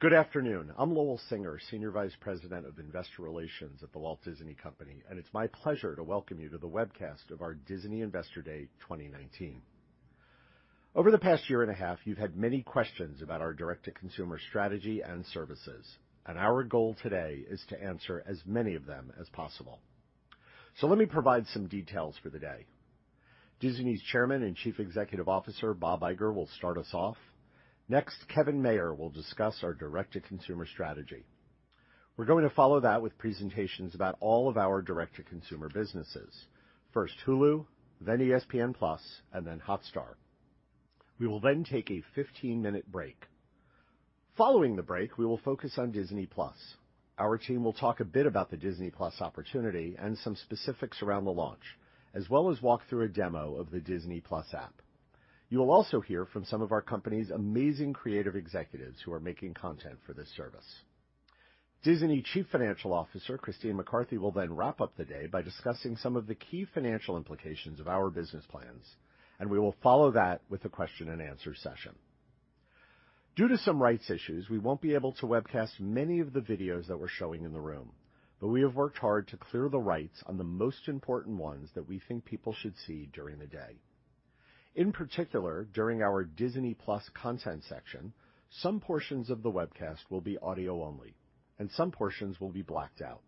Good afternoon. I'm Lowell Singer, Senior Vice President of Investor Relations at The Walt Disney Company, and it's my pleasure to welcome you to the webcast of our Disney Investor Day 2019. Over the past year and a half, you've had many questions about our direct-to-consumer strategy and services, and our goal today is to answer as many of them as possible. Let me provide some details for the day. Disney's Chairman and Chief Executive Officer, Bob Iger, will start us off. Next, Kevin Mayer will discuss our direct-to-consumer strategy. We're going to follow that with presentations about all of our direct-to-consumer businesses. First Hulu, then ESPN+, and then Hotstar. We will take a 15-minute break. Following the break, we will focus on Disney+. Our team will talk a bit about the Disney+ opportunity and some specifics around the launch, as well as walk through a demo of the Disney+ app. You will also hear from some of our company's amazing creative executives who are making content for this service. Disney Chief Financial Officer, Christine McCarthy, will then wrap up the day by discussing some of the key financial implications of our business plans. We will follow that with a question and answer session. Due to some rights issues, we won't be able to webcast many of the videos that we're showing in the room. We have worked hard to clear the rights on the most important ones that we think people should see during the day. In particular, during our Disney+ content section, some portions of the webcast will be audio only. Some portions will be blacked out.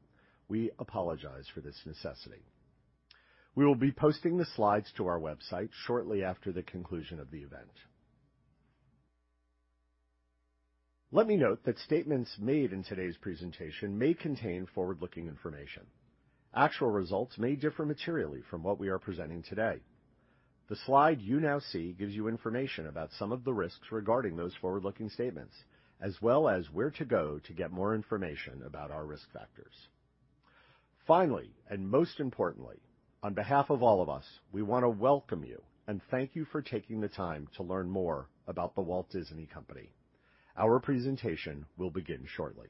We apologize for this necessity. We will be posting the slides to our website shortly after the conclusion of the event. Let me note that statements made in today's presentation may contain forward-looking information. Actual results may differ materially from what we are presenting today. The slide you now see gives you information about some of the risks regarding those forward-looking statements, as well as where to go to get more information about our risk factors. Finally, and most importantly, on behalf of all of us, we want to welcome you and thank you for taking the time to learn more about The Walt Disney Company. Our presentation will begin shortly.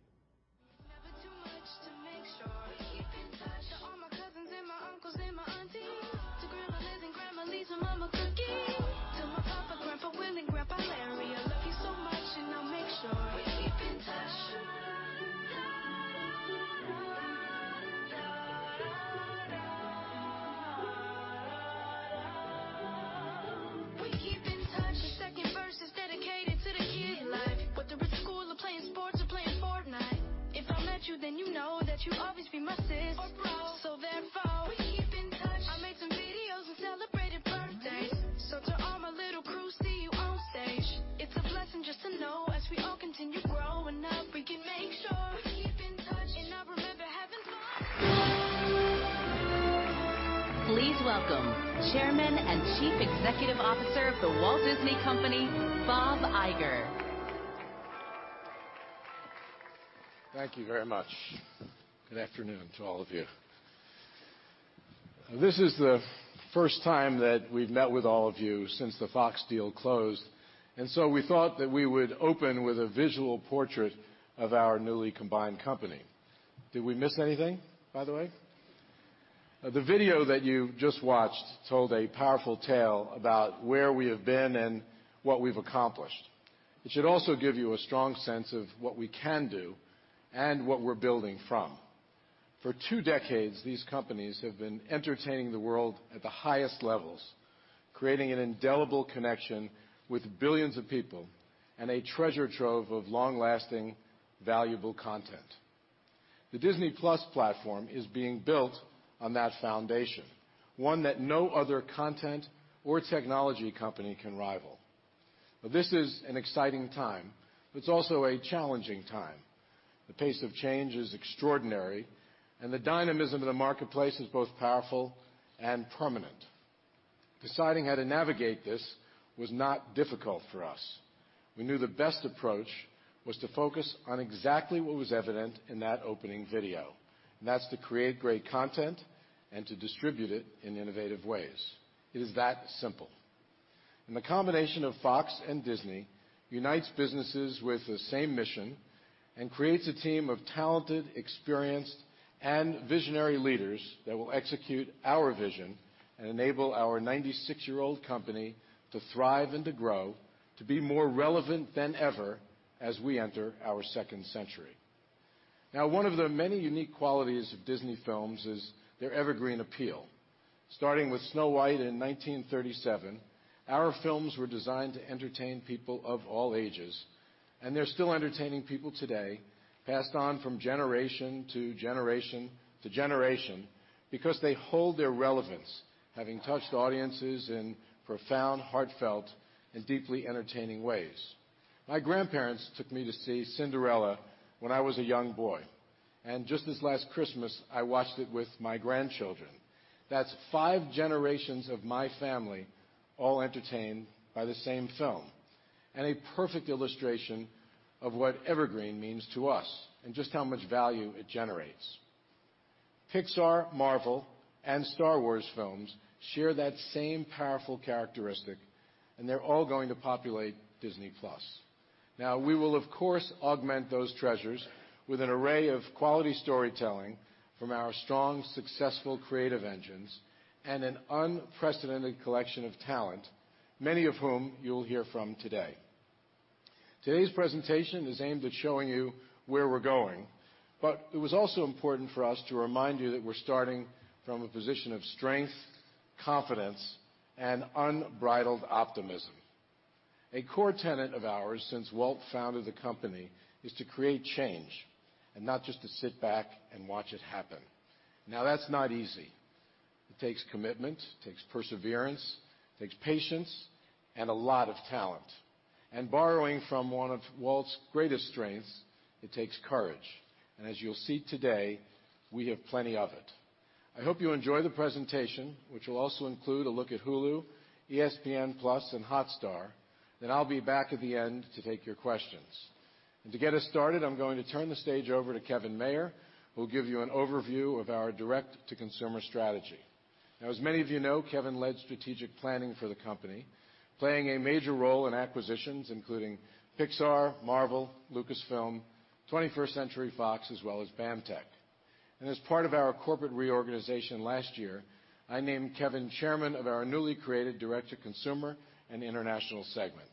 It's never too much to make sure we keep in touch. To all my cousins and my uncles and my aunties. To Grandma Liz and Grandma Lisa, Mama Cookie. To my papa, Grandpa Will, and Grandpa Larry. I love you so much. I make sure we keep in touch. We keep in touch. The second verse is dedicated to the kid life. Whether it's school or playing sports or playing Fortnite. If I met you, then you know that you'll always be my sis or bro. Therefore, we keep in touch. I make some videos and celebrated birthdays. To all my little crew, see you on stage. It's a blessing just to know as we all continue growing up, we can make sure we keep touch. I remember having fun. Please welcome Chairman and Chief Executive Officer of The Walt Disney Company, Bob Iger. Thank you very much. Good afternoon to all of you. This is the first time that we've met with all of you since the Fox deal closed, and so we thought that we would open with a visual portrait of our newly combined company. Did we miss anything, by the way? The video that you just watched told a powerful tale about where we have been and what we've accomplished. It should also give you a strong sense of what we can do and what we're building from. For two decades, these companies have been entertaining the world at the highest levels, creating an indelible connection with billions of people and a treasure trove of long-lasting, valuable content. The Disney+ platform is being built on that foundation, one that no other content or technology company can rival. This is an exciting time. It's also a challenging time. The pace of change is extraordinary, and the dynamism of the marketplace is both powerful and permanent. Deciding how to navigate this was not difficult for us. We knew the best approach was to focus on exactly what was evident in that opening video, and that's to create great content and to distribute it in innovative ways. It is that simple. The combination of Fox and Disney unites businesses with the same mission and creates a team of talented, experienced, and visionary leaders that will execute our vision and enable our 96-year-old company to thrive and to grow to be more relevant than ever as we enter our second century. Now, one of the many unique qualities of Disney films is their evergreen appeal. Starting with Snow White in 1937, our films were designed to entertain people of all ages, and they're still entertaining people today, passed on from generation to generation to generation because they hold their relevance, having touched audiences in profound, heartfelt, and deeply entertaining ways. My grandparents took me to see Cinderella when I was a young boy, and just this last Christmas, I watched it with my grandchildren. That's five generations of my family all entertained by the same film and a perfect illustration of what evergreen means to us and just how much value it generates. Pixar, Marvel, and Star Wars films share that same powerful characteristic, and they're all going to populate Disney+. We will, of course, augment those treasures with an array of quality storytelling from our strong, successful creative engines and an unprecedented collection of talent, many of whom you'll hear from today. Today's presentation is aimed at showing you where we're going. It was also important for us to remind you that we're starting from a position of strength, confidence, and unbridled optimism. A core tenet of ours since Walt founded the company is to create change and not just to sit back and watch it happen. That's not easy. It takes commitment, it takes perseverance, it takes patience, and a lot of talent. Borrowing from one of Walt's greatest strengths, it takes courage. As you'll see today, we have plenty of it. I hope you enjoy the presentation, which will also include a look at Hulu, ESPN+, and Hotstar. I'll be back at the end to take your questions. To get us started, I'm going to turn the stage over to Kevin Mayer, who will give you an overview of our direct-to-consumer strategy. As many of you know, Kevin led strategic planning for the company, playing a major role in acquisitions, including Pixar, Marvel, Lucasfilm, 21st Century Fox, as well as BAMTech. As part of our corporate reorganization last year, I named Kevin Chairman of our newly created Direct-to-Consumer and International segment.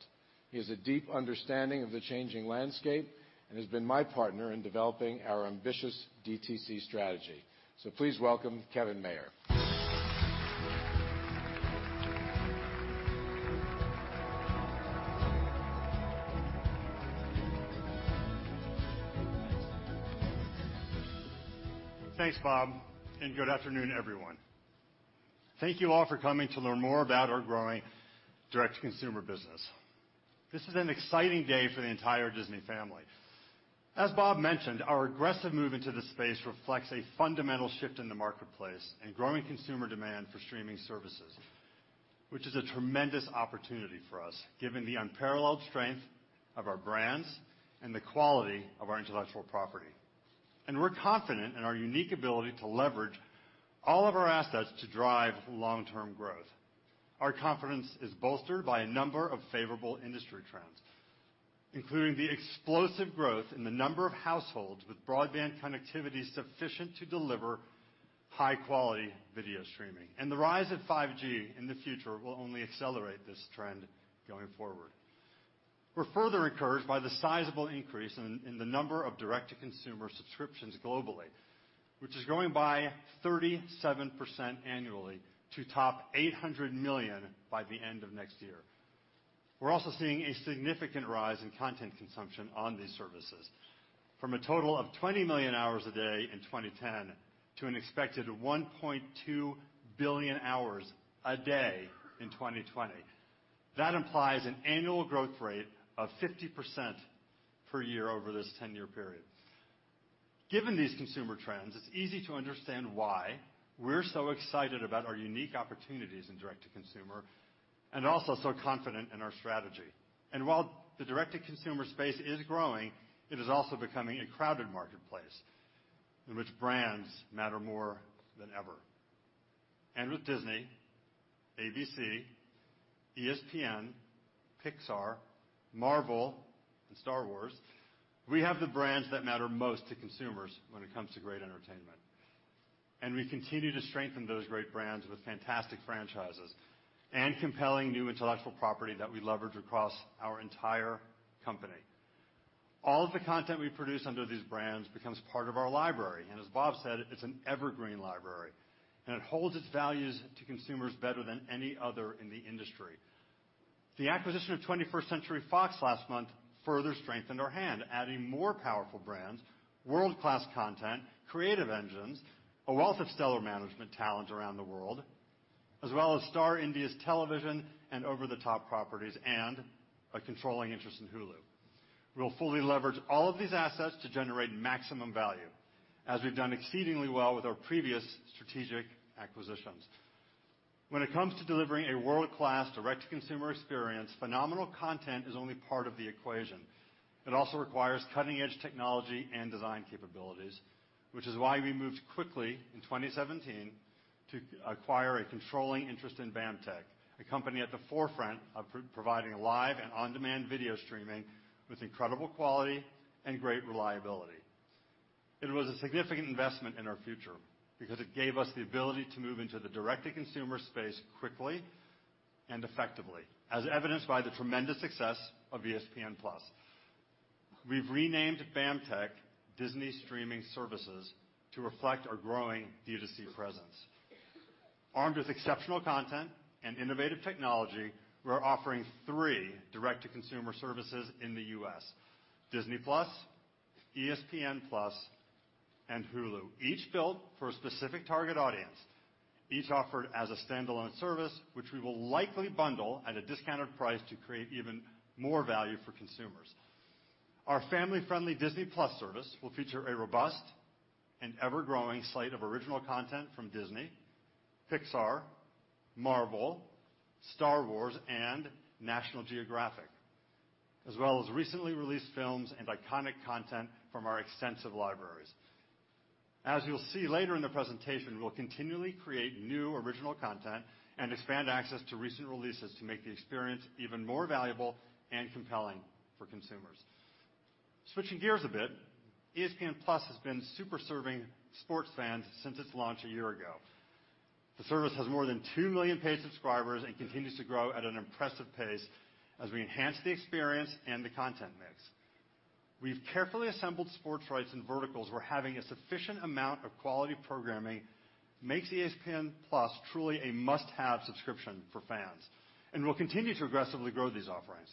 He has a deep understanding of the changing landscape and has been my partner in developing our ambitious DTC strategy. Please welcome Kevin Mayer. Thanks, Bob, good afternoon, everyone. Thank you all for coming to learn more about our growing direct-to-consumer business. This is an exciting day for the entire Disney family. As Bob mentioned, our aggressive move into this space reflects a fundamental shift in the marketplace and growing consumer demand for streaming services, which is a tremendous opportunity for us, given the unparalleled strength of our brands and the quality of our intellectual property. We're confident in our unique ability to leverage all of our assets to drive long-term growth. Our confidence is bolstered by a number of favorable industry trends, including the explosive growth in the number of households with broadband connectivity sufficient to deliver high-quality video streaming. The rise of 5G in the future will only accelerate this trend going forward. We're further encouraged by the sizable increase in the number of direct-to-consumer subscriptions globally, which is growing by 37% annually to top 800 million by the end of next year. We're also seeing a significant rise in content consumption on these services from a total of 20 million hours a day in 2010 to an expected 1.2 billion hours a day in 2020. That implies an annual growth rate of 50% per year over this 10-year period. Given these consumer trends, it's easy to understand why we're so excited about our unique opportunities in direct-to-consumer and also so confident in our strategy. While the direct-to-consumer space is growing, it is also becoming a crowded marketplace in which brands matter more than ever. With Disney, ABC, ESPN, Pixar, Marvel, and Star Wars, we have the brands that matter most to consumers when it comes to great entertainment. We continue to strengthen those great brands with fantastic franchises and compelling new intellectual property that we leverage across our entire company. All of the content we produce under these brands becomes part of our library, and as Bob said, it's an evergreen library, and it holds its values to consumers better than any other in the industry. The acquisition of 21st Century Fox last month further strengthened our hand, adding more powerful brands, world-class content, creative engines, a wealth of stellar management talent around the world, as well as Star India's television and over-the-top properties, and a controlling interest in Hulu. We'll fully leverage all of these assets to generate maximum value as we've done exceedingly well with our previous strategic acquisitions. When it comes to delivering a world-class direct-to-consumer experience, phenomenal content is only part of the equation. It also requires cutting-edge technology and design capabilities, which is why we moved quickly in 2017 to acquire a controlling interest in BAMTech, a company at the forefront of providing live and on-demand video streaming with incredible quality and great reliability. It was a significant investment in our future because it gave us the ability to move into the direct-to-consumer space quickly and effectively, as evidenced by the tremendous success of ESPN+. We've renamed BAMTech Disney Streaming Services to reflect our growing D2C presence. Armed with exceptional content and innovative technology, we're offering three direct-to-consumer services in the U.S., Disney+, ESPN+, and Hulu, each built for a specific target audience, each offered as a standalone service, which we will likely bundle at a discounted price to create even more value for consumers. Our family-friendly Disney+ service will feature a robust and ever-growing slate of original content from Disney, Pixar, Marvel, Star Wars, and National Geographic, as well as recently released films and iconic content from our extensive libraries. As you'll see later in the presentation, we'll continually create new original content and expand access to recent releases to make the experience even more valuable and compelling for consumers. Switching gears a bit, ESPN+ has been super serving sports fans since its launch a year ago. The service has more than 2 million paid subscribers and continues to grow at an impressive pace as we enhance the experience and the content mix. We've carefully assembled sports rights and verticals where having a sufficient amount of quality programming makes ESPN+ truly a must-have subscription for fans, and we'll continue to aggressively grow these offerings.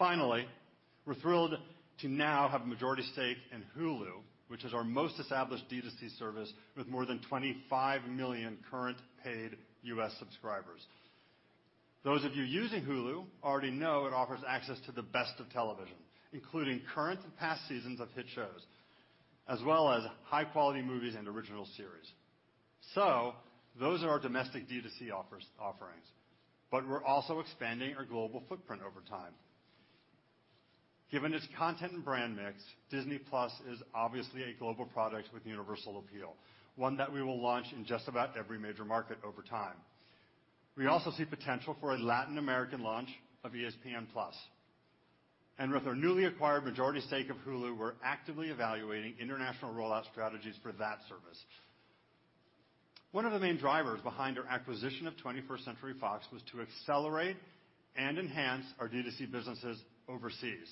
We're thrilled to now have a majority stake in Hulu, which is our most established D2C service with more than 25 million current paid U.S. subscribers. Those of you using Hulu already know it offers access to the best of television, including current and past seasons of hit shows, as well as high-quality movies and original series. Those are our domestic D2C offerings, but we're also expanding our global footprint over time. Given its content and brand mix, Disney+ is obviously a global product with universal appeal, one that we will launch in just about every major market over time. We also see potential for a Latin American launch of ESPN+. With our newly acquired majority stake of Hulu, we're actively evaluating international rollout strategies for that service. One of the main drivers behind our acquisition of 21st Century Fox was to accelerate and enhance our D2C businesses overseas.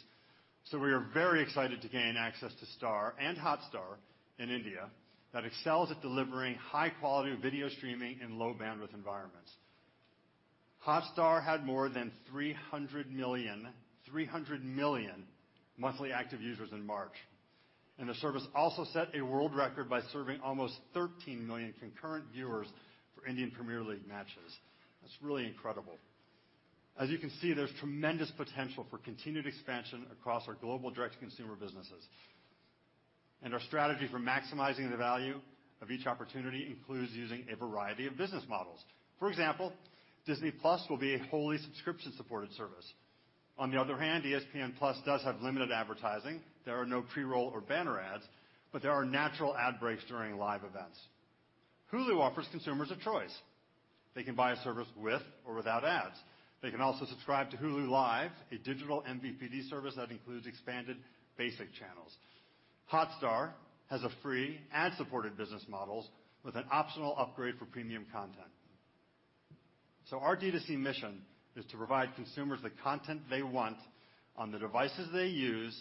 We are very excited to gain access to Star and Hotstar in India that excels at delivering high quality video streaming in low bandwidth environments. Hotstar had more than 300 million monthly active users in March, and the service also set a world record by serving almost 13 million concurrent viewers for Indian Premier League matches. That's really incredible. As you can see, there's tremendous potential for continued expansion across our global direct-to-consumer businesses. Our strategy for maximizing the value of each opportunity includes using a variety of business models. For example, Disney+ will be a wholly subscription-supported service. On the other hand, ESPN+ does have limited advertising. There are no pre-roll or banner ads, but there are natural ad breaks during live events. Hulu offers consumers a choice. They can buy a service with or without ads. They can also subscribe to Hulu Live, a digital MVPD service that includes expanded basic channels. Hotstar has a free ad-supported business models with an optional upgrade for premium content. Our D2C mission is to provide consumers the content they want on the devices they use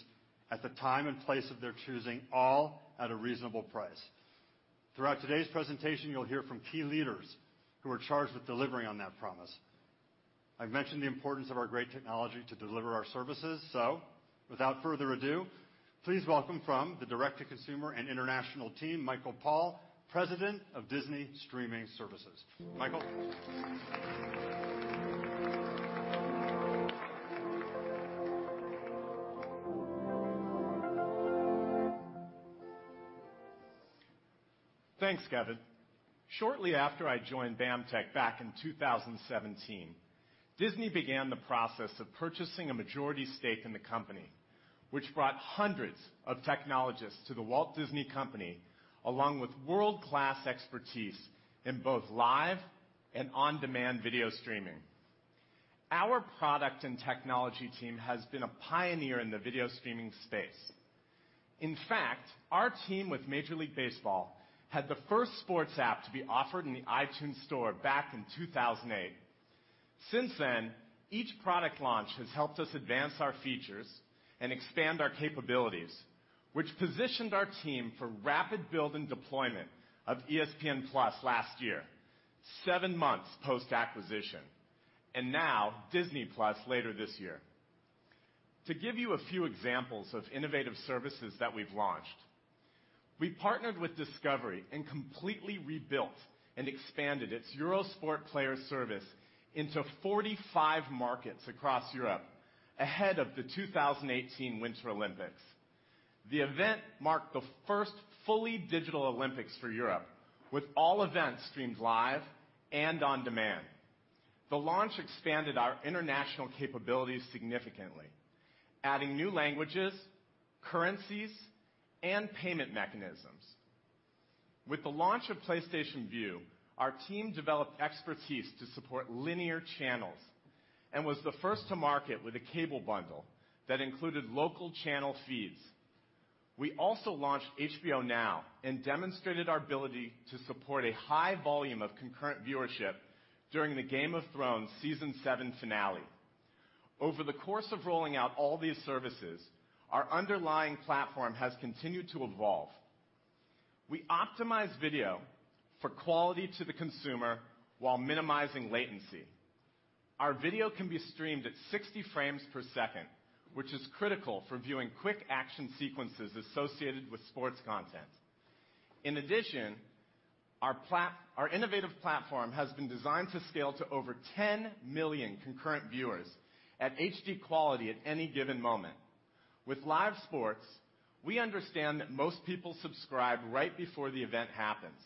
at the time and place of their choosing, all at a reasonable price. Throughout today's presentation, you'll hear from key leaders who are charged with delivering on that promise. I've mentioned the importance of our great technology to deliver our services. Without further ado, please welcome from the direct-to-consumer and international team, Michael Paull, President of Disney Streaming Services. Michael. Thanks, Kevin. Shortly after I joined BAMTech back in 2017, Disney began the process of purchasing a majority stake in the company, which brought hundreds of technologists to The Walt Disney Company, along with world-class expertise in both live and on-demand video streaming. Our product and technology team has been a pioneer in the video streaming space. In fact, our team with Major League Baseball had the first sports app to be offered in the iTunes Store back in 2008. Since then, each product launch has helped us advance our features and expand our capabilities, which positioned our team for rapid build and deployment of ESPN+ last year, seven months post-acquisition, and now Disney+ later this year. To give you a few examples of innovative services that we've launched, we partnered with Discovery and completely rebuilt and expanded its Eurosport Player service into 45 markets across Europe ahead of the 2018 Winter Olympics. The event marked the first fully digital Olympics for Europe, with all events streamed live and on demand. The launch expanded our international capabilities significantly, adding new languages, currencies, and payment mechanisms. With the launch of PlayStation Vue, our team developed expertise to support linear channels and was the first to market with a cable bundle that included local channel feeds. We also launched HBO Now and demonstrated our ability to support a high volume of concurrent viewership during the "Game of Thrones" Season 7 finale. Over the course of rolling out all these services, our underlying platform has continued to evolve. We optimize video for quality to the consumer while minimizing latency. Our video can be streamed at 60 frames per second, which is critical for viewing quick action sequences associated with sports content. In addition, our innovative platform has been designed to scale to over 10 million concurrent viewers at HD quality at any given moment. With live sports, we understand that most people subscribe right before the event happens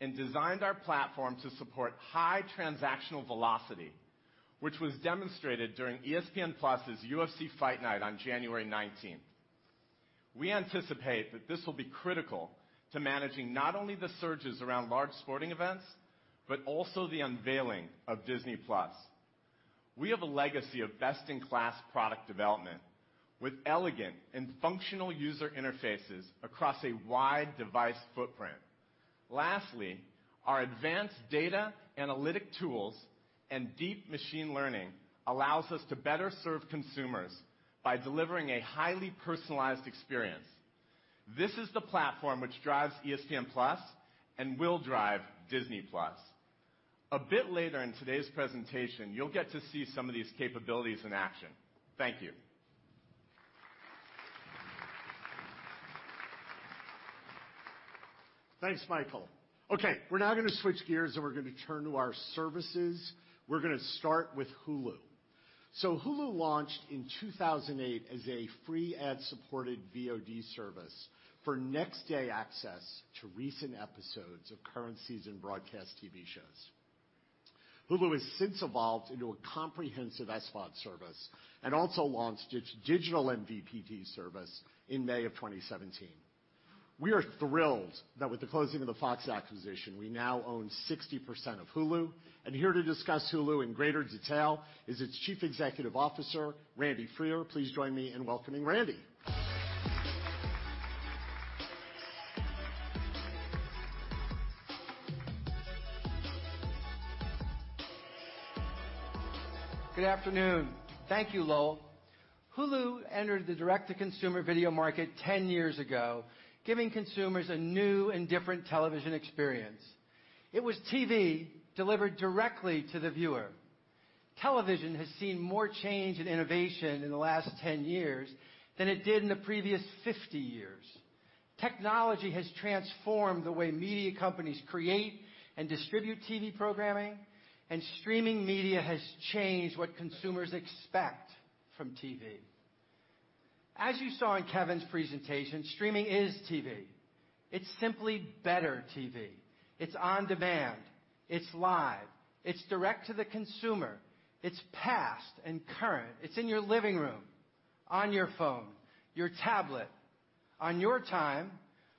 and designed our platform to support high transactional velocity, which was demonstrated during ESPN+'s UFC Fight Night on January 19th. We anticipate that this will be critical to managing not only the surges around large sporting events, but also the unveiling of Disney+. We have a legacy of best-in-class product development with elegant and functional user interfaces across a wide device footprint. Lastly, our advanced data analytic tools and deep machine learning allows us to better serve consumers by delivering a highly personalized experience. This is the platform which drives ESPN+ and will drive Disney+. A bit later in today's presentation, you'll get to see some of these capabilities in action. Thank you. Thanks, Michael. We're now going to switch gears, and we're going to turn to our services. We're going to start with Hulu. Hulu launched in 2008 as a free ad-supported VOD service for next-day access to recent episodes of current season broadcast TV shows. Hulu has since evolved into a comprehensive SVOD service and also launched its digital MVPD service in May of 2017. We are thrilled that with the closing of the Fox acquisition, we now own 60% of Hulu. Here to discuss Hulu in greater detail is its Chief Executive Officer, Randy Freer. Please join me in welcoming Randy. Good afternoon. Thank you, Lowell. Hulu entered the direct-to-consumer video market 10 years ago, giving consumers a new and different television experience. It was TV delivered directly to the viewer. Television has seen more change and innovation in the last 10 years than it did in the previous 50 years. Technology has transformed the way media companies create and distribute TV programming, and streaming media has changed what consumers expect from TV. As you saw in Kevin's presentation, streaming is TV. It's simply better TV. It's on demand. It's live. It's direct to the consumer. It's past and current. It's in your living room, on your phone, your tablet, on your time,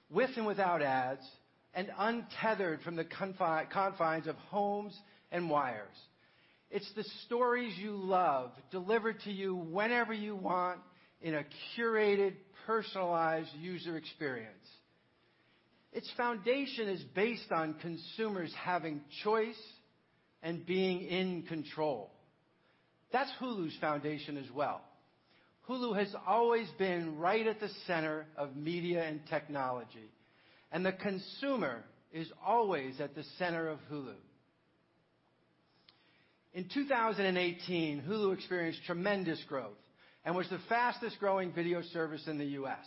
with and without ads, and untethered from the confines of homes and wires. It's the stories you love delivered to you whenever you want in a curated, personalized user experience. Its foundation is based on consumers having choice and being in control. That's Hulu's foundation as well. Hulu has always been right at the center of media and technology, the consumer is always at the center of Hulu. In 2018, Hulu experienced tremendous growth and was the fastest-growing video service in the U.S.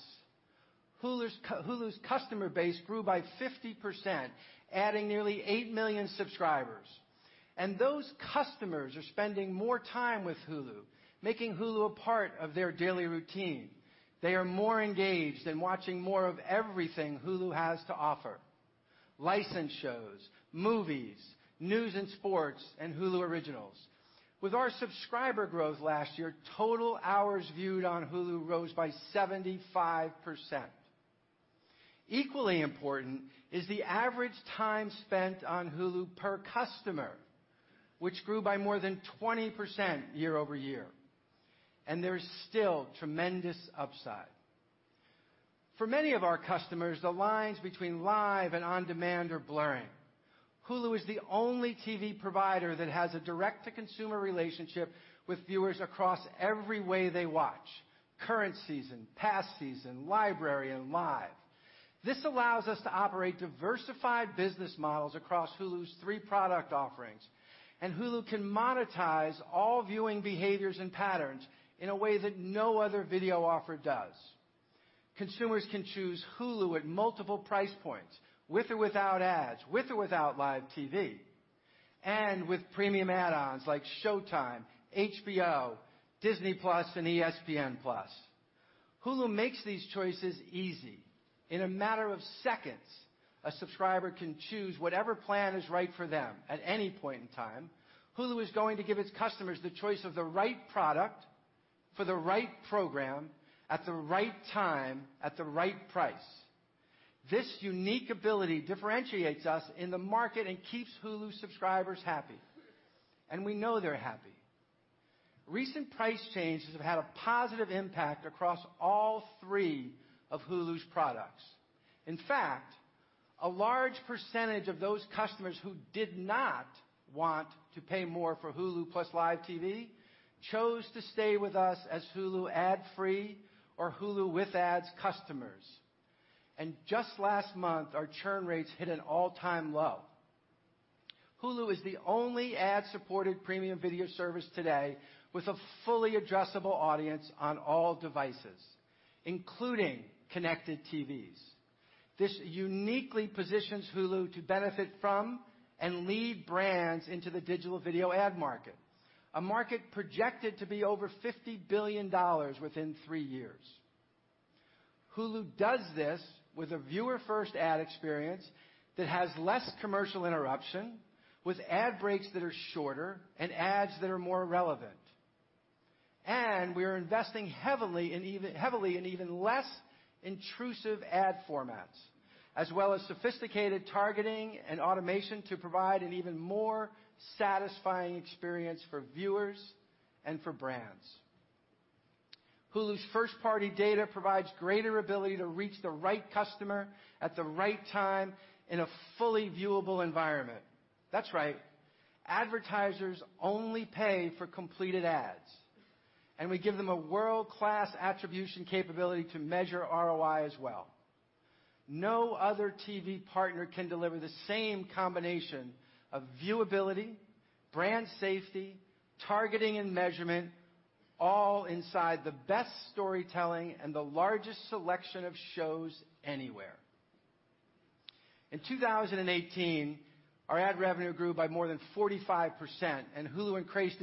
Hulu's customer base grew by 50%, adding nearly eight million subscribers, those customers are spending more time with Hulu, making Hulu a part of their daily routine. They are more engaged and watching more of everything Hulu has to offer; licensed shows, movies, news and sports, and Hulu originals. With our subscriber growth last year, total hours viewed on Hulu rose by 75%. Equally important is the average time spent on Hulu per customer, which grew by more than 20% year-over-year. There's still tremendous upside. For many of our customers, the lines between live and on-demand are blurring. Hulu is the only TV provider that has a direct-to-consumer relationship with viewers across every way they watch. Current season, past season, library, and live. This allows us to operate diversified business models across Hulu's three product offerings, Hulu can monetize all viewing behaviors and patterns in a way that no other video offer does. Consumers can choose Hulu at multiple price points, with or without ads, with or without live TV, with premium add-ons like Showtime, HBO, Disney+, and ESPN+. Hulu makes these choices easy. In a matter of seconds, a subscriber can choose whatever plan is right for them at any point in time. Hulu is going to give its customers the choice of the right product, for the right program, at the right time, at the right price. This unique ability differentiates us in the market and keeps Hulu subscribers happy. We know they're happy. Recent price changes have had a positive impact across all three of Hulu's products. In fact, a large percentage of those customers who did not want to pay more for Hulu + Live TV chose to stay with us as Hulu ad-free or Hulu with ads customers. Just last month, our churn rates hit an all-time low. Hulu is the only ad-supported premium video service today with a fully addressable audience on all devices, including connected TVs. This uniquely positions Hulu to benefit from and lead brands into the digital video ad market, a market projected to be over $50 billion within three years. Hulu does this with a viewer-first ad experience that has less commercial interruption, with ad breaks that are shorter and ads that are more relevant. We are investing heavily in even less intrusive ad formats, as well as sophisticated targeting and automation to provide an even more satisfying experience for viewers and for brands. Hulu's first-party data provides greater ability to reach the right customer at the right time in a fully viewable environment. That's right. Advertisers only pay for completed ads. We give them a world-class attribution capability to measure ROI as well. No other TV partner can deliver the same combination of viewability, brand safety, targeting, and measurement all inside the best storytelling and the largest selection of shows anywhere. In 2018, our ad revenue grew by more than 45%, Hulu increased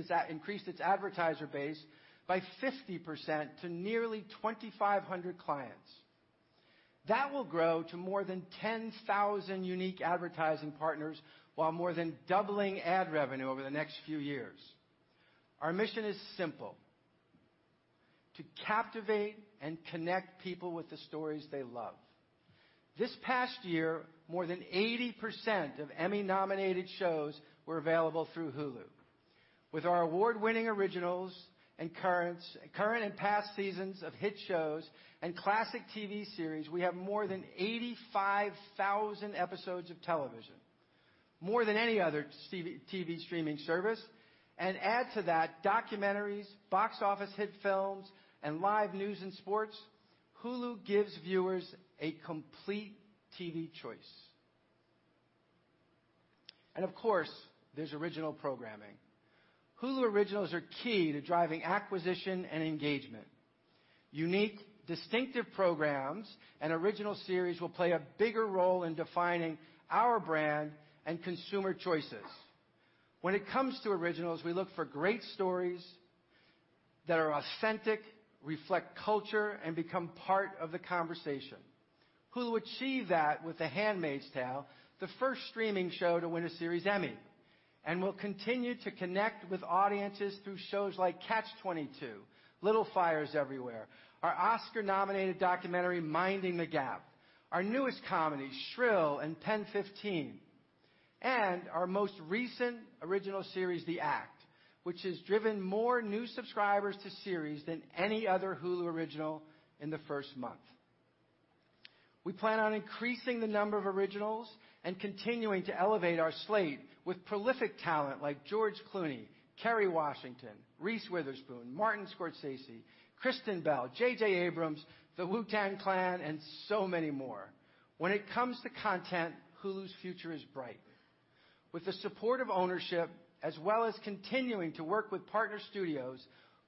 its advertiser base by 50% to nearly 2,500 clients. That will grow to more than 10,000 unique advertising partners while more than doubling ad revenue over the next few years. Our mission is simple: to captivate and connect people with the stories they love. This past year, more than 80% of Emmy-nominated shows were available through Hulu. With our award-winning originals and current and past seasons of hit shows and classic TV series, we have more than 85,000 episodes of television, more than any other TV streaming service. Add to that documentaries, box office hit films, and live news and sports. Hulu gives viewers a complete TV choice. Of course, there's original programming. Hulu originals are key to driving acquisition and engagement. Unique, distinctive programs and original series will play a bigger role in defining our brand and consumer choices. When it comes to originals, we look for great stories that are authentic, reflect culture, and become part of the conversation. Hulu achieved that with "The Handmaid's Tale," the first streaming show to win a series Emmy, and will continue to connect with audiences through shows like "Catch-22," "Little Fires Everywhere," our Oscar-nominated documentary, "Minding the Gap," our newest comedies, "Shrill" and "PEN15," and our most recent original series, "The Act," which has driven more new subscribers to series than any other Hulu original in the first month. We plan on increasing the number of originals and continuing to elevate our slate with prolific talent like George Clooney, Kerry Washington, Reese Witherspoon, Martin Scorsese, Kristen Bell, J.J. Abrams, the Wu-Tang Clan, and so many more. When it comes to content, Hulu's future is bright. With the support of ownership, as well as continuing to work with partner studios,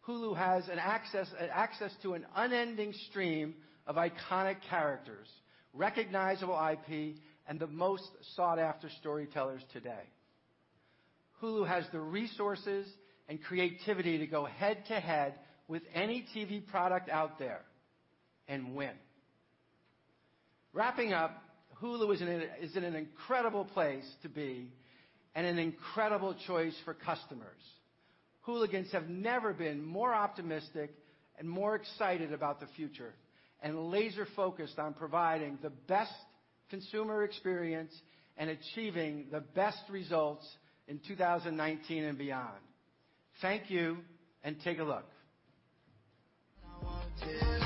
Hulu has an access to an unending stream of iconic characters, recognizable IP, and the most sought-after storytellers today. Hulu has the resources and creativity to go head to head with any TV product out there and win. Wrapping up, Hulu is in an incredible place to be and an incredible choice for customers. Hooligans have never been more optimistic and more excited about the future and laser-focused on providing the best consumer experience and achieving the best results in 2019 and beyond. Thank you, and take a look. I wanted, yeah,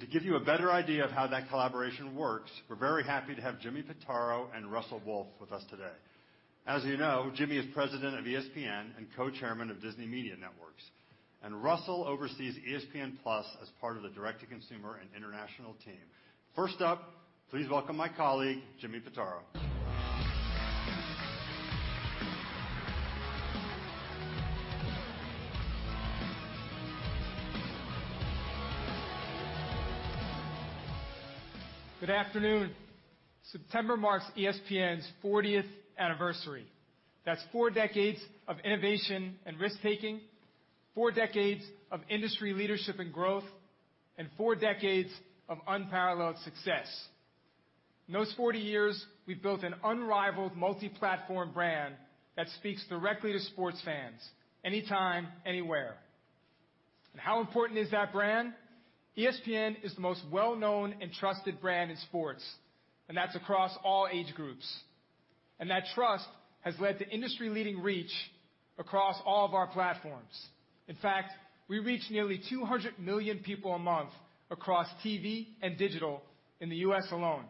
To give you a better idea of how that collaboration works, we're very happy to have Jimmy Pitaro and Russell Wolff with us today. As you know, Jimmy is President of ESPN and Co-Chair of Disney Media Networks. Russell oversees ESPN+ as part of the direct-to-consumer and international team. First up, please welcome my colleague, Jimmy Pitaro. Good afternoon. September marks ESPN's 40th anniversary. That's four decades of innovation and risk-taking, four decades of industry leadership and growth, and four decades of unparalleled success. In those 40 years, we've built an unrivaled multi-platform brand that speaks directly to sports fans anytime, anywhere. How important is that brand? ESPN is the most well-known and trusted brand in sports, and that's across all age groups. That trust has led to industry-leading reach across all of our platforms. In fact, we reach nearly 200 million people a month across TV and digital in the U.S. alone.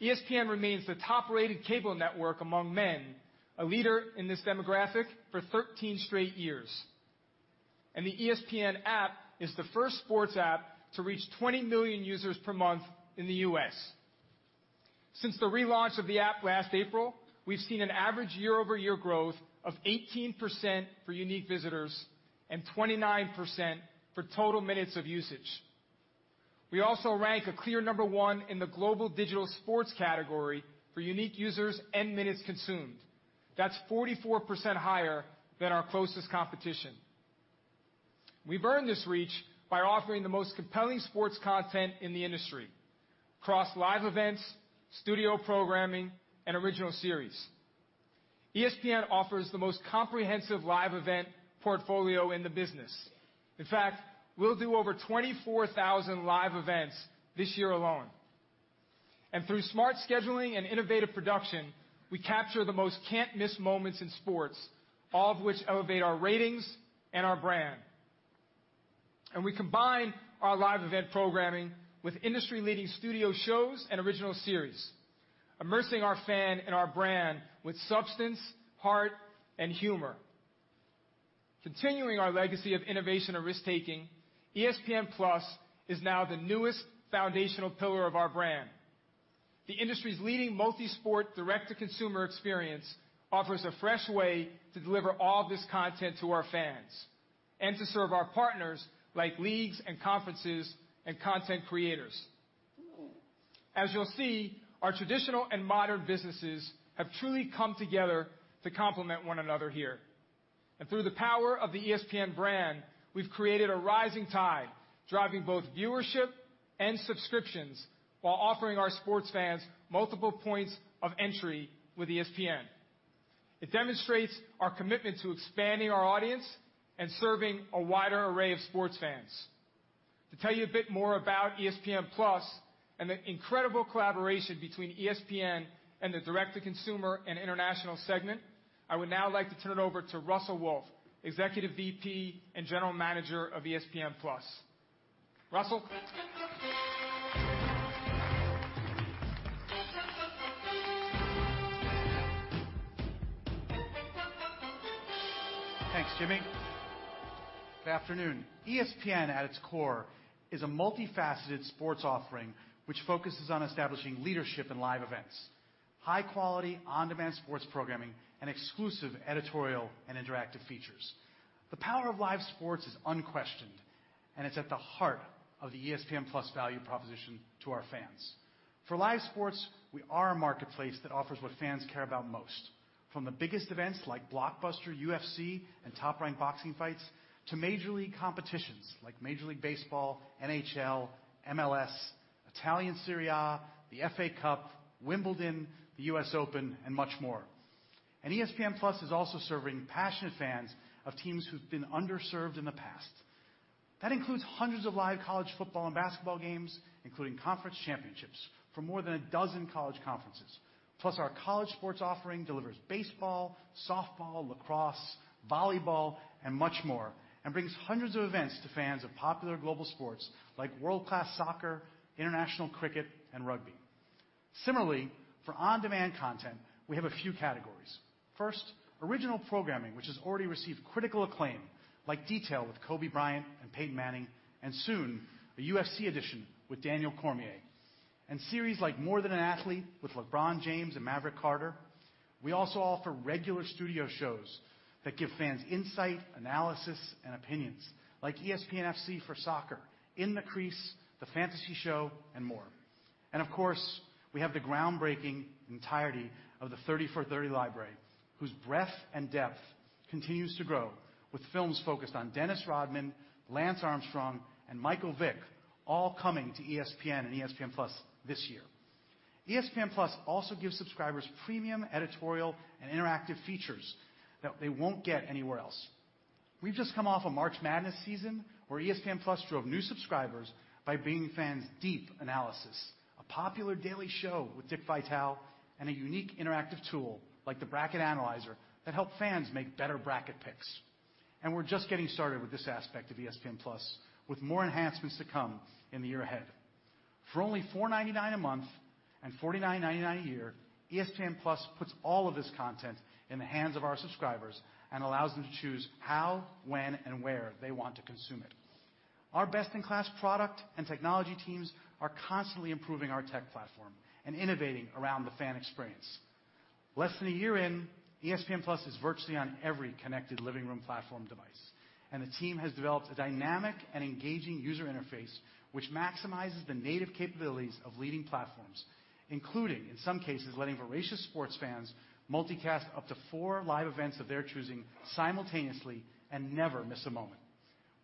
ESPN remains the top-rated cable network among men, a leader in this demographic for 13 straight years. The ESPN app is the first sports app to reach 20 million users per month in the U.S. Since the relaunch of the app last April, we've seen an average year-over-year growth of 18% for unique visitors and 29% for total minutes of usage. We also rank a clear number one in the global digital sports category for unique users and minutes consumed. That's 44% higher than our closest competition. We've earned this reach by offering the most compelling sports content in the industry across live events, studio programming, and original series. ESPN offers the most comprehensive live event portfolio in the business. In fact, we'll do over 24,000 live events this year alone. Through smart scheduling and innovative production, we capture the most can't-miss moments in sports, all of which elevate our ratings and our brand. We combine our live event programming with industry-leading studio shows and original series, immersing our fan in our brand with substance, heart, and humor. Continuing our legacy of innovation and risk-taking, ESPN+ is now the newest foundational pillar of our brand. The industry's leading multi-sport direct-to-consumer experience offers a fresh way to deliver all this content to our fans and to serve our partners like leagues and conferences and content creators. As you'll see, our traditional and modern businesses have truly come together to complement one another here. Through the power of the ESPN brand, we've created a rising tide, driving both viewership and subscriptions while offering our sports fans multiple points of entry with ESPN. It demonstrates our commitment to expanding our audience and serving a wider array of sports fans. To tell you a bit more about ESPN+ and the incredible collaboration between ESPN and the direct-to-consumer and international segment, I would now like to turn it over to Russell Wolff, Executive VP and General Manager of ESPN+. Russell. Thanks, Jimmy. Good afternoon. ESPN, at its core, is a multifaceted sports offering which focuses on establishing leadership in live events, high-quality on-demand sports programming, and exclusive editorial and interactive features. The power of live sports is unquestioned, and it's at the heart of the ESPN+ value proposition to our fans. For live sports, we are a marketplace that offers what fans care about most, from the biggest events like blockbuster UFC and top-ranked boxing fights, to major league competitions like Major League Baseball, NHL, MLS, Italian Serie A, the FA Cup, Wimbledon, the US Open, and much more. ESPN+ is also serving passionate fans of teams who've been underserved in the past. That includes hundreds of live college football and basketball games, including conference championships for more than a dozen college conferences. Our college sports offering delivers baseball, softball, lacrosse, volleyball, and much more, and brings hundreds of events to fans of popular global sports like world-class soccer, international cricket, and rugby. Similarly, for on-demand content, we have a few categories. First, original programming, which has already received critical acclaim, like Detail with Kobe Bryant and Peyton Manning, and soon, a UFC edition with Daniel Cormier. Series like More Than an Athlete with LeBron James and Maverick Carter. We also offer regular studio shows that give fans insight, analysis, and opinions like ESPN FC for soccer, In the Crease, The Fantasy Show, and more. Of course, we have the groundbreaking entirety of the 30 for 30 library, whose breadth and depth continues to grow with films focused on Dennis Rodman, Lance Armstrong, and Michael Vick all coming to ESPN and ESPN+ this year. ESPN+ also gives subscribers premium editorial and interactive features that they won't get anywhere else. We've just come off a March Madness season where ESPN+ drove new subscribers by being fans' deep analysis, a popular daily show with Dick Vitale and a unique interactive tool like the Bracket Analyzer that help fans make better bracket picks. We're just getting started with this aspect of ESPN+ with more enhancements to come in the year ahead. For only $4.99 a month and $49.99 a year, ESPN+ puts all of this content in the hands of our subscribers and allows them to choose how, when, and where they want to consume it. Our best-in-class product and technology teams are constantly improving our tech platform and innovating around the fan experience. Less than a year in, ESPN+ is virtually on every connected living room platform device, and the team has developed a dynamic and engaging user interface which maximizes the native capabilities of leading platforms, including, in some cases, letting voracious sports fans multicast up to four live events of their choosing simultaneously and never miss a moment.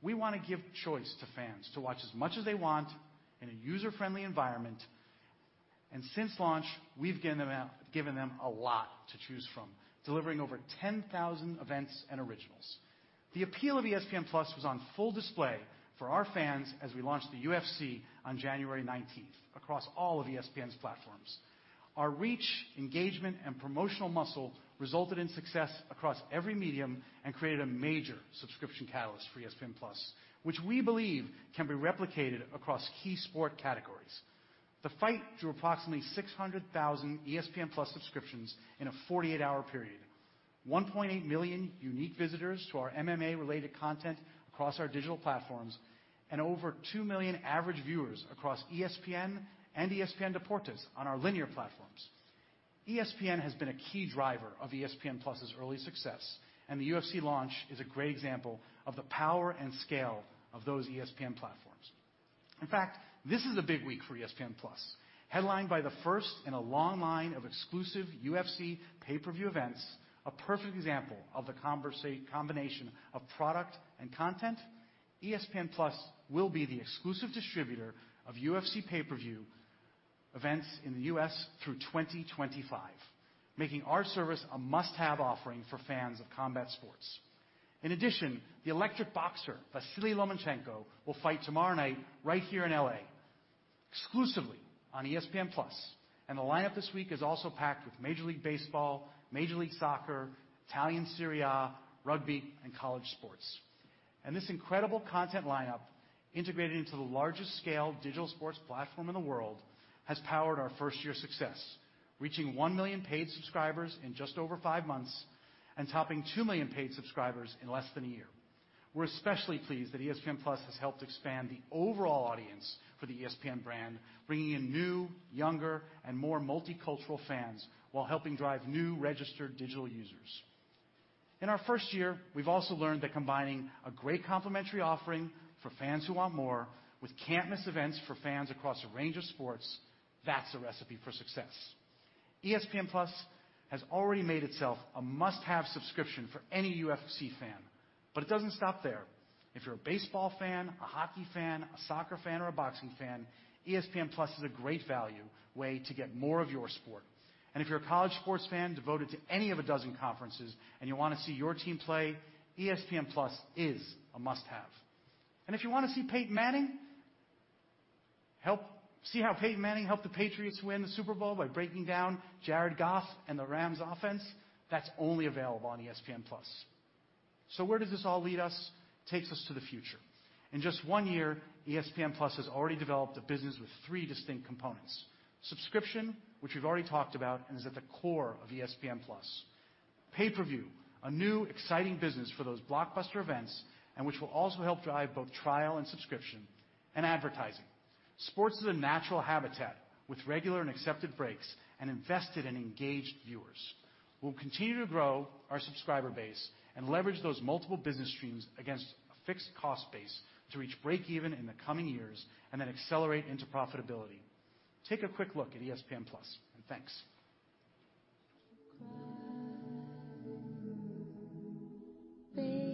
We want to give choice to fans to watch as much as they want in a user-friendly environment. Since launch, we've given them a lot to choose from, delivering over 10,000 events and originals. The appeal of ESPN+ was on full display for our fans as we launched the UFC on January 19th across all of ESPN's platforms. Our reach, engagement, and promotional muscle resulted in success across every medium and created a major subscription catalyst for ESPN+, which we believe can be replicated across key sport categories. The fight drew approximately 600,000 ESPN+ subscriptions in a 48-hour period, 1.8 million unique visitors to our MMA-related content across our digital platforms, and over 2 million average viewers across ESPN and ESPN Deportes on our linear platforms. ESPN has been a key driver of ESPN+'s early success, the UFC launch is a great example of the power and scale of those ESPN platforms. In fact, this is a big week for ESPN+, headlined by the first in a long line of exclusive UFC pay-per-view events, a perfect example of the combination of product and content. ESPN+ will be the exclusive distributor of UFC pay-per-view events in the U.S. through 2025, making our service a must-have offering for fans of combat sports. In addition, the electric boxer, Vasiliy Lomachenko, will fight tomorrow night right here in L.A. exclusively on ESPN+. The lineup this week is also packed with Major League Baseball, Major League Soccer, Italian Serie A, rugby, and college sports. This incredible content lineup, integrated into the largest scale digital sports platform in the world, has powered our first-year success, reaching 1 million paid subscribers in just over five months and topping 2 million paid subscribers in less than a year. We're especially pleased that ESPN+ has helped expand the overall audience for the ESPN brand, bringing in new, younger, and more multicultural fans while helping drive new registered digital users. In our first year, we've also learned that combining a great complimentary offering for fans who want more with can't-miss events for fans across a range of sports, that's a recipe for success. ESPN+ has already made itself a must-have subscription for any UFC fan. It doesn't stop there. If you're a baseball fan, a hockey fan, a soccer fan, or a boxing fan, ESPN+ is a great value way to get more of your sport. If you're a college sports fan devoted to any of a dozen conferences and you want to see your team play, ESPN+ is a must-have. If you want to see how Peyton Manning helped the Patriots win the Super Bowl by breaking down Jared Goff and the Rams offense, that's only available on ESPN+. Where does this all lead us? It takes us to the future. In just one year, ESPN+ has already developed a business with three distinct components. Subscription, which we've already talked about and is at the core of ESPN+. Pay-per-view, a new, exciting business for those blockbuster events and which will also help drive both trial and subscription, and advertising. Sports is a natural habitat with regular and accepted breaks and invested and engaged viewers. We'll continue to grow our subscriber base and leverage those multiple business streams against a fixed cost base to reach break even in the coming years and then accelerate into profitability. Take a quick look at ESPN+. Thanks. Quiet. Baby mine, dry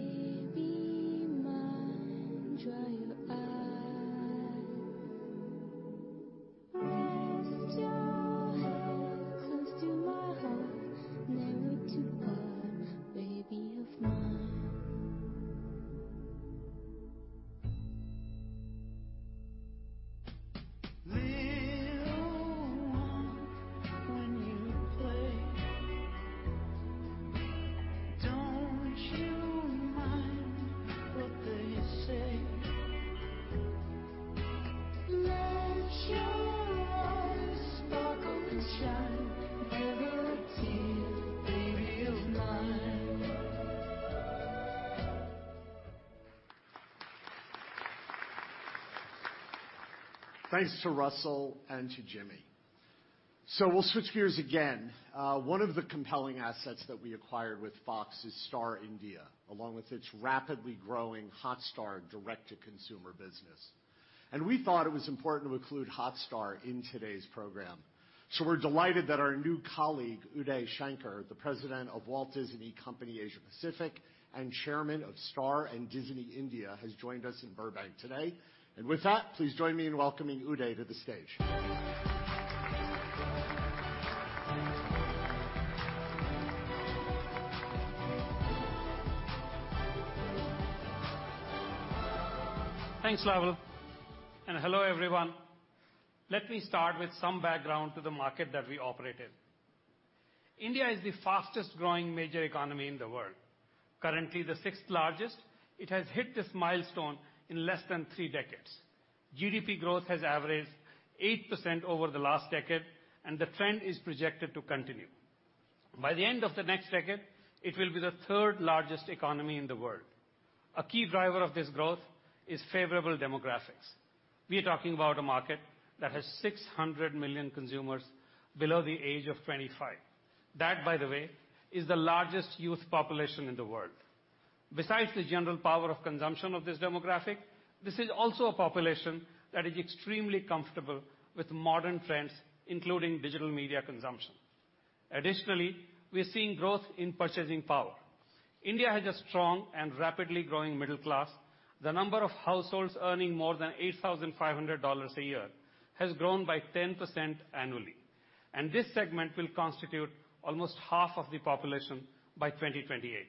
your eyes. Rest your head close to my heart. Never to part, baby of mine. Little one, when you play. Don't you mind what they say. Let your eyes sparkle and shine. Never a tear, baby of mine. Thanks to Russell and to Jimmy. We'll switch gears again. One of the compelling assets that we acquired with Fox is Star India, along with its rapidly growing Hotstar direct-to-consumer business. We thought it was important to include Hotstar in today's program. We're delighted that our new colleague, Uday Shankar, the President of The Walt Disney Company Asia Pacific and Chairman of Star and Disney India, has joined us in Burbank today. With that, please join me in welcoming Uday to the stage. Thanks, Lowell, Hello, everyone. Let me start with some background to the market that we operate in. India is the fastest-growing major economy in the world. Currently the sixth-largest, it has hit this milestone in less than three decades. GDP growth has averaged 8% over the last decade, and the trend is projected to continue. By the end of the next decade, it will be the third-largest economy in the world. A key driver of this growth is favorable demographics. We are talking about a market that has 600 million consumers below the age of 25. That, by the way, is the largest youth population in the world. Besides the general power of consumption of this demographic, this is also a population that is extremely comfortable with modern trends, including digital media consumption. We are seeing growth in purchasing power. India has a strong and rapidly growing middle class. The number of households earning more than $8,500 a year has grown by 10% annually, this segment will constitute almost half of the population by 2028.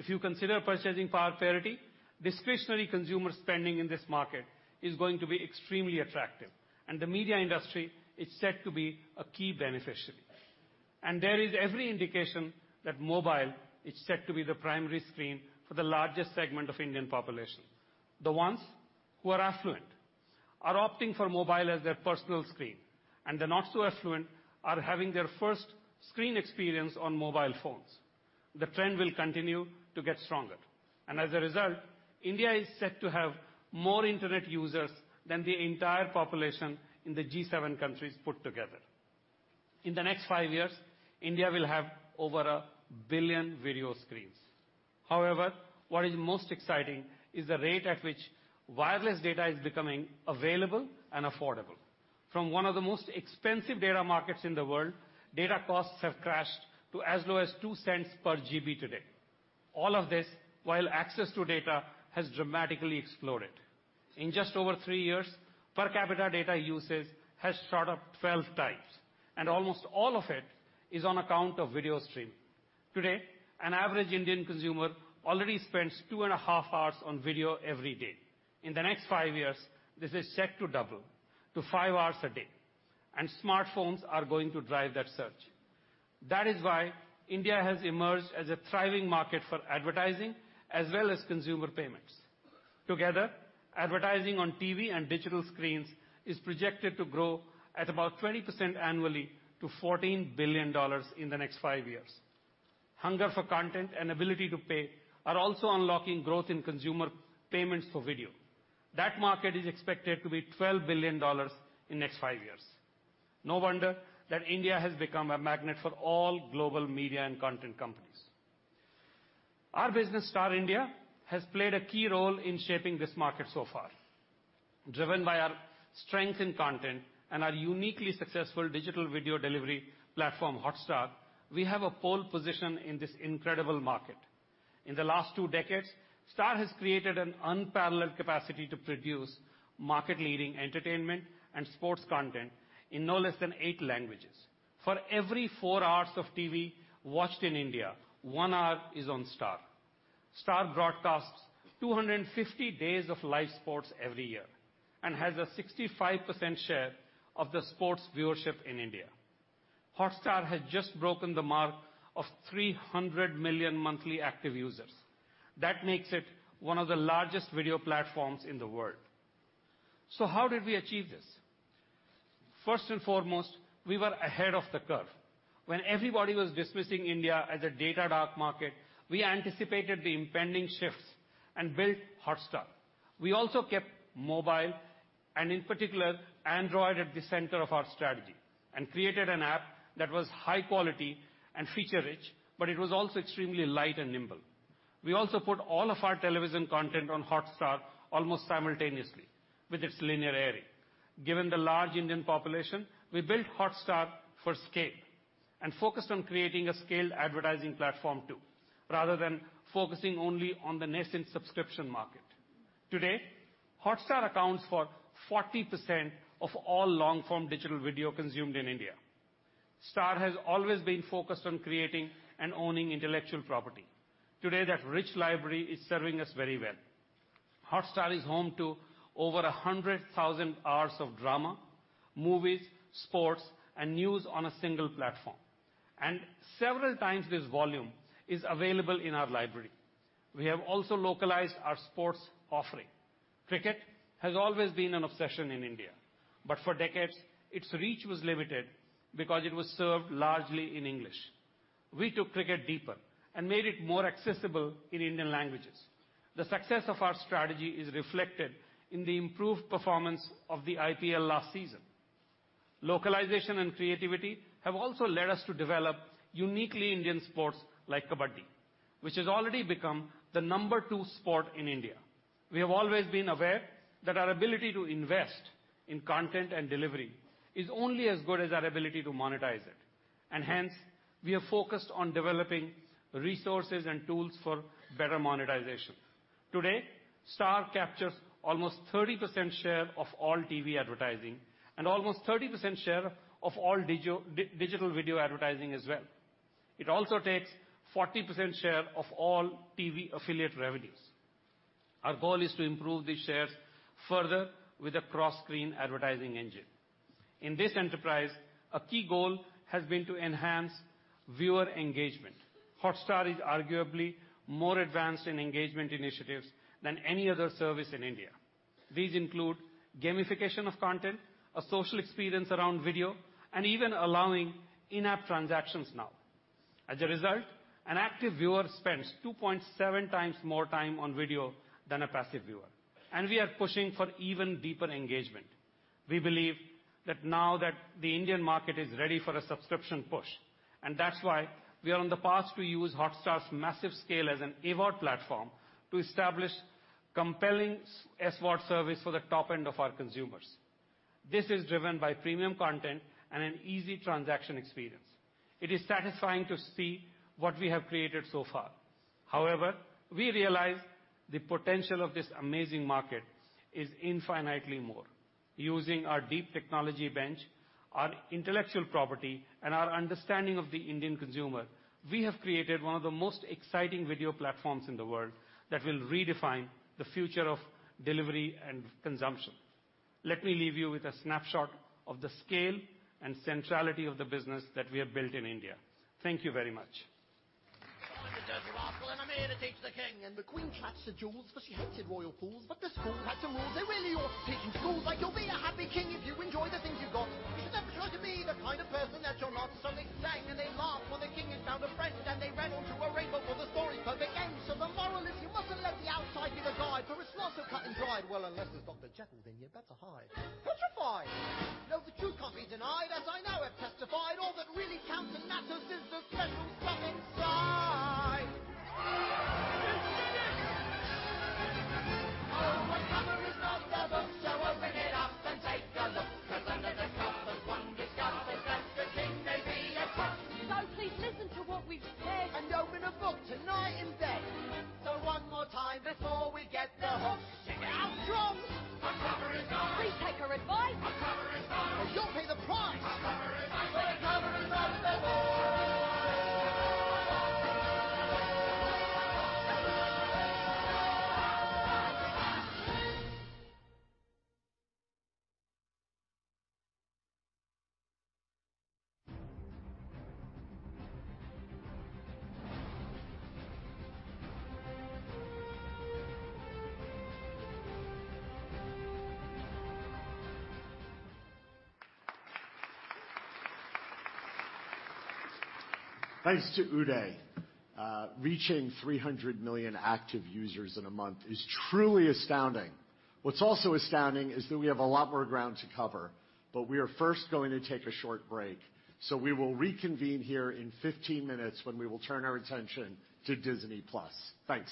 If you consider purchasing power parity, discretionary consumer spending in this market is going to be extremely attractive, the media industry is set to be a key beneficiary. There is every indication that mobile is set to be the primary screen for the largest segment of Indian population. The ones who are affluent are opting for mobile as their personal screen, and the not so affluent are having their first screen experience on mobile phones. The trend will continue to get stronger. As a result, India is set to have more internet users than the entire population in the G7 countries put together. In the next five years, India will have over a billion video screens. What is most exciting is the rate at which wireless data is becoming available and affordable. From one of the most expensive data markets in the world, data costs have crashed to as low as $0.02 per GB today. All of this, while access to data has dramatically exploded. In just over three years, per capita data usage has shot up 12 times, almost all of it is on account of video streaming. Today, an average Indian consumer already spends 2.5 hours on video every day. In the next five years, this is set to double to five hours a day, smartphones are going to drive that surge. That is why India has emerged as a thriving market for advertising as well as consumer payments. Together, advertising on TV and digital screens is projected to grow at about 20% annually to $14 billion in the next five years. Hunger for content and ability to pay are also unlocking growth in consumer payments for video. That market is expected to be $12 billion in next five years. No wonder that India has become a magnet for all global media and content companies. Our business, Star India, has played a key role in shaping this market so far. Driven by our strength in content and our uniquely successful digital video delivery platform, Hotstar, we have a pole position in this incredible market. In the last two decades, Star has created an unparalleled capacity to produce market-leading entertainment and sports content in no less than eight languages. For every four hours of TV watched in India, one hour is on Star. Star broadcasts 250 days of live sports every year, has a 65% share of the sports viewership in India. Hotstar has just broken the mark of 300 million monthly active users. That makes it one of the largest video platforms in the world. How did we achieve this? First and foremost, we were ahead of the curve. When everybody was dismissing India as a data dark market, we anticipated the impending shifts and built Hotstar. We also kept mobile, in particular, Android at the center of our strategy and created an app that was high quality and feature-rich, it was also extremely light and nimble. We also put all of our television content on Hotstar almost simultaneously with its linear airing. Given the large Indian population, we built Hotstar for scale, focused on creating a scaled advertising platform too, rather than focusing only on the nascent subscription market. Today, Hotstar accounts for 40% of all long-form digital video consumed in India. Star has always been focused on creating and owning intellectual property. Today, that rich library is serving us very well. Hotstar is home to over 100,000 hours of drama, movies, sports, and news on a single platform. Several times this volume is available in our library. We have also localized our sports offering. Cricket has always been an obsession in India, for decades, its reach was limited because it was served largely in English. We took cricket deeper and made it more accessible in Indian languages. The success of our strategy is reflected in the improved performance of the IPL last season. Localization and creativity have also led us to develop uniquely Indian sports like kabaddi, which has already become the number two sport in India. We have always been aware that our ability to invest in content and delivery is only as good as our ability to monetize it. Hence, we are focused on developing resources and tools for better monetization. Today, Star captures almost 30% share of all TV advertising and almost 30% share of all digital video advertising as well. It also takes 40% share of all TV affiliate revenues. Our goal is to improve these shares further with a cross-screen advertising engine. In this enterprise, a key goal has been to enhance viewer engagement. Hotstar is arguably more advanced in engagement initiatives than any other service in India. These include gamification of content, a social experience around video, and even allowing in-app transactions now. As a result, an active viewer spends 2.7 times more time on video than a passive viewer. We are pushing for even deeper engagement. We believe that now that the Indian market is ready for a subscription push, that's why we are on the path to use Hotstar's massive scale as an AVOD platform to establish compelling SVOD service for the top end of our consumers. This is driven by premium content and an easy transaction experience. It is satisfying to see what we have created so far. However, we realize the potential of this amazing market is infinitely more. Using our deep technology bench, our intellectual property, and our understanding of the Indian consumer, we have created one of the most exciting video platforms in the world that will redefine the future of delivery and consumption. Let me leave you with a snapshot of the scale and centrality of the business that we have built in India. Thank you very much. I'm the desert oracle and I'm here to teach the king. The queen hatched the jewels, for she hated royal fools. The fools had some rules they really ought to teach in schools. Like you'll be a happy king if you enjoy the things you've got. You should never try to be the kind of person that you're not. They sang and they laughed, for the king had found a friend. They rode on to Arabia for the story's perfect end. The moral is, you mustn't let the outside give a guide. For it's not so cut and dried. Well, unless there's Dr. Jekyll, then you'd better hide. Petrified? No, the truth can't be denied as I now have testified. All that really counts and matters is the special stuff inside. It's the end. Oh, a cover is not the book, so open it up and take a look. 'Cause under the covers one discovers that the king may be a cook. Please listen to what we've said. Open a book tonight instead. One more time before we get the hooks. Stick around, drums. A cover is not. Please take our advice. A cover is not. Or you'll pay the price. A cover is not. So a cover is not the book. Thanks to Uday Shankar. Reaching $300 million active users in a month is truly astounding. What's also astounding is that we have a lot more ground to cover. We are first going to take a short break. We will reconvene here in 15 minutes when we will turn our attention to Disney+. Thanks.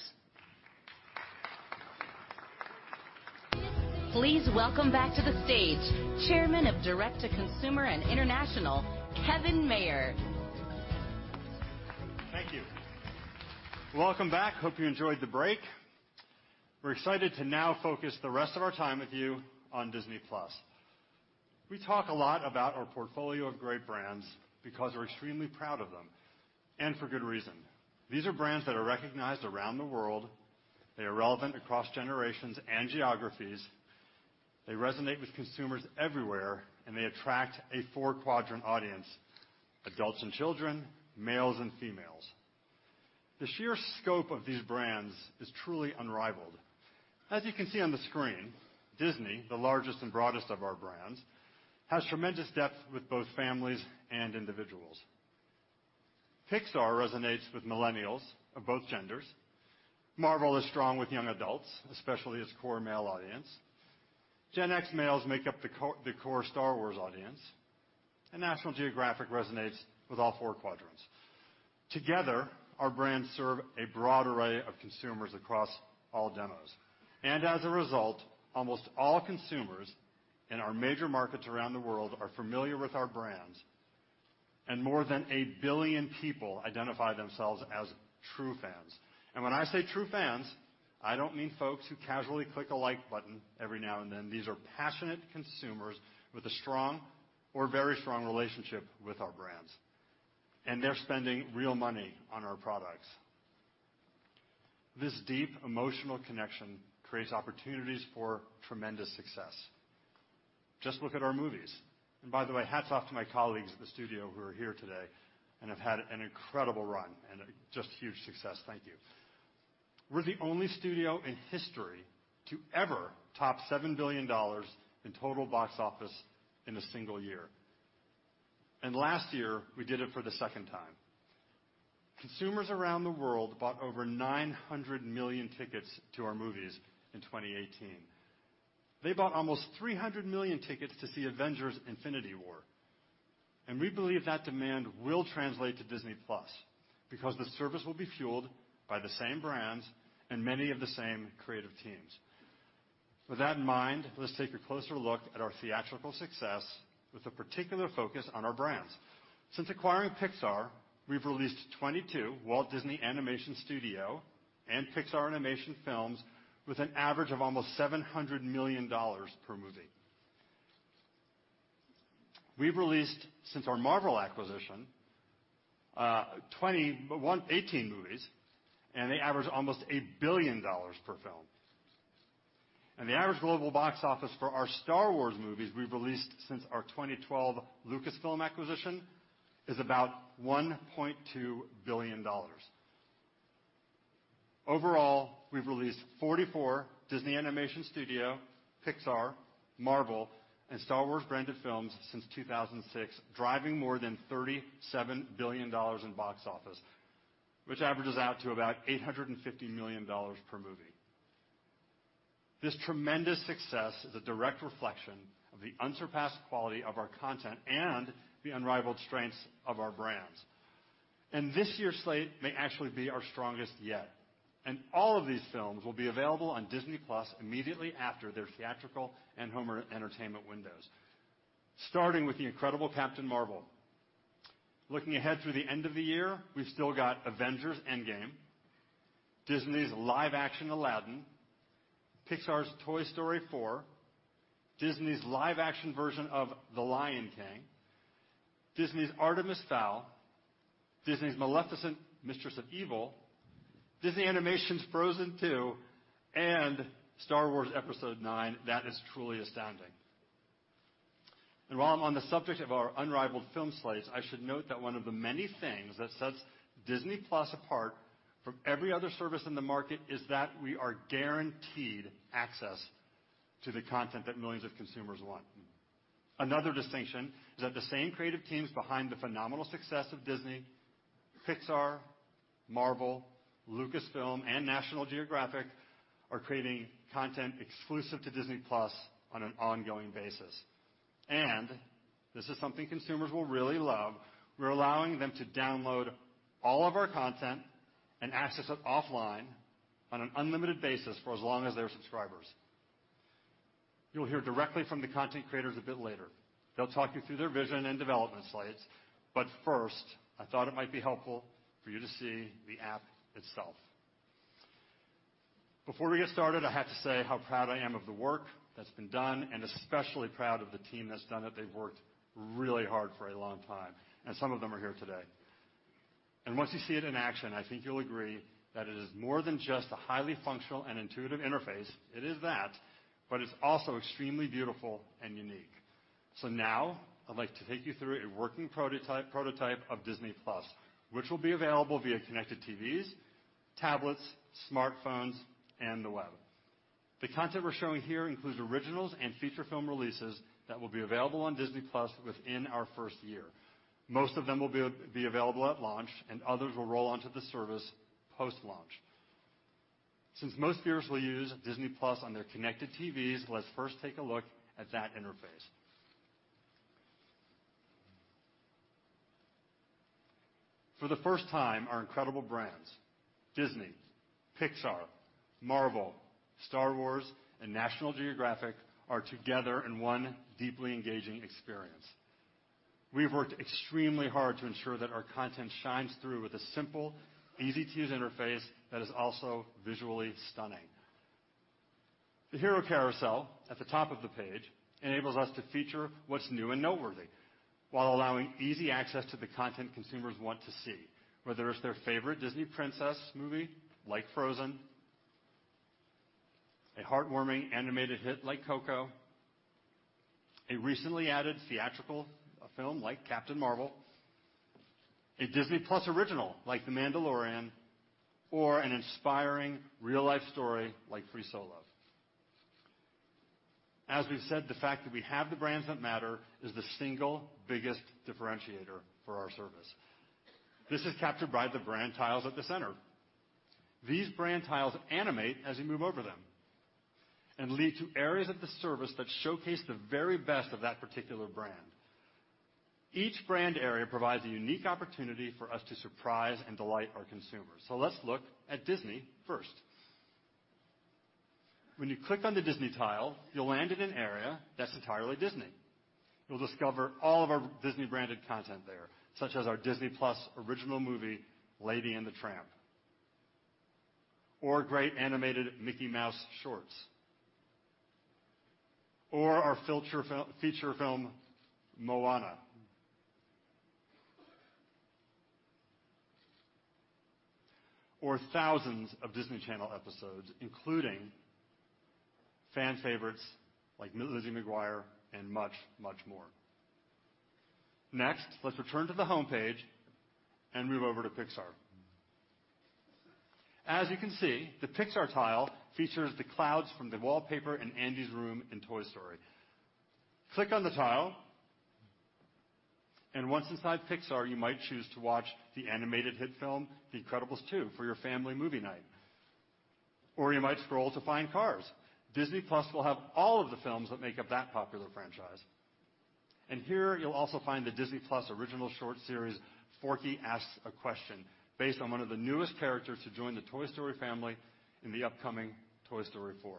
Please welcome back to the stage Chairman of Direct-to-Consumer and International, Kevin Mayer. Thank you. Welcome back. Hope you enjoyed the break. We're excited to now focus the rest of our time with you on Disney+. We talk a lot about our portfolio of great brands because we're extremely proud of them, and for good reason. These are brands that are recognized around the world. They are relevant across generations and geographies. They resonate with consumers everywhere, and they attract a four-quadrant audience, adults and children, males and females. The sheer scope of these brands is truly unrivaled. As you can see on the screen, Disney, the largest and broadest of our brands, has tremendous depth with both families and individuals. Pixar resonates with millennials of both genders. Marvel is strong with young adults, especially its core male audience. Gen X males make up the core Star Wars audience, and National Geographic resonates with all four quadrants. Together, our brands serve a broad array of consumers across all demos. As a result, almost all consumers in our major markets around the world are familiar with our brands, and more than 1 billion people identify themselves as true fans. When I say true fans, I don't mean folks who casually click a Like button every now and then. These are passionate consumers with a strong or very strong relationship with our brands, and they're spending real money on our products. This deep emotional connection creates opportunities for tremendous success. Just look at our movies. By the way, hats off to my colleagues at the studio who are here today and have had an incredible run and a just huge success. Thank you. We're the only studio in history to ever top $7 billion in total box office in a single year. Last year we did it for the second time. Consumers around the world bought over 900 million tickets to our movies in 2018. They bought almost 300 million tickets to see Avengers: Infinity War. We believe that demand will translate to Disney+ because the service will be fueled by the same brands and many of the same creative teams. With that in mind, let's take a closer look at our theatrical success with a particular focus on our brands. Since acquiring Pixar, we've released 22 Walt Disney Animation Studio and Pixar Animation films with an average of almost $700 million per movie. We've released, since our Marvel acquisition, 18 movies, and they average almost $1 billion per film. The average global box office for our Star Wars movies we've released since our 2012 Lucasfilm acquisition is about $1.2 billion. Overall, we've released 44 Disney Animation Studio, Pixar, Marvel, and Star Wars branded films since 2006, driving more than $37 billion in box office, which averages out to about $850 million per movie. This tremendous success is a direct reflection of the unsurpassed quality of our content and the unrivaled strengths of our brands. This year's slate may actually be our strongest yet. All of these films will be available on Disney+ immediately after their theatrical and home entertainment windows. Starting with the incredible "Captain Marvel." Looking ahead to the end of the year, we've still got "Avengers: Endgame," Disney's live-action "Aladdin," Pixar's "Toy Story 4," Disney's live-action version of "The Lion King," Disney's "Artemis Fowl," Disney's "Maleficent: Mistress of Evil," Disney Animation's "Frozen 2," and "Star Wars" Episode Nine. That is truly astounding. While I'm on the subject of our unrivaled film slates, I should note that one of the many things that sets Disney+ apart from every other service in the market is that we are guaranteed access to the content that millions of consumers want. Another distinction is that the same creative teams behind the phenomenal success of Disney, Pixar, Marvel, Lucasfilm, and National Geographic are creating content exclusive to Disney+ on an ongoing basis. This is something consumers will really love, we're allowing them to download all of our content and access it offline on an unlimited basis for as long as they are subscribers. You'll hear directly from the content creators a bit later. They'll talk you through their vision and development slates, first, I thought it might be helpful for you to see the app itself. Before we get started, I have to say how proud I am of the work that's been done, and especially proud of the team that's done it. They've worked really hard for a long time, and some of them are here today. Once you see it in action, I think you'll agree that it is more than just a highly functional and intuitive interface. It is that, but it's also extremely beautiful and unique. Now I'd like to take you through a working prototype of Disney+, which will be available via connected TVs, tablets, smartphones, and the web. The content we're showing here includes originals and feature film releases that will be available on Disney+ within our first year. Most of them will be available at launch, and others will roll onto the service post-launch. Since most viewers will use Disney+ on their connected TVs, let's first take a look at that interface. For the first time, our incredible brands, Disney, Pixar, Marvel, Star Wars, and National Geographic are together in one deeply engaging experience. We've worked extremely hard to ensure that our content shines through with a simple, easy-to-use interface that is also visually stunning. The hero carousel at the top of the page enables us to feature what's new and noteworthy while allowing easy access to the content consumers want to see, whether it's their favorite Disney Princess movie, like "Frozen," a heartwarming animated hit like "Coco," a recently added theatrical film like "Captain Marvel," a Disney+ original like "The Mandalorian," or an inspiring real-life story like "Free Solo." As we've said, the fact that we have the brands that matter is the single biggest differentiator for our service. This is captured by the brand tiles at the center. These brand tiles animate as you move over them and lead to areas of the service that showcase the very best of that particular brand. Each brand area provides a unique opportunity for us to surprise and delight our consumers. Let's look at Disney first. When you click on the Disney tile, you'll land in an area that's entirely Disney. You'll discover all of our Disney-branded content there, such as our Disney+ original movie, "Lady and the Tramp," or great animated Mickey Mouse shorts, or our feature film, "Moana," or thousands of Disney Channel episodes, including fan favorites like "Lizzie McGuire" and much, much more. Let's return to the homepage and move over to Pixar. As you can see, the Pixar tile features the clouds from the wallpaper in Andy's room in "Toy Story." Click on the tile, and once inside Pixar, you might choose to watch the animated hit film, "The Incredibles 2" for your family movie night. Or you might scroll to find "Cars." Disney+ will have all of the films that make up that popular franchise. Here you'll also find the Disney+ original short series, "Forky Asks a Question," based on one of the newest characters to join the Toy Story family in the upcoming "Toy Story 4."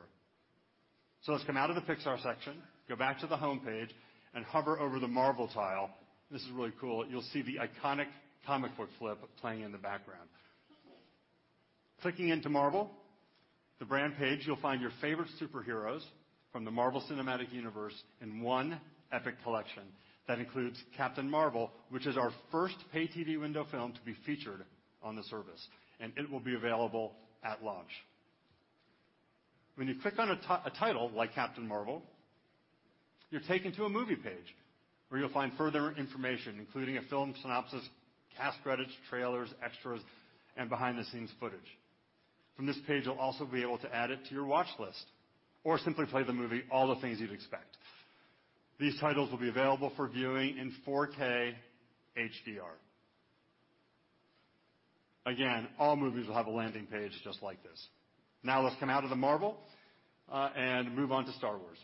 Let's come out of the Pixar section, go back to the homepage, and hover over the Marvel tile. This is really cool. You'll see the iconic comic book flip playing in the background. Clicking into Marvel, the brand page, you'll find your favorite superheroes from the Marvel Cinematic Universe in one epic collection that includes "Captain Marvel," which is our first pay-TV window film to be featured on the service, and it will be available at launch. When you click on a title like Captain Marvel, you're taken to a movie page where you'll find further information, including a film synopsis, cast credits, trailers, extras, and behind-the-scenes footage. From this page, you'll also be able to add it to your watchlist or simply play the movie, all the things you'd expect. These titles will be available for viewing in 4K HDR. Again, all movies will have a landing page just like this. Let's come out of the Marvel and move on to Star Wars.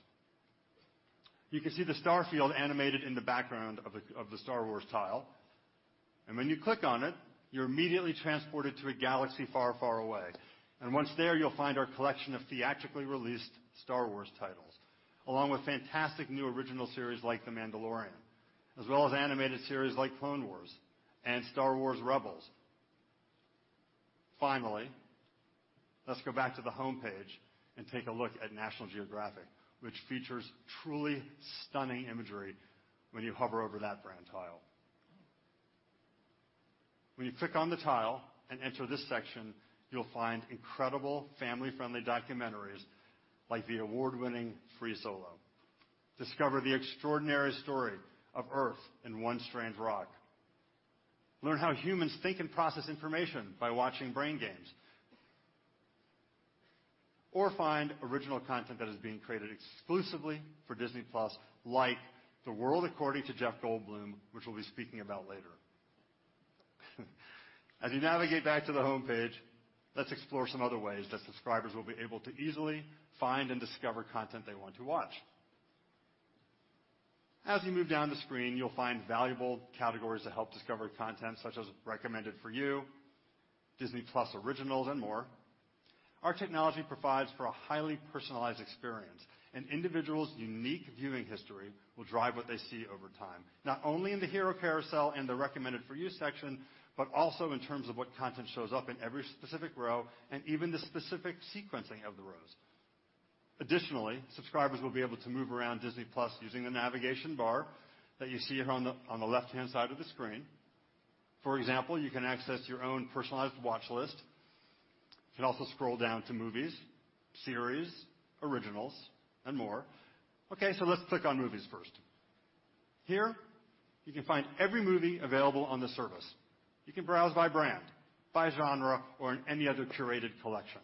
You can see the star field animated in the background of the Star Wars tile, and when you click on it, you're immediately transported to a galaxy far, far away. Once there, you'll find our collection of theatrically released Star Wars titles, along with fantastic new original series like "The Mandalorian," as well as animated series like "Clone Wars" and "Star Wars Rebels." Let's go back to the homepage and take a look at National Geographic, which features truly stunning imagery when you hover over that brand tile. When you click on the tile and enter this section, you'll find incredible family-friendly documentaries like the award-winning "Free Solo." Discover the extraordinary story of Earth in "One Strange Rock." Learn how humans think and process information by watching "Brain Games." Find original content that is being created exclusively for Disney+, like "The World According to Jeff Goldblum," which we'll be speaking about later. You navigate back to the homepage, let's explore some other ways that subscribers will be able to easily find and discover content they want to watch. You move down the screen, you'll find valuable categories to help discover content, such as Recommended for You, Disney+ Originals, and more. Our technology provides for a highly personalized experience. An individual's unique viewing history will drive what they see over time, not only in the hero carousel and the Recommended for You section, but also in terms of what content shows up in every specific row and even the specific sequencing of the rows. Additionally, subscribers will be able to move around Disney+ using the navigation bar that you see here on the left-hand side of the screen. For example, you can access your own personalized watchlist. You can also scroll down to movies, series, originals, and more. Let's click on movies first. Here you can find every movie available on the service. You can browse by brand, by genre, or in any other curated collection.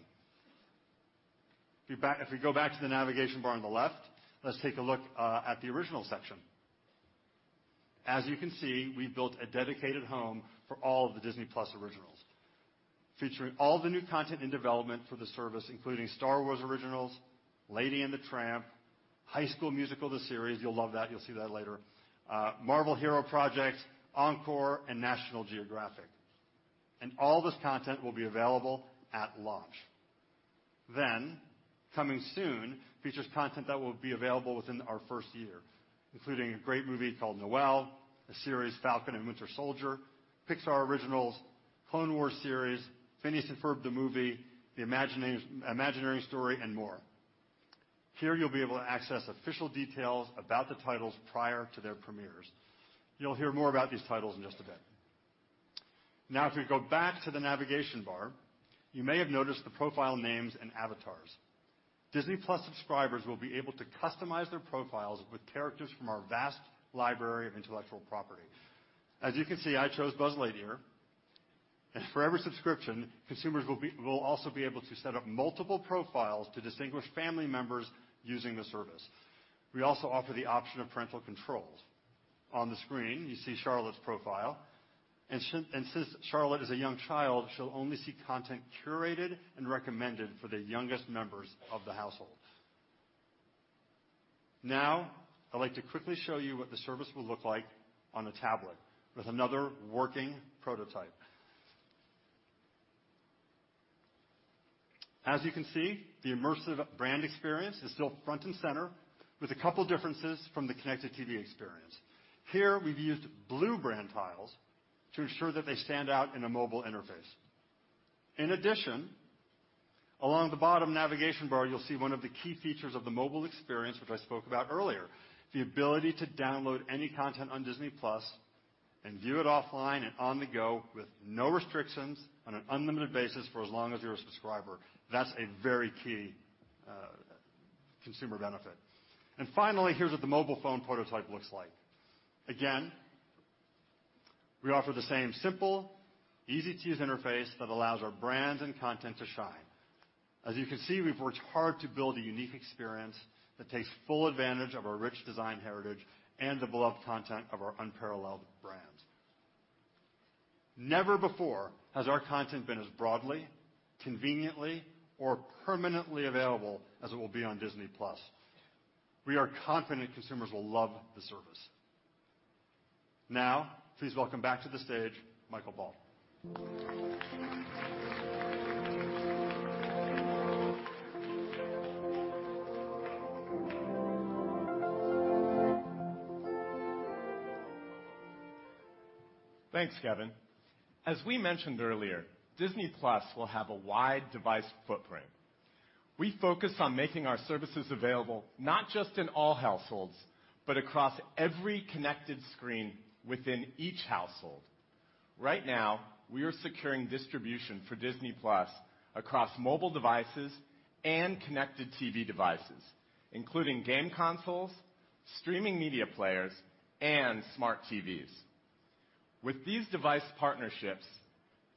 If we go back to the navigation bar on the left, let's take a look at the Originals section. As you can see, we've built a dedicated home for all of the Disney+ originals, featuring all the new content in development for the service, including Star Wars originals, "Lady and the Tramp," "High School Musical: The Series," you'll love that, you'll see that later, Marvel's Hero Project, Encore!, and National Geographic. All this content will be available at launch. Coming Soon features content that will be available within our first year, including a great movie called "Noelle," the series "The Falcon and the Winter Soldier," Pixar originals, "Star Wars: The Clone Wars" series, "Phineas and Ferb: The Movie," "The Imagineering Story," and more. Here you'll be able to access official details about the titles prior to their premieres. You'll hear more about these titles in just a bit. If we go back to the navigation bar, you may have noticed the profile names and avatars. Disney+ subscribers will be able to customize their profiles with characters from our vast library of intellectual property. As you can see, I chose Buzz Lightyear. For every subscription, consumers will also be able to set up multiple profiles to distinguish family members using the service. We also offer the option of parental controls. On the screen, you see Charlotte's profile, and since Charlotte is a young child, she'll only see content curated and recommended for the youngest members of the household. I'd like to quickly show you what the service will look like on a tablet with another working prototype. As you can see, the immersive brand experience is still front and center with a couple differences from the connected TV experience. Here we've used blue brand tiles to ensure that they stand out in a mobile interface. In addition, along the bottom navigation bar, you'll see one of the key features of the mobile experience, which I spoke about earlier, the ability to download any content on Disney+ and view it offline and on the go with no restrictions on an unlimited basis for as long as you're a subscriber. That's a very key consumer benefit. Finally, here's what the mobile phone prototype looks like. Again, we offer the same simple, easy-to-use interface that allows our brands and content to shine. As you can see, we've worked hard to build a unique experience that takes full advantage of our rich design heritage and the beloved content of our unparalleled brands. Never before has our content been as broadly, conveniently, or permanently available as it will be on Disney+. We are confident consumers will love the service. Please welcome back to the stage Michael Paull. Thanks, Kevin. As we mentioned earlier, Disney+ will have a wide device footprint. We focus on making our services available not just in all households, but across every connected screen within each household. Right now, we are securing distribution for Disney+ across mobile devices and connected TV devices, including game consoles, streaming media players, and smart TVs. With these device partnerships,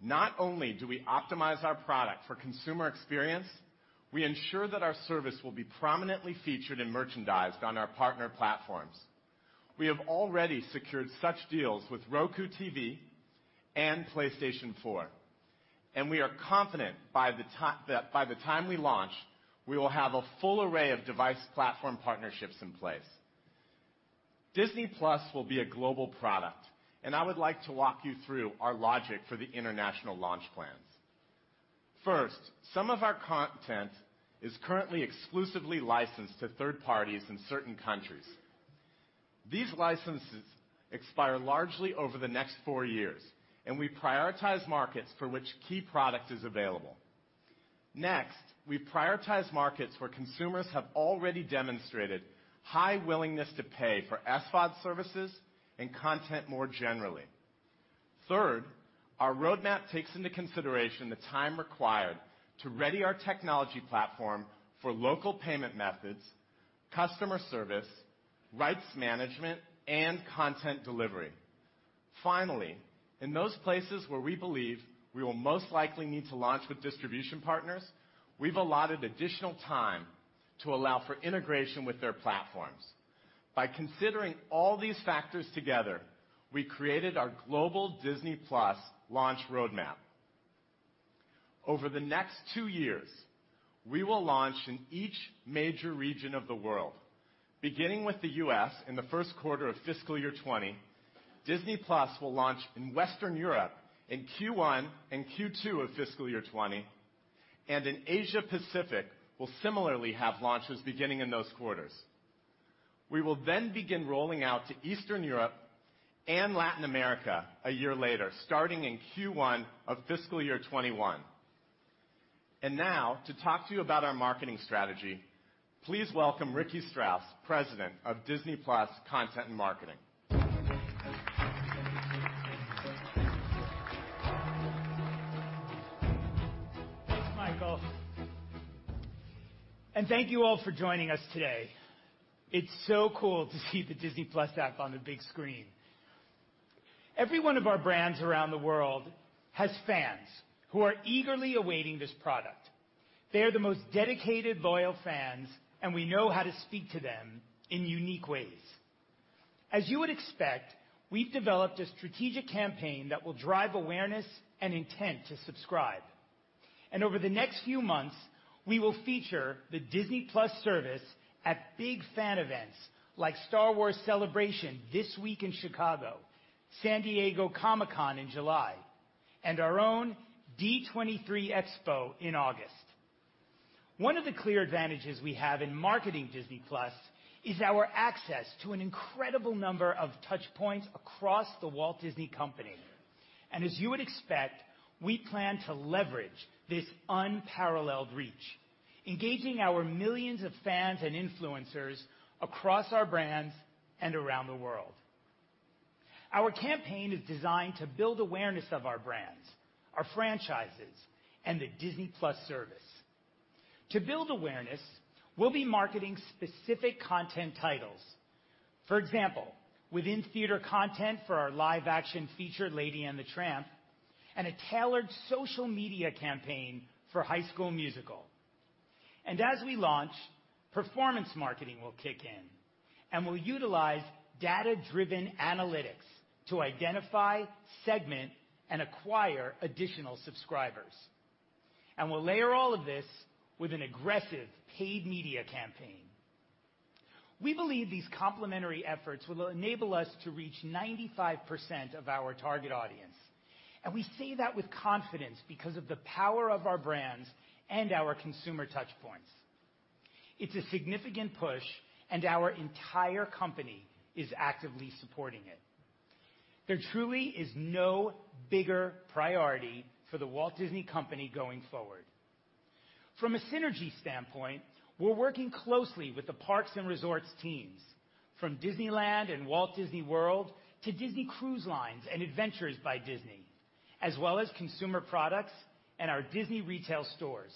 not only do we optimize our product for consumer experience, we ensure that our service will be prominently featured and merchandised on our partner platforms. We have already secured such deals with Roku TV and PlayStation 4. We are confident that by the time we launch, we will have a full array of device platform partnerships in place. Disney+ will be a global product. I would like to walk you through our logic for the international launch plans. First, some of our content is currently exclusively licensed to third parties in certain countries. These licenses expire largely over the next four years, and we prioritize markets for which key product is available. Next, we prioritize markets where consumers have already demonstrated high willingness to pay for SVOD services and content more generally. Third, our roadmap takes into consideration the time required to ready our technology platform for local payment methods, customer service, rights management, and content delivery. Finally, in those places where we believe we will most likely need to launch with distribution partners, we've allotted additional time to allow for integration with their platforms. By considering all these factors together, we created our global Disney+ launch roadmap. Over the next two years, we will launch in each major region of the world. Beginning with the U.S. in the first quarter of fiscal year 2020, Disney+ will launch in Western Europe in Q1 and Q2 of fiscal year 2020, and in Asia Pacific will similarly have launches beginning in those quarters. We will then begin rolling out to Eastern Europe and Latin America a year later, starting in Q1 of fiscal year 2021. Now, to talk to you about our marketing strategy, please welcome Ricky Strauss, President of Disney+ Content and Marketing. Thanks, Michael. Thank you all for joining us today. It's so cool to see the Disney+ app on the big screen. Every one of our brands around the world has fans who are eagerly awaiting this product. They are the most dedicated, loyal fans, and we know how to speak to them in unique ways. As you would expect, we've developed a strategic campaign that will drive awareness and intent to subscribe. Over the next few months, we will feature the Disney+ service at big fan events like Star Wars Celebration this week in Chicago, San Diego Comic-Con in July, and our own D23 Expo in August. One of the clear advantages we have in marketing Disney+ is our access to an incredible number of touchpoints across The Walt Disney Company. As you would expect, we plan to leverage this unparalleled reach, engaging our millions of fans and influencers across our brands and around the world. Our campaign is designed to build awareness of our brands, our franchises, and the Disney+ service. To build awareness, we'll be marketing specific content titles. For example, within theater content for our live-action feature, "Lady and the Tramp," and a tailored social media campaign for "High School Musical." As we launch, performance marketing will kick in and we'll utilize data-driven analytics to identify, segment, and acquire additional subscribers. We'll layer all of this with an aggressive paid media campaign. We believe these complementary efforts will enable us to reach 95% of our target audience, and we say that with confidence because of the power of our brands and our consumer touchpoints. It's a significant push, our entire company is actively supporting it. There truly is no bigger priority for The Walt Disney Company going forward. From a synergy standpoint, we're working closely with the parks and resorts teams, from Disneyland and Walt Disney World to Disney Cruise Line and Adventures by Disney, as well as consumer products and our Disney retail stores.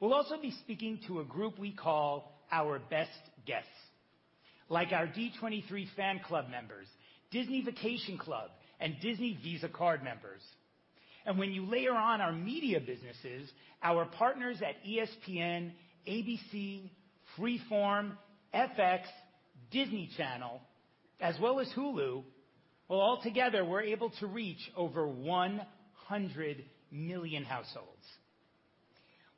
We'll also be speaking to a group we call our best guests, like our D23 fan club members, Disney Vacation Club, and Disney Visa card members. When you layer on our media businesses, our partners at ESPN, ABC, Freeform, FX, Disney Channel, as well as Hulu, well altogether, we're able to reach over 100 million households.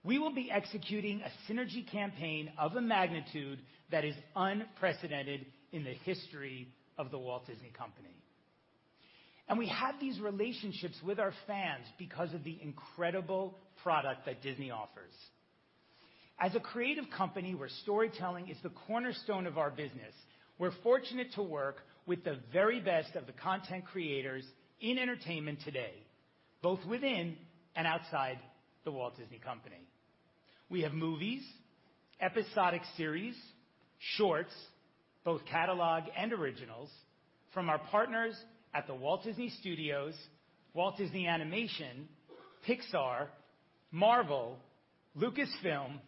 We will be executing a synergy campaign of a magnitude that is unprecedented in the history of The Walt Disney Company. We have these relationships with our fans because of the incredible product that Disney offers. As a creative company where storytelling is the cornerstone of our business, we're fortunate to work with the very best of the content creators in entertainment today, both within and outside The Walt Disney Company. We have movies, episodic series, shorts, both catalog and originals from our partners at The Walt Disney Studios, Walt Disney Animation, Pixar, Marvel, Lucasfilm,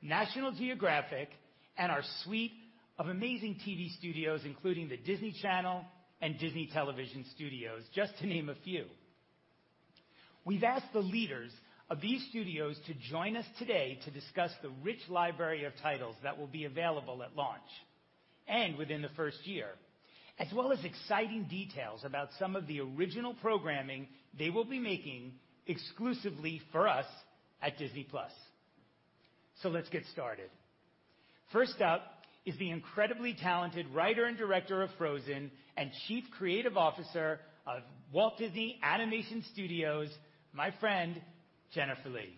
National Geographic, and our suite of amazing TV studios, including the Disney Channel and Disney Television Studios, just to name a few. We've asked the leaders of these studios to join us today to discuss the rich library of titles that will be available at launch and within the first year, as well as exciting details about some of the original programming they will be making exclusively for us at Disney+. Let's get started. First up is the incredibly talented writer and director of "Frozen" and Chief Creative Officer of Walt Disney Animation Studios, my friend, Jennifer Lee.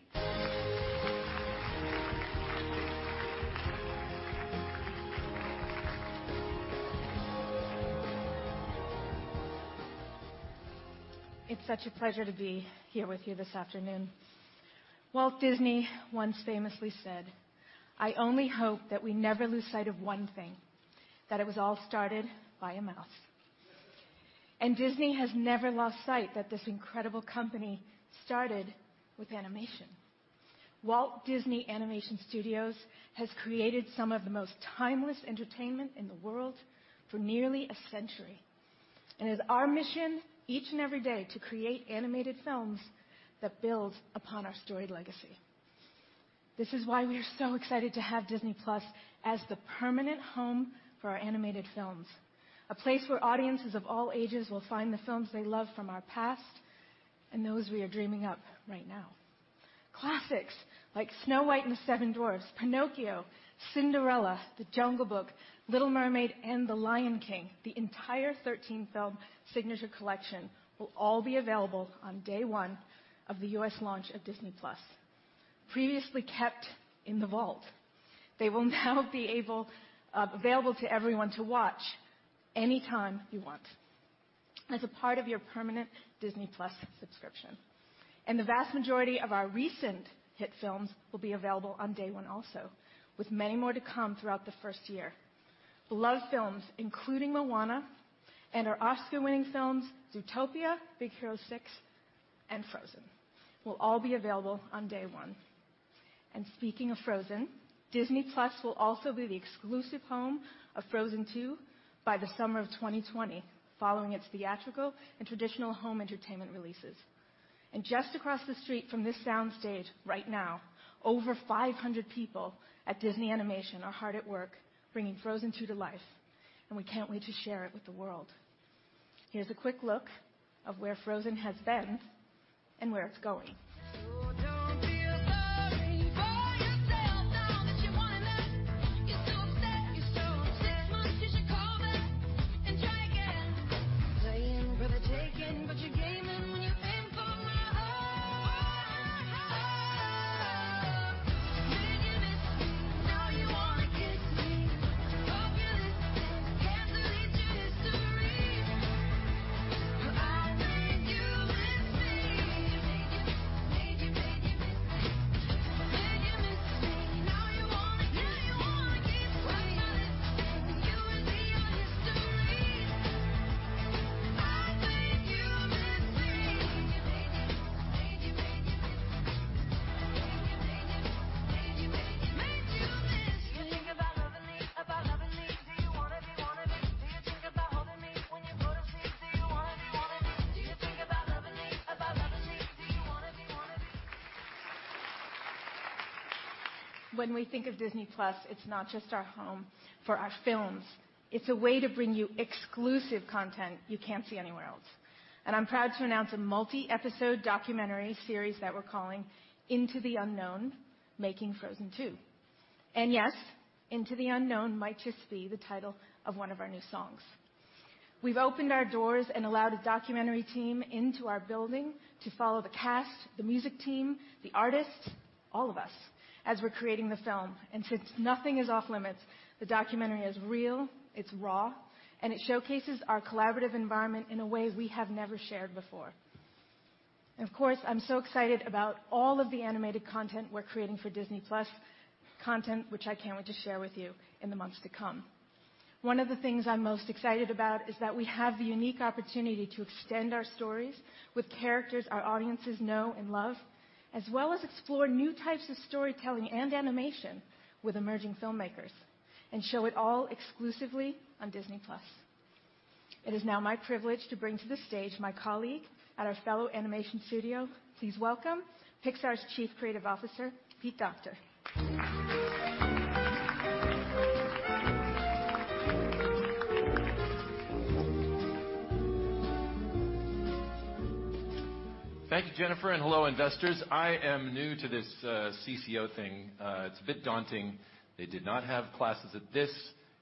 It's such a pleasure to be here with you this afternoon. Walt Disney once famously said, "I only hope that we never lose sight of one thing, that it was all started by a mouse." Disney has never lost sight that this incredible company started with animation. Walt Disney Animation Studios has created some of the most timeless entertainment in the world for nearly a century. It's our mission each and every day to create animated films that build upon our storied legacy. This is why we are so excited to have Disney+ as the permanent home for our animated films, a place where audiences of all ages will find the films they love from our past and those we are dreaming up right now. Classics like "Snow White and the Seven Dwarfs," "Pinocchio," "Cinderella," "The Jungle Book," "The Little Mermaid," and "The Lion King," the entire 13-film signature collection will all be available on day one of the U.S. launch of Disney+. Previously kept in the vault, they will now be available to everyone to watch anytime you want as a part of your permanent Disney+ subscription. The vast majority of our recent hit films will be available on day one also, with many more to come throughout the first year. Beloved films, including "Moana" and our Oscar-winning films, "Zootopia," "Big Hero 6," and "Frozen," will all be available on day one. Speaking of Frozen, Disney+ will also be the exclusive home of "Frozen 2" by the summer of 2020, following its theatrical and traditional home entertainment releases. Just across the street from this soundstage right now, over 500 people at Disney Animation are hard at work bringing "Frozen 2" to life, and we can't wait to share it with the world. Here's a quick look of where Frozen has been and where it's going. Don't as we're creating the film. Since nothing is off-limits, the documentary is real, it's raw, and it showcases our collaborative environment in a way we have never shared before. Of course, I'm so excited about all of the animated content we're creating for Disney+, content which I can't wait to share with you in the months to come. One of the things I'm most excited about is that we have the unique opportunity to extend our stories with characters our audiences know and love, as well as explore new types of storytelling and animation with emerging filmmakers and show it all exclusively on Disney+. It is now my privilege to bring to the stage my colleague at our fellow animation studio. Please welcome Pixar's Chief Creative Officer, Pete Docter. Thank you, Jennifer, and hello, investors. I am new to this CCO thing. It's a bit daunting. They did not have classes of this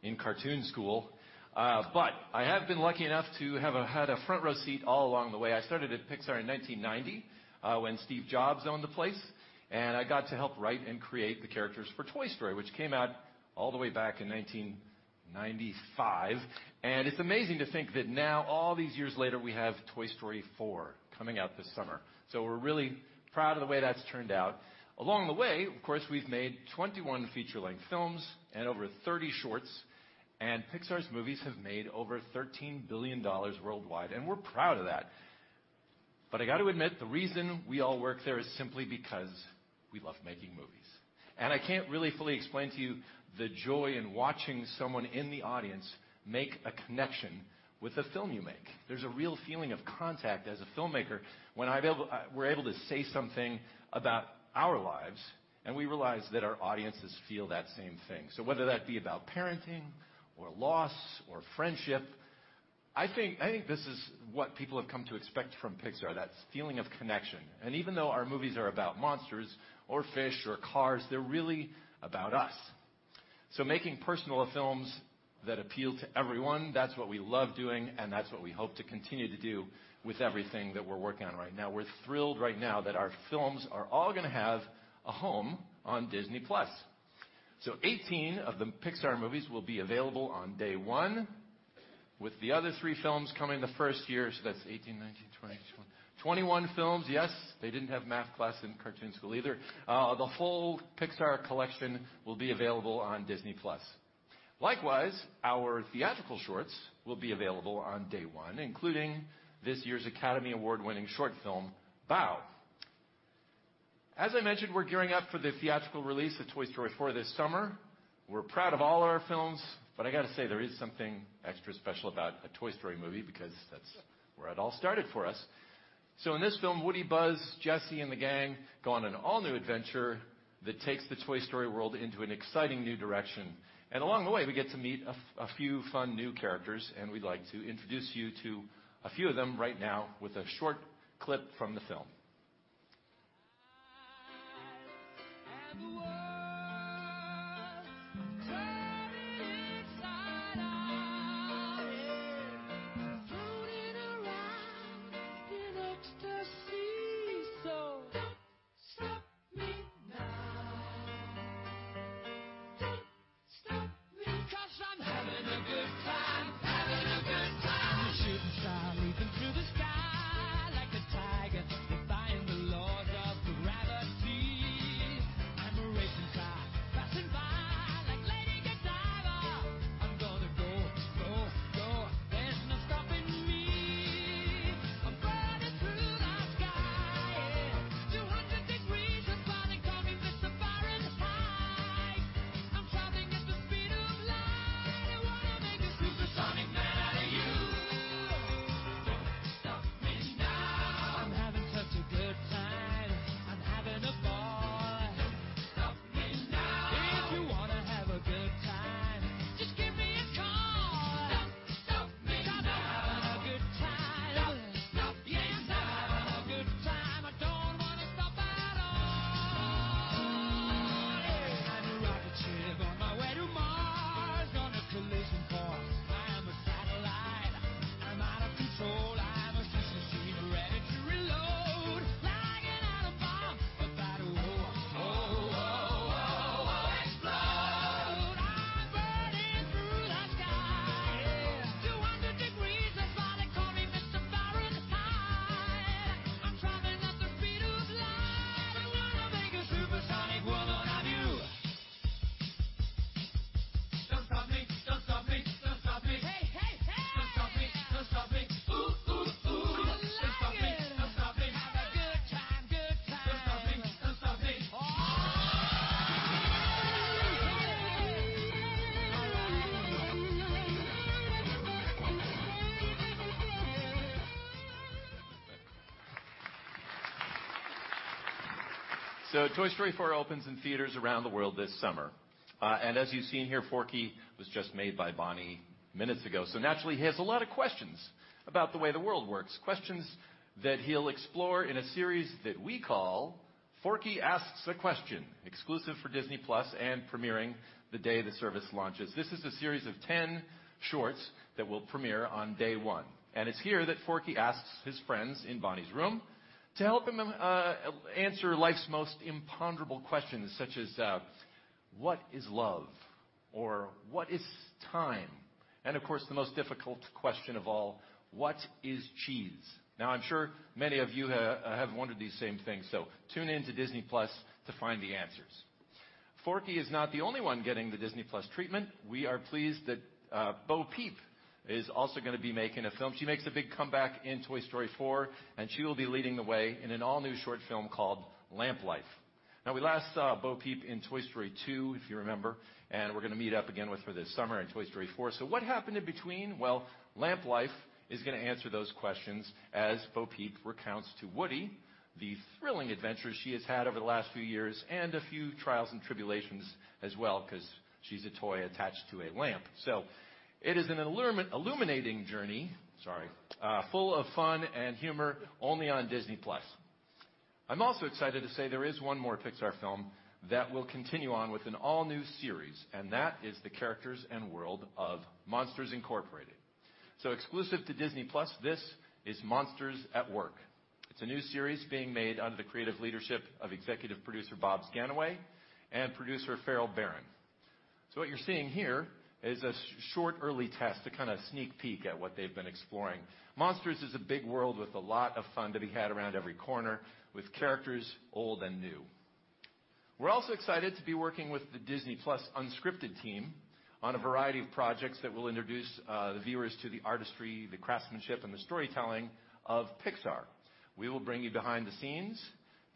in cartoon school. I have been lucky enough to have had a front row seat all along the way. I started at Pixar in 1990 when Steve Jobs owned the place, and I got to help write and create the characters for "Toy Story," which came out all the way back in 1995. It's amazing to think that now, all these years later, we have "Toy Story 4" coming out this summer. We're really proud of the way that's turned out. Along the way, of course, we've made 21 feature-length films and over 30 shorts, and Pixar's movies have made over $13 billion worldwide, and we're proud of that. I got to admit, the reason we all work there is simply because we love making movies. I can't really fully explain to you the joy in watching someone in the audience make a connection with the film you make. There's a real feeling of contact as a filmmaker when we're able to say something about our lives, and we realize that our audiences feel that same thing. Whether that be about parenting or loss or friendship, I think this is what people have come to expect from Pixar, that feeling of connection. Even though our movies are about monsters or fish or cars, they're really about us. Making personal films that appeal to everyone, that's what we love doing, and that's what we hope to continue to do with everything that we're working on right now. We're thrilled right now that our films are all going to have a home on Disney+. 18 of the Pixar movies will be available on day one, with the other three films coming the first year. That's 18, 19, 20, 21 films. Yes, they didn't have math class in cartoon school either. The whole Pixar collection will be available on Disney+. Likewise, our theatrical shorts will be available on day one, including this year's Academy Award-winning short film, "Bao." As I mentioned, we're gearing up for the theatrical release of "Toy Story 4" this summer. We're proud of all our films, but I got to say, there is something extra special about a "Toy Story" movie because that's where it all started for us. In this film, Woody, Buzz, Jessie, and the gang go on an all-new adventure that takes the Toy Story world into an exciting new direction. Along the way, we get to meet a few fun new characters, and we'd like to introduce you to a few of them right now with a short clip from the film. to help him answer life's most imponderable questions, such as what is love? What is time? Of course, the most difficult question of all, what is cheese? Now I'm sure many of you have wondered these same things, so tune in to Disney+ to find the answers. Forky is not the only one getting the Disney+ treatment. We are pleased that Bo Peep is also going to be making a film. She makes a big comeback in "Toy Story 4," and she will be leading the way in an all-new short film called "Lamp Life." Now we last saw Bo Peep in "Toy Story 2," if you remember, and we're going to meet up again with her this summer in "Toy Story 4," so what happened in between? Well, "Lamp Life" is going to answer those questions as Bo Peep recounts to Woody the thrilling adventures she has had over the last few years and a few trials and tribulations as well because she's a toy attached to a lamp. It is an illuminating journey, sorry, full of fun and humor, only on Disney+. I'm also excited to say there is one more Pixar film that will continue on with an all-new series, and that is the characters and world of "Monsters, Inc." Exclusive to Disney+, this is Monsters at Work. It's a new series being made under the creative leadership of executive producer Bob Schooley and producer Ferrell Barron. What you're seeing here is a short early test, a kind of sneak peek at what they've been exploring. Monsters is a big world with a lot of fun to be had around every corner, with characters old and new. We're also excited to be working with the Disney+ unscripted team on a variety of projects that will introduce the viewers to the artistry, the craftsmanship, and the storytelling of Pixar. We will bring you behind the scenes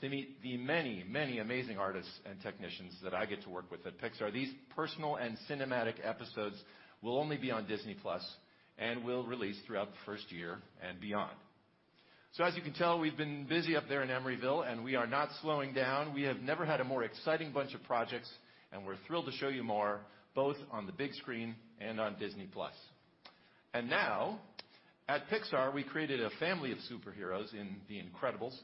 to meet the many, many amazing artists and technicians that I get to work with at Pixar. These personal and cinematic episodes will only be on Disney+ and will release throughout the first year and beyond. As you can tell, we've been busy up there in Emeryville, and we are not slowing down. We have never had a more exciting bunch of projects, and we're thrilled to show you more, both on the big screen and on Disney+. Now, at Pixar, we created a family of superheroes in "The Incredibles,"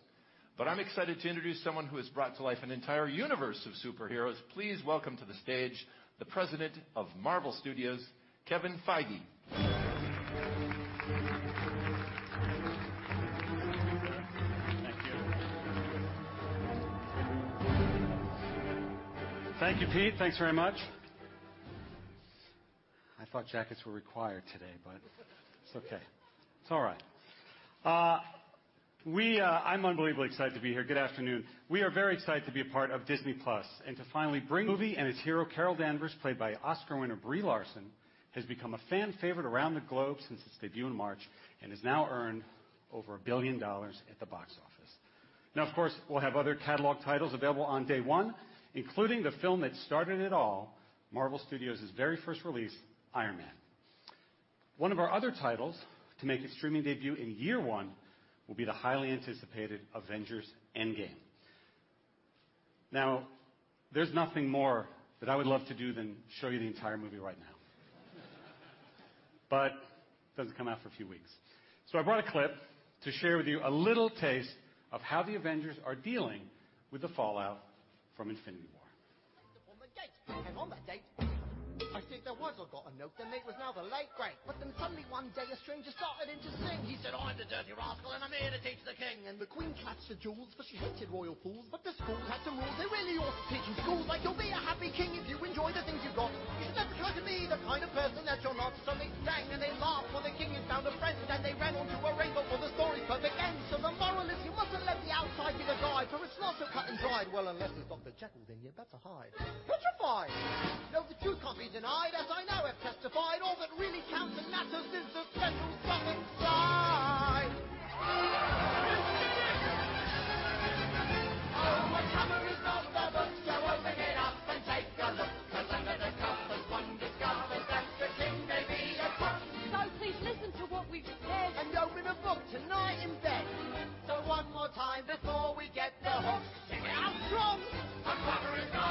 but I'm excited to introduce someone who has brought to life an entire universe of superheroes. Please welcome to the stage the president of Marvel Studios, Kevin Feige. Thank you. Thank you, Pete. Thanks very much. I thought jackets were required today. It's okay. It's all right. I'm unbelievably excited to be here. Good afternoon. We are very excited to be a part of Disney+ and to finally bring "Captain Marvel" and its hero, Carol Danvers, played by Oscar winner Brie Larson, has become a fan favorite around the globe since its debut in March and has now earned over $1 billion at the box office. Of course, we'll have other catalog titles available on day one, including the film that started it all, Marvel Studios' very first release, "Iron Man." One of our other titles to make its streaming debut in year one will be the highly anticipated "Avengers: Endgame." There's nothing more that I would love to do than show you the entire movie right now. It doesn't come out for a few weeks. I brought a clip to share with you a little taste of how the Avengers are dealing with the fallout from "Avengers: Infinity War. Upon the gate. On that date. I take the words I got a note. The mate was now the late great. Suddenly one day a stranger started in to sing. He said, "I'm a dirty rascal and I'm here to teach the king." The queen clutched her jewels, for she hated royal fools. The school had some rules. They were New York's teaching school. Like, you'll be a happy king if you enjoy the things you've got. You should never try to be the kind of person that you're not. They sang and they laughed, for the king had found a friend. They ran on to arrange it for the story's perfect end. The moral is you mustn't let the outside be the guide. For it's not so cut and dried. Well, unless there's Dr. Jekyll, then you'd better hide. Petrified. No, the truth can't be denied, as I now have testified. All that really counts and matters is the special something inside. Here's the king. Oh, the cover is off the book, open it up and take a look. Cause under the covers one discovers that the king may be a cook. Please listen to what we've just said. Open a book tonight in bed. One more time before we get the hook. Kick it out strong. Our cover is off.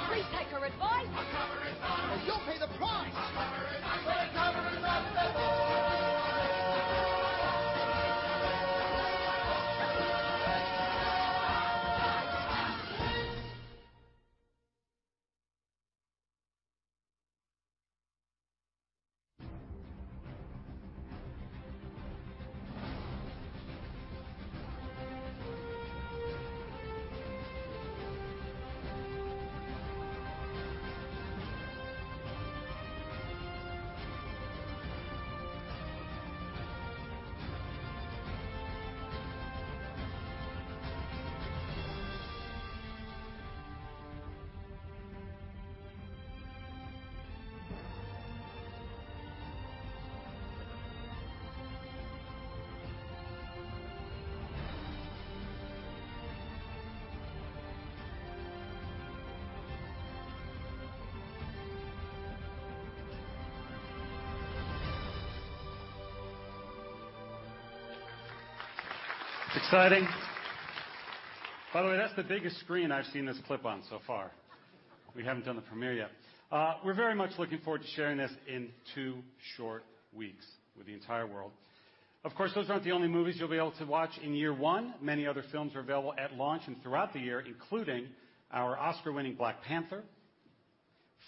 Please take our advice. Our cover is off. You'll pay the price. Our cover is off. The cover is off the book. Exciting. That's the biggest screen I've seen this clip on so far. We haven't done the premiere yet. We're very much looking forward to sharing this in two short weeks with the entire world. Those aren't the only movies you'll be able to watch in year one. Many other films are available at launch and throughout the year, including our Oscar-winning "Black Panther,"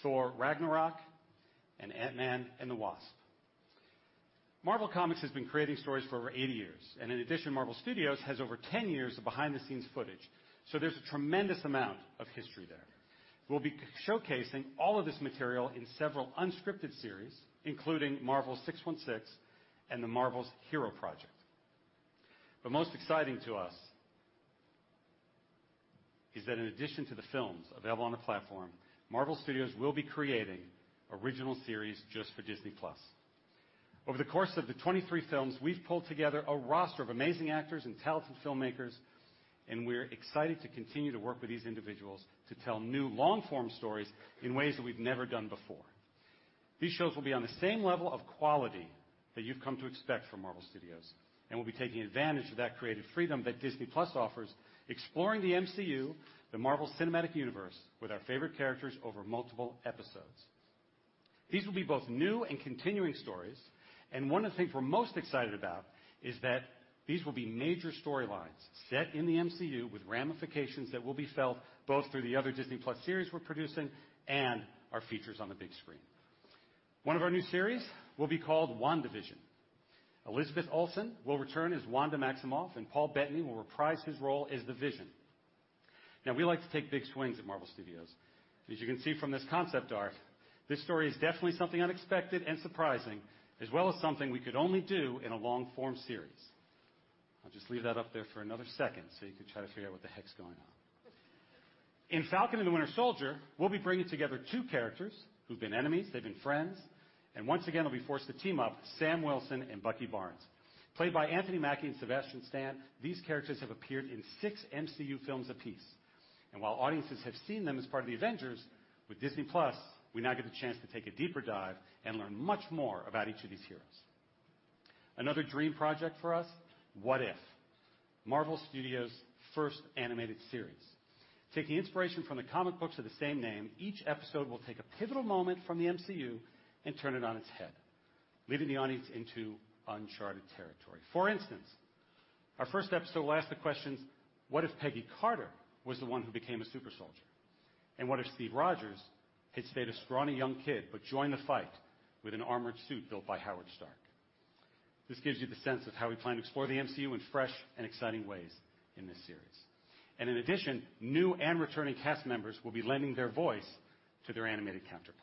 "Thor: Ragnarok," and "Ant-Man and the Wasp." Marvel Comics has been creating stories for over 80 years, and in addition, Marvel Studios has over 10 years of behind-the-scenes footage, so there's a tremendous amount of history there. We'll be showcasing all of this material in several unscripted series, including Marvel's 616 and Marvel's Hero Project. Most exciting to us is that in addition to the films available on the platform, Marvel Studios will be creating original series just for Disney+. Over the course of the 23 films, we've pulled together a roster of amazing actors and talented filmmakers, we're excited to continue to work with these individuals to tell new long-form stories in ways that we've never done before. These shows will be on the same level of quality that you've come to expect from Marvel Studios and will be taking advantage of that creative freedom that Disney+ offers, exploring the MCU, the Marvel Cinematic Universe, with our favorite characters over multiple episodes. These will be both new and continuing stories, one of the things we're most excited about is that these will be major storylines set in the MCU with ramifications that will be felt both through the other Disney+ series we're producing and our features on the big screen. One of our new series will be called "WandaVision." Elizabeth Olsen will return as Wanda Maximoff, and Paul Bettany will reprise his role as the Vision. We like to take big swings at Marvel Studios. You can see from this concept art, this story is definitely something unexpected and surprising, as well as something we could only do in a long-form series. I'll just leave that up there for another second so you can try to figure out what the heck's going on. In "The Falcon and the Winter Soldier," we'll be bringing together two characters who've been enemies, they've been friends, and once again, will be forced to team up, Sam Wilson and Bucky Barnes. Played by Anthony Mackie and Sebastian Stan, these characters have appeared in six MCU films apiece. While audiences have seen them as part of the Avengers, with Disney+, we now get the chance to take a deeper dive and learn much more about each of these heroes. Another dream project for us, "What If?", Marvel Studios' first animated series. Taking inspiration from the comic books of the same name, each episode will take a pivotal moment from the MCU and turn it on its head, leading the audience into uncharted territory. Our first episode will ask the questions: What if Peggy Carter was the one who became a super soldier? What if Steve Rogers had stayed a scrawny young kid, but joined the fight with an armored suit built by Howard Stark? This gives you the sense of how we plan to explore the MCU in fresh and exciting ways in this series. In addition, new and returning cast members will be lending their voice to their animated counterparts.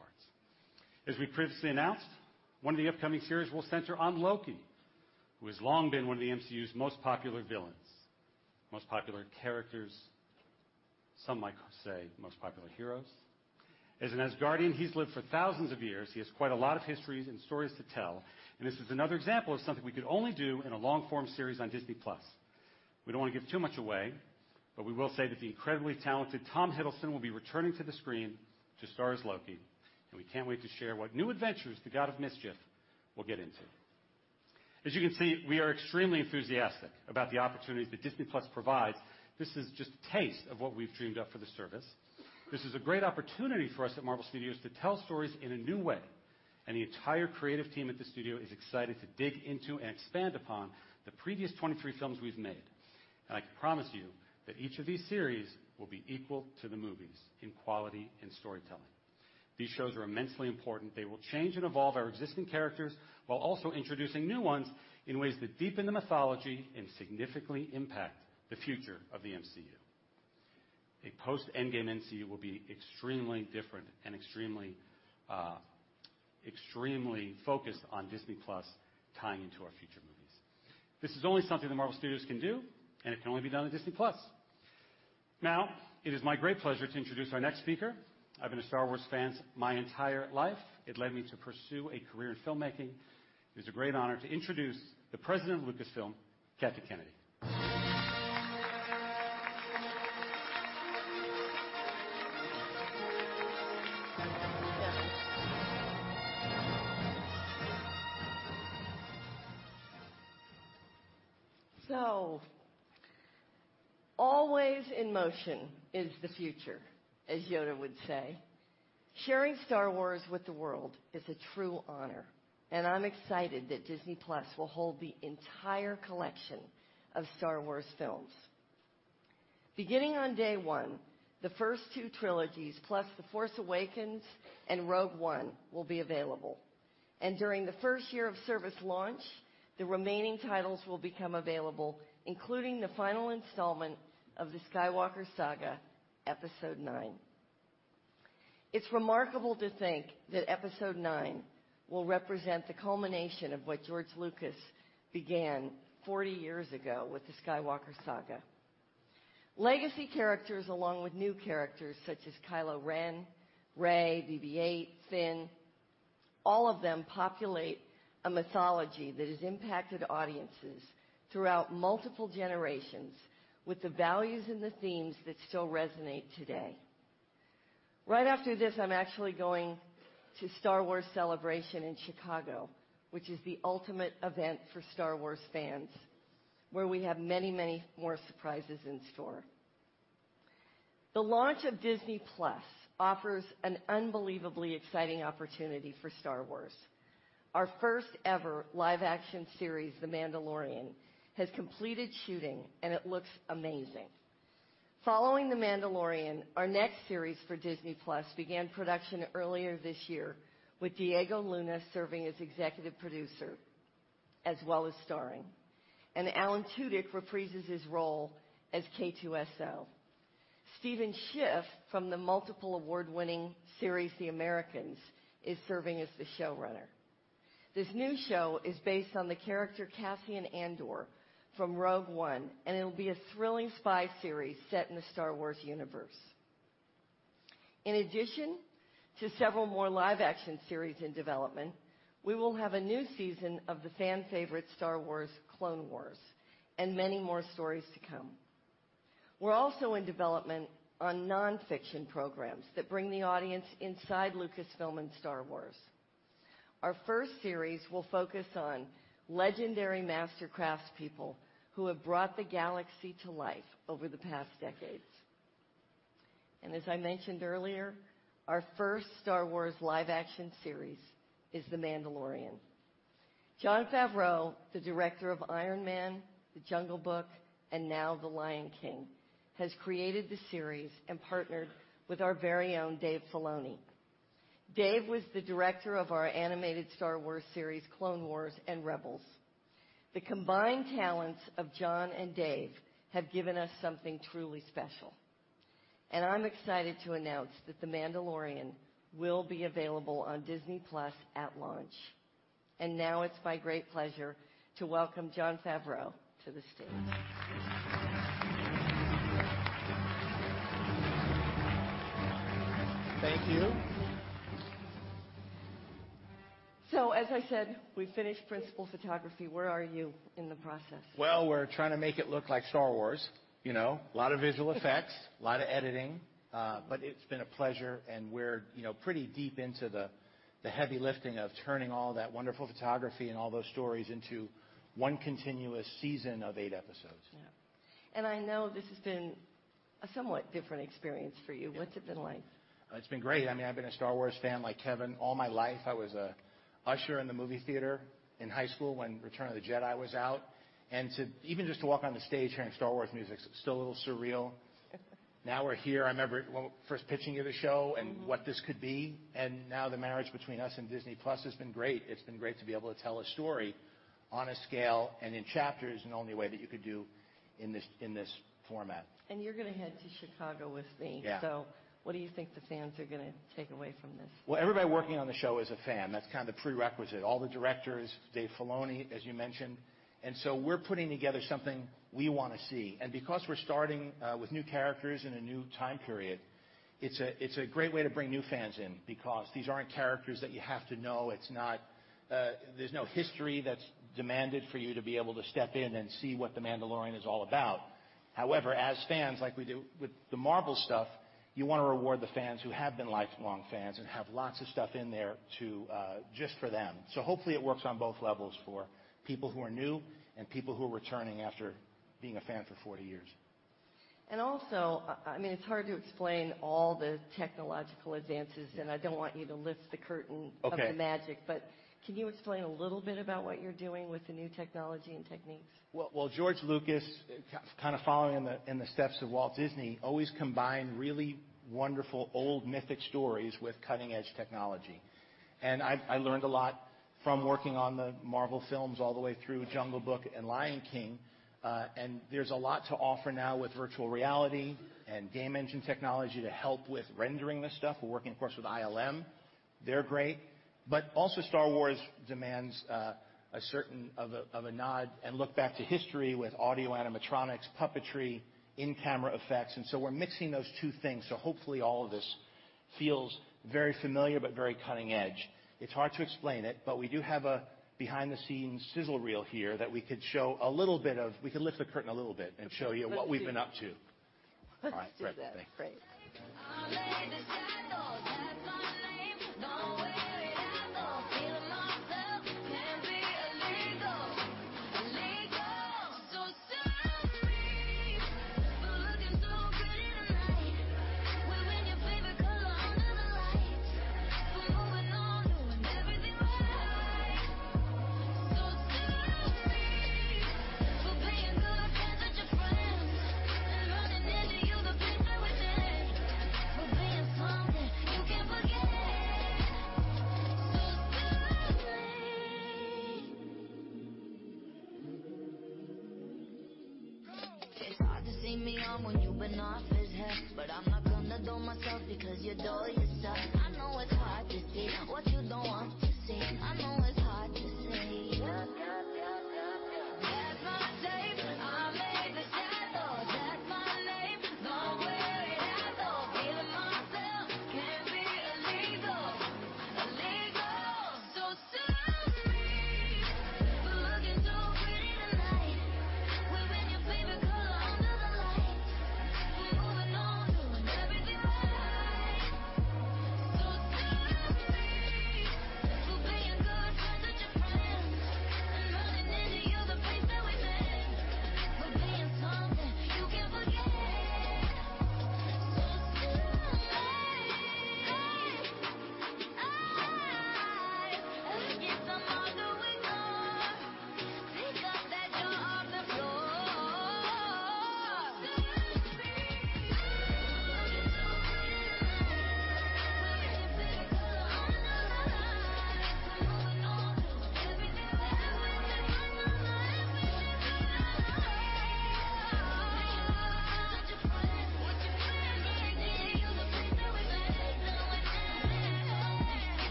As we previously announced, one of the upcoming series will center on Loki, who has long been one of the MCU's most popular villains, most popular characters, some might say most popular heroes. As an Asgardian, he's lived for thousands of years. He has quite a lot of history and stories to tell. This is another example of something we could only do in a long-form series on Disney+. We don't want to give too much away. We will say that the incredibly talented Tom Hiddleston will be returning to the screen to star as Loki, and we can't wait to share what new adventures the God of Mischief will get into. As you can see, we are extremely enthusiastic about the opportunities that Disney+ provides. This is just a taste of what we've dreamed up for the service. This is a great opportunity for us at Marvel Studios to tell stories in a new way. The entire creative team at the studio is excited to dig into and expand upon the previous 23 films we've made. I can promise you that each of these series will be equal to the movies in quality and storytelling. These shows are immensely important. They will change and evolve our existing characters while also introducing new ones in ways that deepen the mythology and significantly impact the future of the MCU. A post-Endgame MCU will be extremely different and extremely focused on Disney+, tying into our future movies. This is only something that Marvel Studios can do. It can only be done on Disney+. It is my great pleasure to introduce our next speaker. I've been a Star Wars fan my entire life. It led me to pursue a career in filmmaking. It is a great honor to introduce the president of Lucasfilm, Kathleen Kennedy. Always in motion is the future, as Yoda would say. Sharing Star Wars with the world is a true honor. I'm excited that Disney+ will hold the entire collection of Star Wars films. Beginning on day one, the first two trilogies, plus The Force Awakens and Rogue One will be available. During the first year of service launch, the remaining titles will become available, including the final installment of the Skywalker Saga, Episode IX. It's remarkable to think that Episode IX will represent the culmination of what George Lucas began 40 years ago with the Skywalker Saga. Legacy characters, along with new characters such as Kylo Ren, Rey, BB-8, Finn, all of them populate a mythology that has impacted audiences throughout multiple generations with the values and the themes that still resonate today. Right after this, I'm actually going to Star Wars Celebration in Chicago, which is the ultimate event for Star Wars fans, where we have many more surprises in store. The launch of Disney+ offers an unbelievably exciting opportunity for Star Wars. Our first-ever live action series, "The Mandalorian", has completed shooting, and it looks amazing. Following "The Mandalorian", our next series for Disney+ began production earlier this year with Diego Luna serving as executive producer, as well as starring. Alan Tudyk reprises his role as K-2SO. Stephen Schiff, from the multiple award-winning series, "The Americans", is serving as the showrunner. This new show is based on the character Cassian Andor from "Rogue One", and it'll be a thrilling spy series set in the Star Wars universe. In addition to several more live action series in development, we will have a new season of the fan favorite, "Star Wars: Clone Wars", and many more stories to come. We're also in development on non-fiction programs that bring the audience inside Lucasfilm and Star Wars. Our first series will focus on legendary master craftspeople who have brought the galaxy to life over the past decades. As I mentioned earlier, our first Star Wars live action series is "The Mandalorian". Jon Favreau, the director of "Iron Man," "The Jungle Book," and now "The Lion King," has created the series and partnered with our very own Dave Filoni. Dave was the director of our animated Star Wars series, "Clone Wars" and "Rebels." The combined talents of Jon and Dave have given us something truly special, and I'm excited to announce that "The Mandalorian" will be available on Disney+ at launch. Now it's my great pleasure to welcome Jon Favreau to the stage. Thank you. As I said, we've finished principal photography. Where are you in the process? We're trying to make it look like Star Wars. A lot of visual effects, a lot of editing. It's been a pleasure, and we're pretty deep into the heavy lifting of turning all that wonderful photography and all those stories into one continuous season of 8 episodes. Yeah. I know this has been a somewhat different experience for you. What's it been like? It's been great. I've been a Star Wars fan, like Kevin, all my life. I was an usher in the movie theater in high school when "Return of the Jedi" was out. Even just to walk on the stage hearing Star Wars music's still a little surreal. Now we're here. I remember first pitching you the show. What this could be, now the marriage between us and Disney+ has been great. It's been great to be able to tell a story on a scale and in chapters in the only way that you could do in this format. You're going to head to Chicago with me. Yeah. What do you think the fans are going to take away from this? Well, everybody working on the show is a fan. That's kind of the prerequisite. All the directors, Dave Filoni, as you mentioned. We're putting together something we want to see. Because we're starting with new characters in a new time period, it's a great way to bring new fans in because these aren't characters that you have to know. There's no history that's demanded for you to be able to step in and see what "The Mandalorian" is all about. However, as fans, like we do with the Marvel stuff, you want to reward the fans who have been lifelong fans and have lots of stuff in there just for them. Hopefully it works on both levels for people who are new and people who are returning after being a fan for 40 years. Also, it's hard to explain all the technological advances, and I don't want you to lift the curtain. Okay Of the magic, can you explain a little bit about what you're doing with the new technology and techniques? Well, George Lucas, kind of following in the steps of Walt Disney, always combined really wonderful, old mythic stories with cutting-edge technology. I learned a lot from working on the Marvel films all the way through "Jungle Book" and "Lion King," there's a lot to offer now with virtual reality and game engine technology to help with rendering this stuff. We're working, of course, with ILM. They're great. Also Star Wars demands a certain of a nod and look back to history with Audio-Animatronics, puppetry, in-camera effects, we're mixing those two things, hopefully all of this feels very familiar but very cutting-edge. It's hard to explain it, we do have a behind-the-scenes sizzle reel here that we could show a little bit of. We can lift the curtain a little bit and show you what we've been up to. Let's do that. All right. Great. Thanks. Great. I made the shadow. That's my name. Don't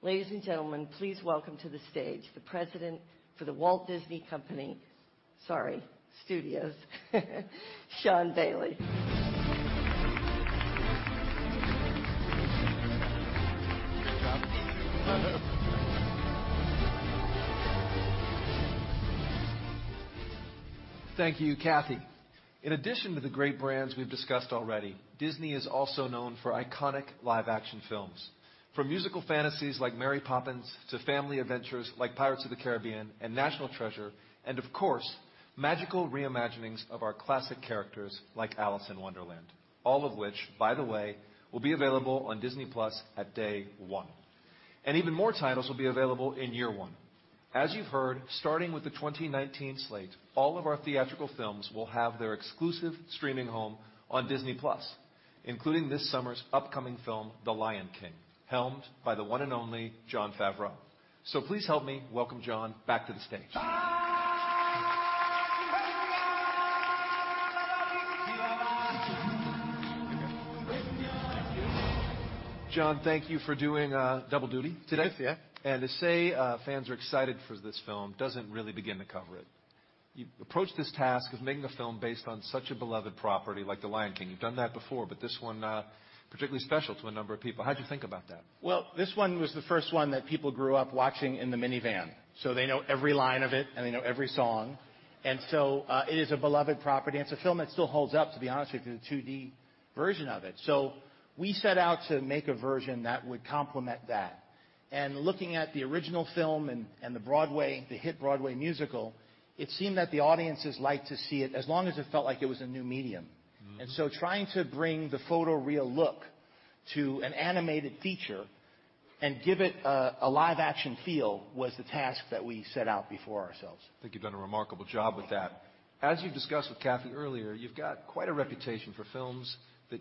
Ladies and gentlemen, please welcome to the stage the president for The Walt Disney Company, sorry, Studios, Sean Bailey. Great job. Thank you, Kathy. In addition to the great brands we've discussed already, Disney is also known for iconic live action films, from musical fantasies like "Mary Poppins" to family adventures like "Pirates of the Caribbean" and "National Treasure," and of course, magical re-imaginings of our classic characters like "Alice in Wonderland," all of which, by the way, will be available on Disney+ at day one. Even more titles will be available in year one. As you've heard, starting with the 2019 slate, all of our theatrical films will have their exclusive streaming home on Disney+, including this summer's upcoming film, "The Lion King," helmed by the one and only Jon Favreau. Please help me welcome Jon back to the stage. Jon, thank you for doing double duty today. Yes. Yeah. To say fans are excited for this film doesn't really begin to cover it. You approached this task of making a film based on such a beloved property like The Lion King, you've done that before, but this one, particularly special to a number of people. How'd you think about that? Well, this one was the first one that people grew up watching in the minivan, so they know every line of it, and they know every song. It is a beloved property, and it's a film that still holds up, to be honest with you, the 2D version of it. We set out to make a version that would complement that. Looking at the original film and the hit Broadway musical, it seemed that the audiences liked to see it as long as it felt like it was a new medium. Trying to bring the photo-real look to an animated feature and give it a live action feel was the task that we set out before ourselves. I think you've done a remarkable job with that. As you've discussed with Kathy earlier, you've got quite a reputation for films that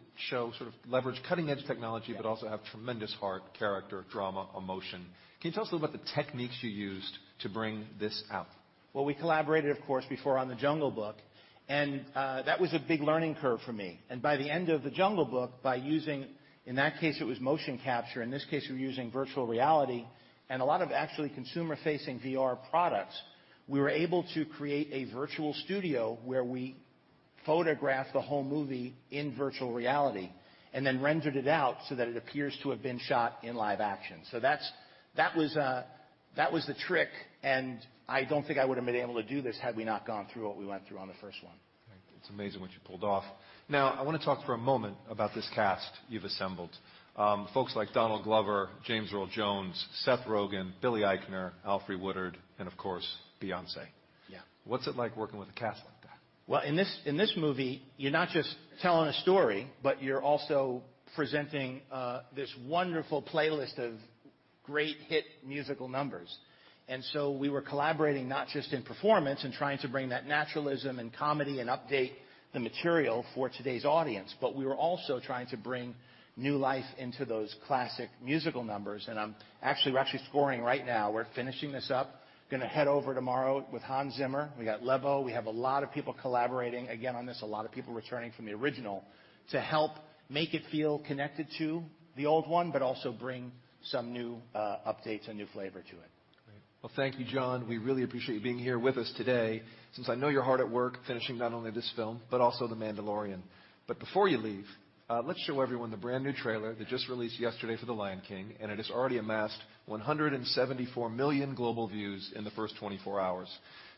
leverage cutting edge technology. Yeah Also have tremendous heart, character, drama, emotion. Can you tell us a little about the techniques you used to bring this out? We collaborated, of course, before on The Jungle Book, and that was a big learning curve for me. By the end of The Jungle Book, by using, in that case, it was motion capture, in this case, we were using virtual reality and a lot of actually consumer-facing VR products, we were able to create a virtual studio where we photographed the whole movie in virtual reality and then rendered it out so that it appears to have been shot in live action. That was the trick, and I don't think I would've been able to do this had we not gone through what we went through on the first one. It's amazing what you pulled off. I want to talk for a moment about this cast you've assembled. Folks like Donald Glover, James Earl Jones, Seth Rogen, Billy Eichner, Alfre Woodard, and of course, Beyoncé. Yeah. What's it like working with a cast like that? Well, in this movie, you're not just telling a story, but you're also presenting this wonderful playlist of great hit musical numbers. We were collaborating not just in performance and trying to bring that naturalism and comedy and update the material for today's audience, but we were also trying to bring new life into those classic musical numbers, and we're actually scoring right now. We're finishing this up, going to head over tomorrow with Hans Zimmer. We got Lebo. We have a lot of people collaborating again on this, a lot of people returning from the original to help make it feel connected to the old one, but also bring some new updates and new flavor to it. Great. Well, thank you, Jon. We really appreciate you being here with us today, since I know you're hard at work finishing not only this film, but also The Mandalorian. Before you leave, let's show everyone the brand-new trailer that just released yesterday for The Lion King, and it has already amassed 174 million global views in the first 24 hours.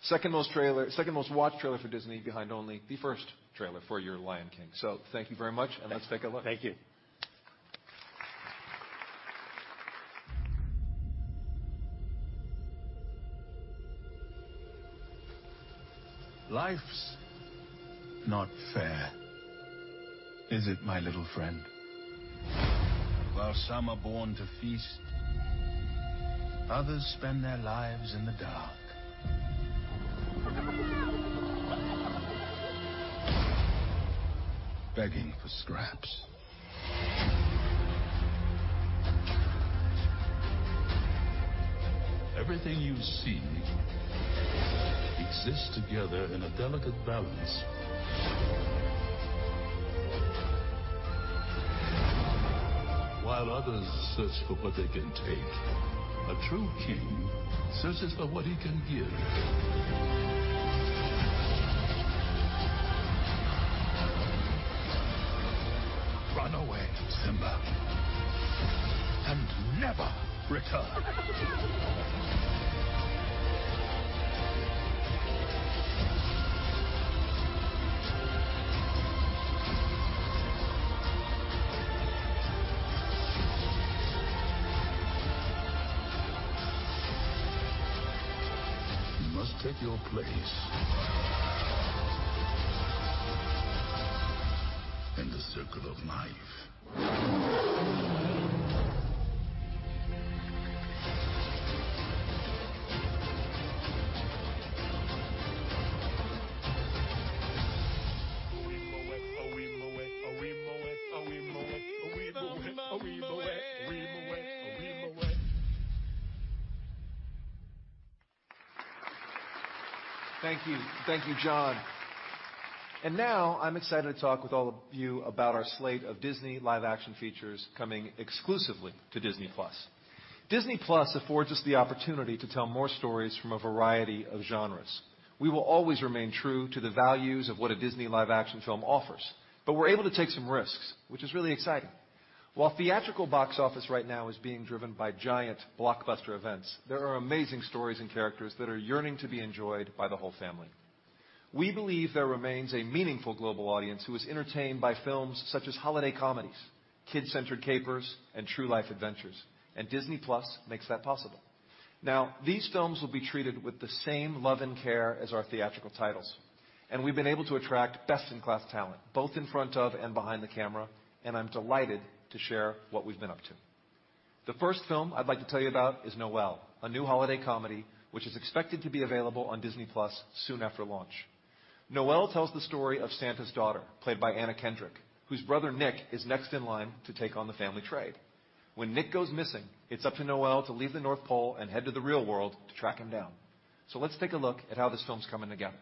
Second most-watched trailer for Disney behind only the first trailer for your The Lion King. Thank you very much, and let's take a look. Thank you. Life's not fair, is it, my little friend? While some are born to feast, others spend their lives in the dark. Begging for scraps. Everything you see exists together in a delicate balance. While others search for what they can take, a true king searches for what he can give. Simba, and never return. You must take your place in the circle of life. A weema way, a weema way, a weema way, a weema way, a weema way, a weema way, a weema way, a weema way. Thank you. Thank you, Jon. Now I'm excited to talk with all of you about our slate of Disney live action features coming exclusively to Disney+. Disney+ affords us the opportunity to tell more stories from a variety of genres. We will always remain true to the values of what a Disney live action film offers, but we're able to take some risks, which is really exciting. While theatrical box office right now is being driven by giant blockbuster events, there are amazing stories and characters that are yearning to be enjoyed by the whole family. We believe there remains a meaningful global audience who is entertained by films such as holiday comedies, kid-centered capers, and true life adventures, and Disney+ makes that possible. These films will be treated with the same love and care as our theatrical titles, and we've been able to attract best-in-class talent, both in front of and behind the camera, and I'm delighted to share what we've been up to. The first film I'd like to tell you about is Noelle, a new holiday comedy, which is expected to be available on Disney+ soon after launch. Noelle tells the story of Santa's daughter, played by Anna Kendrick, whose brother Nick is next in line to take on the family trade. When Nick goes missing, it's up to Noelle to leave the North Pole and head to the real world to track him down. Let's take a look at how this film's coming together.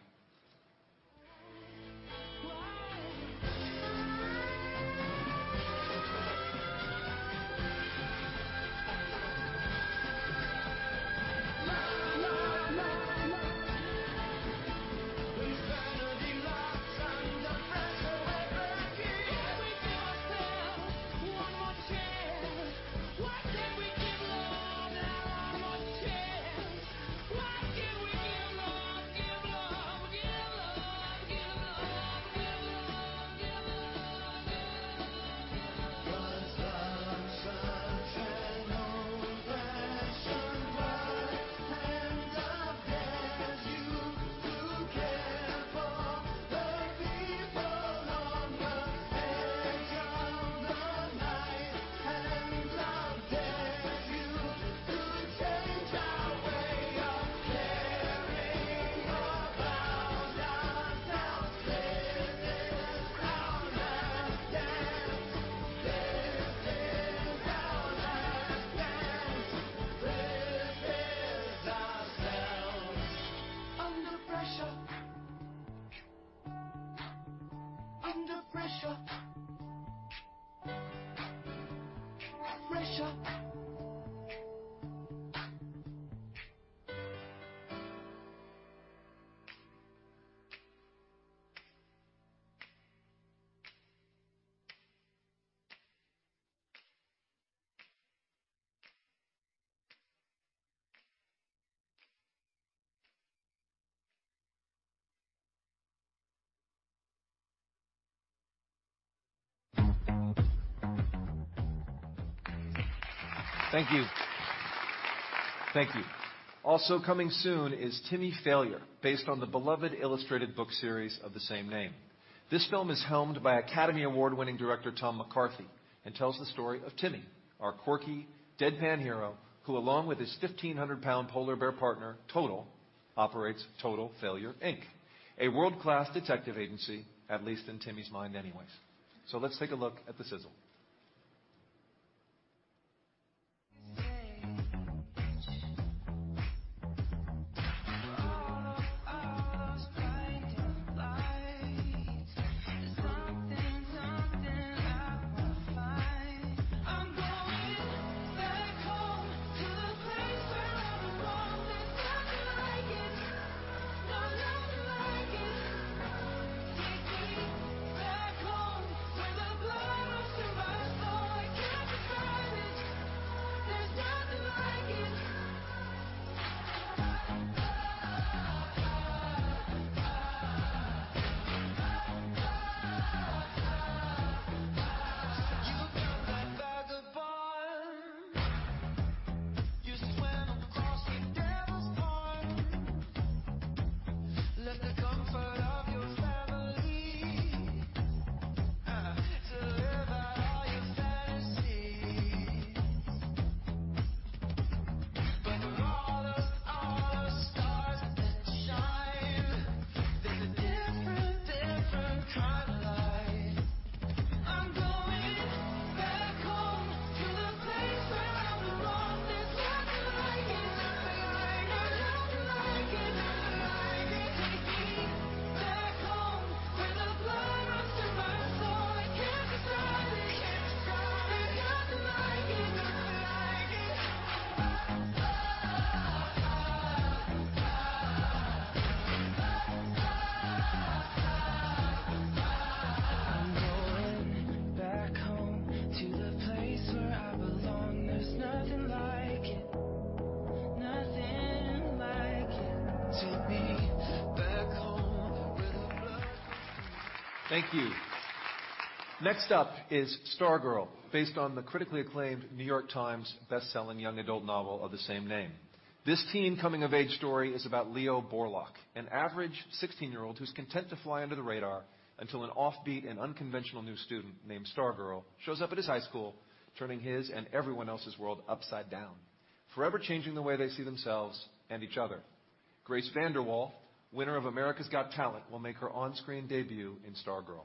winner of America's Got Talent, will make her on-screen debut in Stargirl.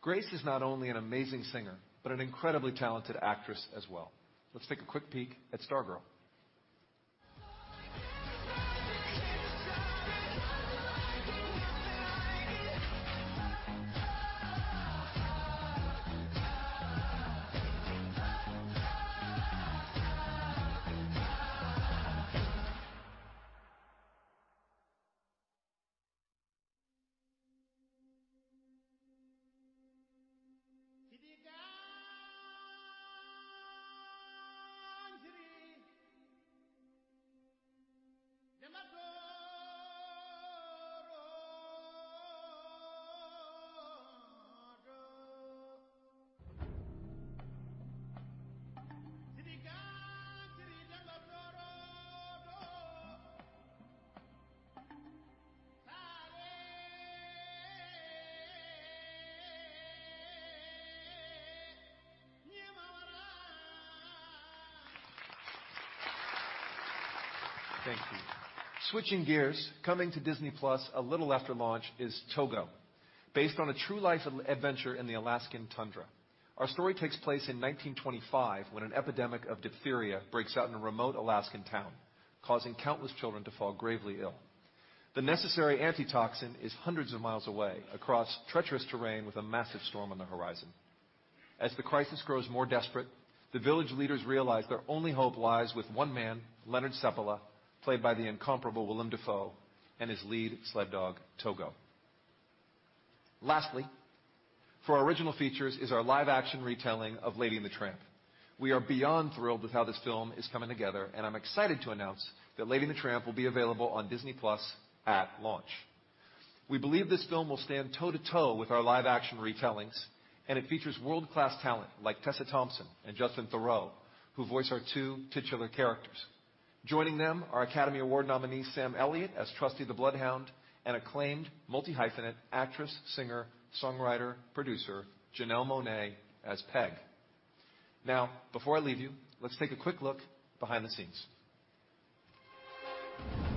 Grace is not only an amazing singer, but an incredibly talented actress as well. Let's take a quick peek at Stargirl. Thank you. Switching gears, coming to Disney+ a little after launch is Togo, based on a true life adventure in the Alaskan tundra. Our story takes place in 1925 when an epidemic of diphtheria breaks out in a remote Alaskan town, causing countless children to fall gravely ill. The necessary antitoxin is hundreds of miles away, across treacherous terrain with a massive storm on the horizon. As the crisis grows more desperate, the village leaders realize their only hope lies with one man, Leonhard Seppala, played by the incomparable Willem Dafoe, and his lead sled dog, Togo. Lastly, for our original features is our live-action retelling of Lady and the Tramp. We are beyond thrilled with how this film is coming together, and I'm excited to announce that Lady and the Tramp will be available on Disney+ at launch. We believe this film will stand toe-to-toe with our live-action retellings, and it features world-class talent like Tessa Thompson and Justin Theroux, who voice our two titular characters. Joining them are Academy Award nominee Sam Elliott as Trusty the Bloodhound, and acclaimed multi-hyphenate actress, singer, songwriter, producer Janelle Monáe as Peg. Before I leave you, let's take a quick look behind the scenes. I did anything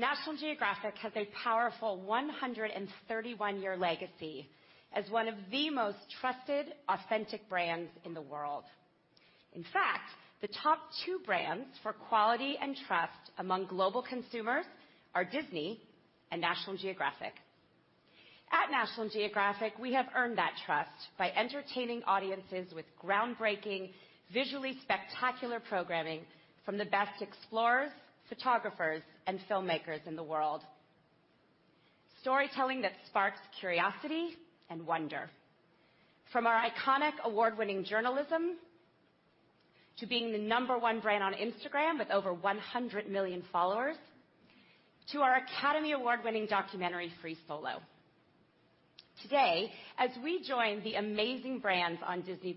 National Geographic has a powerful 131-year legacy as one of the most trusted, authentic brands in the world. In fact, the top two brands for quality and trust among global consumers are Disney and National Geographic. At National Geographic, we have earned that trust by entertaining audiences with groundbreaking, visually spectacular programming from the best explorers, photographers, and filmmakers in the world. Storytelling that sparks curiosity and wonder. From our iconic award-winning journalism, to being the number 1 brand on Instagram with over 100 million followers, to our Academy Award-winning documentary, "Free Solo." Today, as we join the amazing brands on Disney+,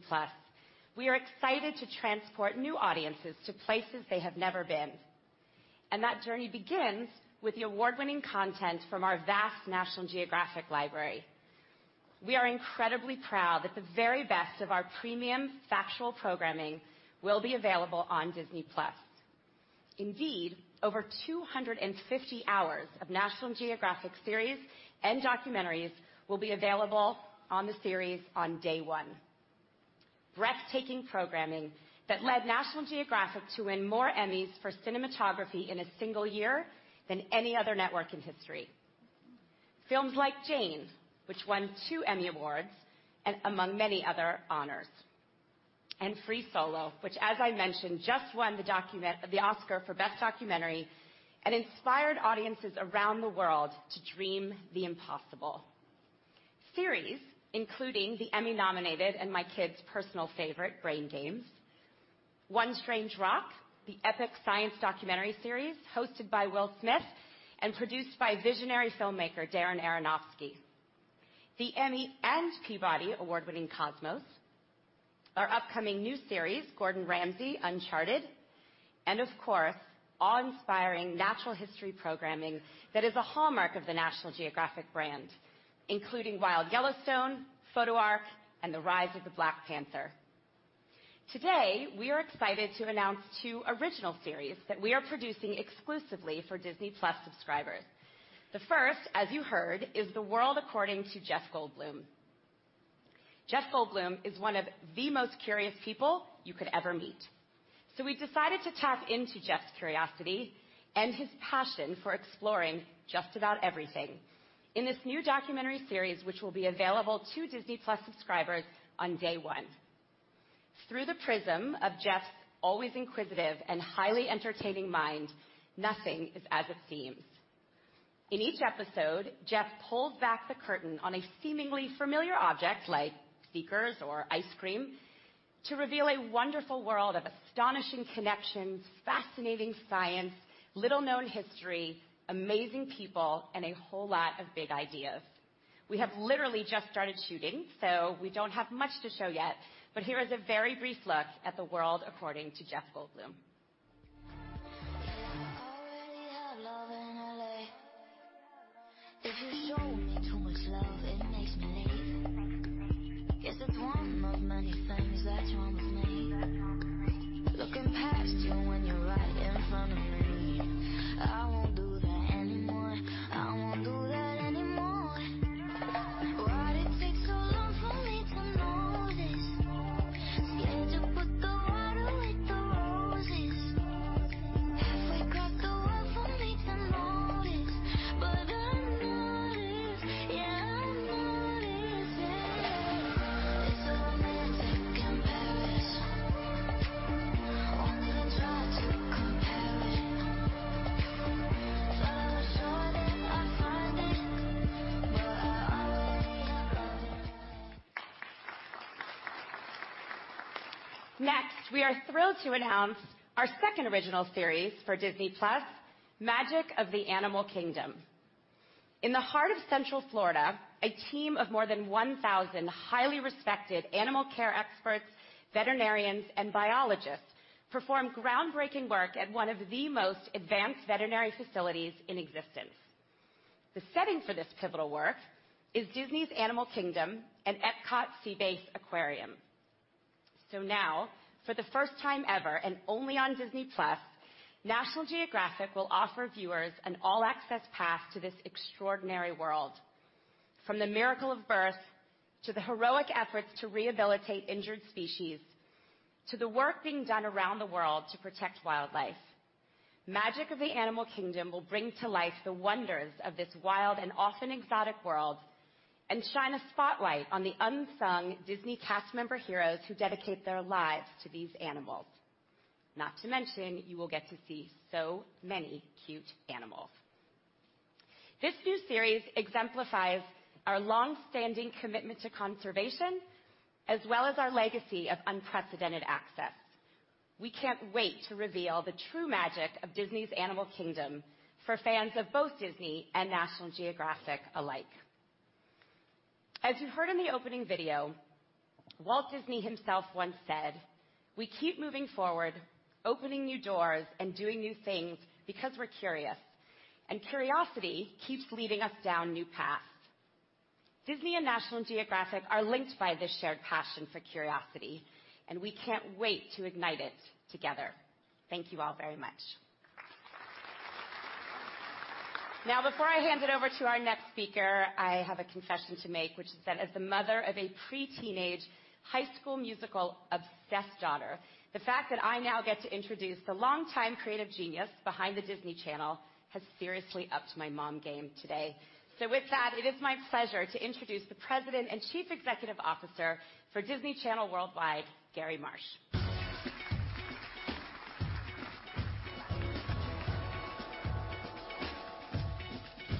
we are excited to transport new audiences to places they have never been. That journey begins with the award-winning content from our vast National Geographic library. We are incredibly proud that the very best of our premium factual programming will be available on Disney+. Indeed, over 250 hours of National Geographic series and documentaries will be available on the series on day one. Breathtaking programming that led National Geographic to win more Emmys for cinematography in a single year than any other network in history. Films like "Jane," which won two Emmy Awards, among many other honors, and "Free Solo," which as I mentioned, just won the Oscar for Best Documentary and inspired audiences around the world to dream the impossible. Series, including the Emmy-nominated and my kids' personal favorite, "Brain Games," "One Strange Rock," the epic science documentary series hosted by Will Smith and produced by visionary filmmaker Darren Aronofsky, the Emmy and Peabody Award-winning "Cosmos," our upcoming new series, "Gordon Ramsay: Uncharted," and of course, awe-inspiring natural history programming that is a hallmark of the National Geographic brand, including "Wild Yellowstone," "Photo Ark," and "The Rise of the Black Panther." Today, we are excited to announce two original series that we are producing exclusively for Disney+ subscribers. The first, as you heard, is "The World According to Jeff Goldblum." Jeff Goldblum is one of the most curious people you could ever meet. We decided to tap into Jeff's curiosity and his passion for exploring just about everything in this new documentary series, which will be available to Disney+ subscribers on day one. Through the prism of Jeff's always inquisitive and highly entertaining mind, nothing is as it seems. In each episode, Jeff pulls back the curtain on a seemingly familiar object, like sneakers or ice cream, to reveal a wonderful world of astonishing connections, fascinating science, little-known history, amazing people, and a whole lot of big ideas. We have literally just started shooting, so we don't have much to show yet, but here is a very brief look at "The World According to Jeff Goldblum. I already have love in L.A. If you show me too much love, it makes me leave. Guess it's one of many things that's wrong with me. Looking past you when you're right in front of me. I won't do that anymore. I won't do that anymore. Why'd it take so long for me to notice? You just put the water with the roses. Halfway across the world for me to notice. I notice. I notice. It's so romantic in Paris. One day I'll drive to compare it. Thought I was sure that I'd find it. I already have love in L.A. Next, we are thrilled to announce our second original series for Disney+, "Magic of the Animal Kingdom." In the heart of Central Florida, a team of more than 1,000 highly respected animal care experts, veterinarians, and biologists perform groundbreaking work at one of the most advanced veterinary facilities in existence. The setting for this pivotal work is Disney's Animal Kingdom and Epcot Sea Base Aquarium. Now, for the first time ever, and only on Disney+, National Geographic will offer viewers an all-access pass to this extraordinary world. From the miracle of birth, to the heroic efforts to rehabilitate injured species, to the work being done around the world to protect wildlife. "Magic of the Animal Kingdom" will bring to life the wonders of this wild and often exotic world and shine a spotlight on the unsung Disney cast member heroes who dedicate their lives to these animals. Not to mention, you will get to see so many cute animals. This new series exemplifies our longstanding commitment to conservation, as well as our legacy of unprecedented access. We can't wait to reveal the true magic of Disney's Animal Kingdom for fans of both Disney and National Geographic alike. As you heard in the opening video, Walt Disney himself once said, "We keep moving forward, opening new doors, and doing new things because we're curious, and curiosity keeps leading us down new paths." Disney and National Geographic are linked by this shared passion for curiosity, and we can't wait to ignite it together. Thank you all very much. Before I hand it over to our next speaker, I have a confession to make, which is that as the mother of a pre-teenage High School Musical obsessed daughter, the fact that I now get to introduce the longtime creative genius behind the Disney Channel has seriously upped my mom game today. With that, it is my pleasure to introduce the President and Chief Executive Officer for Disney Channels Worldwide, Gary Marsh.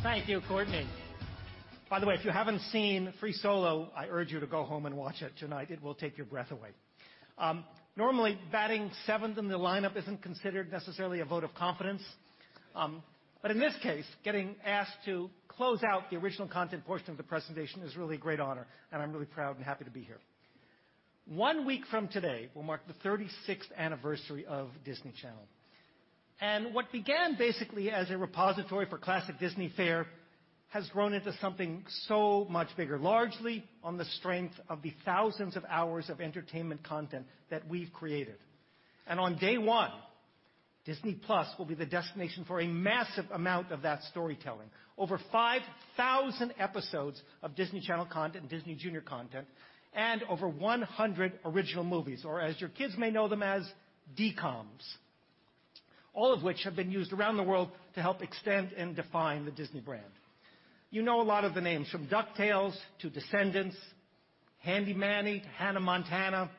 Thank you, Courteney. By the way, if you haven't seen Free Solo, I urge you to go home and watch it tonight. It will take your breath away. Normally, batting seventh in the lineup isn't considered necessarily a vote of confidence. In this case, getting asked to close out the original content portion of the presentation is really a great honor, and I'm really proud and happy to be here. One week from today will mark the 36th anniversary of Disney Channel. What began basically as a repository for classic Disney fare has grown into something so much bigger, largely on the strength of the thousands of hours of entertainment content that we've created. On day one, Disney+ will be the destination for a massive amount of that storytelling. Over 5,000 episodes of Disney Channel content and Disney Junior content, and over 100 original movies, or as your kids may know them as DCOMs, all of which have been used around the world to help extend and define the Disney brand. You know a lot of the names, from DuckTales to Descendants, Handy Manny to Hannah Montana,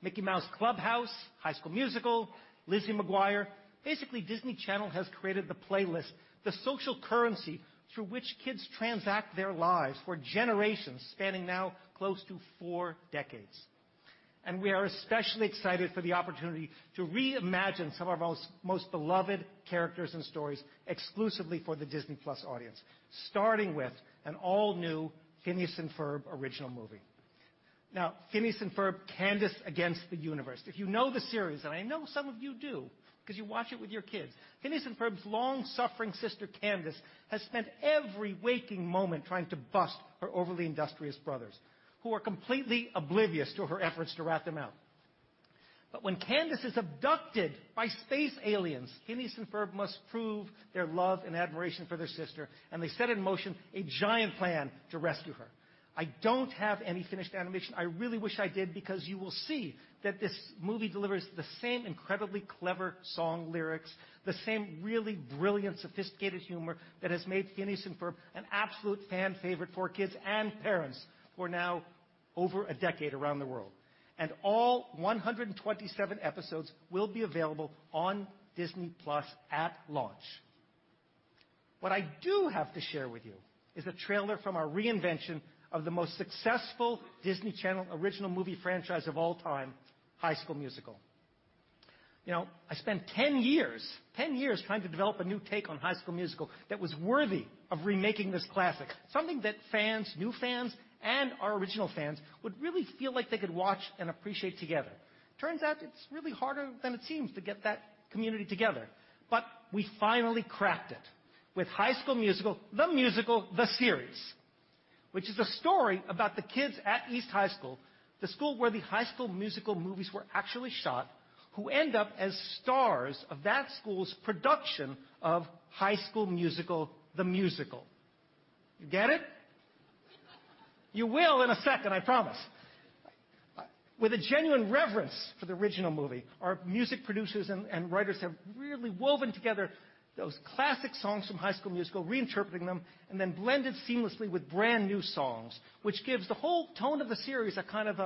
Mickey Mouse Clubhouse, High School Musical, Lizzie McGuire. Basically, Disney Channel has created the playlist, the social currency through which kids transact their lives for generations spanning now close to four decades. We are especially excited for the opportunity to reimagine some of our most beloved characters and stories exclusively for the Disney+ audience, starting with an all-new Phineas and Ferb original movie. Phineas and Ferb: Candace Against the Universe, if you know the series, and I know some of you do because you watch it with your kids, Phineas and Ferb's long-suffering sister, Candace, has spent every waking moment trying to bust her overly industrious brothers, who are completely oblivious to her efforts to rat them out. When Candace is abducted by space aliens, Phineas and Ferb must prove their love and admiration for their sister, and they set in motion a giant plan to rescue her. I don't have any finished animation. I really wish I did because you will see that this movie delivers the same incredibly clever song lyrics, the same really brilliant, sophisticated humor that has made Phineas and Ferb an absolute fan favorite for kids and parents for now over a decade around the world. All 127 episodes will be available on Disney+ at launch. What I do have to share with you is a trailer from our reinvention of the most successful Disney Channel Original Movie franchise of all time, High School Musical. I spent 10 years trying to develop a new take on High School Musical that was worthy of remaking this classic, something that fans, new fans, and our original fans would really feel like they could watch and appreciate together. Turns out it's really harder than it seems to get that community together, but we finally cracked it with High School Musical: The Musical: The Series, which is a story about the kids at East High School, the school where the High School Musical movies were actually shot, who end up as stars of that school's production of High School Musical: The Musical. You get it? You will in a second, I promise. With a genuine reverence for the original movie, our music producers and writers have really woven together those classic songs from High School Musical, reinterpreting them, and then blended seamlessly with brand-new songs, which gives the whole tone of the series a kind of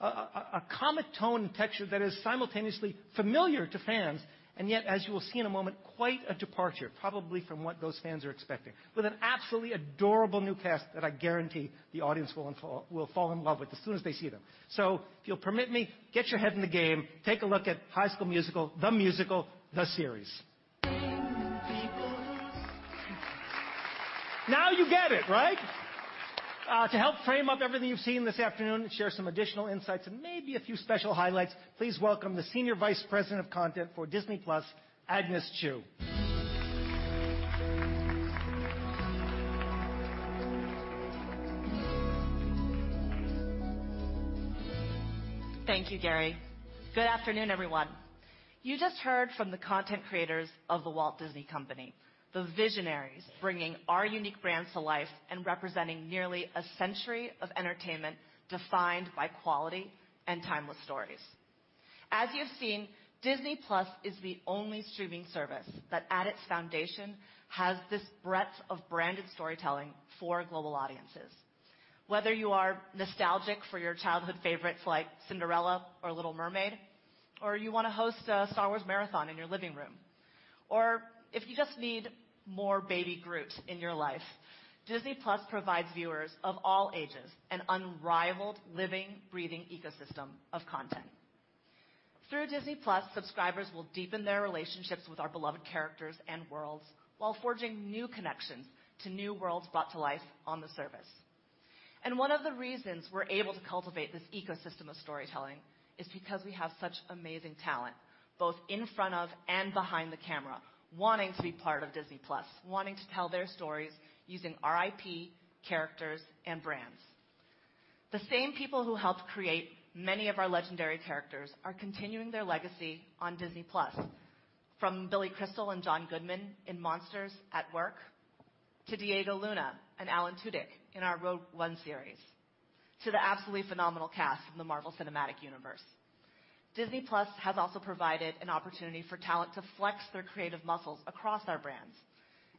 a comic tone and texture that is simultaneously familiar to fans, and yet, as you will see in a moment, quite a departure probably from what those fans are expecting. With an absolutely adorable new cast that I guarantee the audience will fall in love with as soon as they see them. If you'll permit me, get your head in the game, take a look at High School Musical: The Musical: The Series. You get it, right? To help frame up everything you've seen this afternoon and share some additional insights and maybe a few special highlights, please welcome the Senior Vice President of Content for Disney+, Agnes Chu. Thank you, Gary. Good afternoon, everyone. You just heard from the content creators of The Walt Disney Company, the visionaries bringing our unique brands to life and representing nearly a century of entertainment defined by quality and timeless stories. As you have seen, Disney+ is the only streaming service that at its foundation has this breadth of branded storytelling for global audiences. Whether you are nostalgic for your childhood favorites like Cinderella or The Little Mermaid, or you want to host a Star Wars marathon in your living room, or if you just need more Baby Groot in your life, Disney+ provides viewers of all ages an unrivaled living, breathing ecosystem of content. Through Disney+, subscribers will deepen their relationships with our beloved characters and worlds while forging new connections to new worlds brought to life on the service. One of the reasons we're able to cultivate this ecosystem of storytelling is because we have such amazing talent, both in front of and behind the camera, wanting to be part of Disney+, wanting to tell their stories using our IP, characters, and brands. The same people who helped create many of our legendary characters are continuing their legacy on Disney+, from Billy Crystal and John Goodman in "Monsters at Work," to Diego Luna and Alan Tudyk in our "Rogue One" series, to the absolutely phenomenal cast from the Marvel Cinematic Universe. Disney+ has also provided an opportunity for talent to flex their creative muscles across our brands.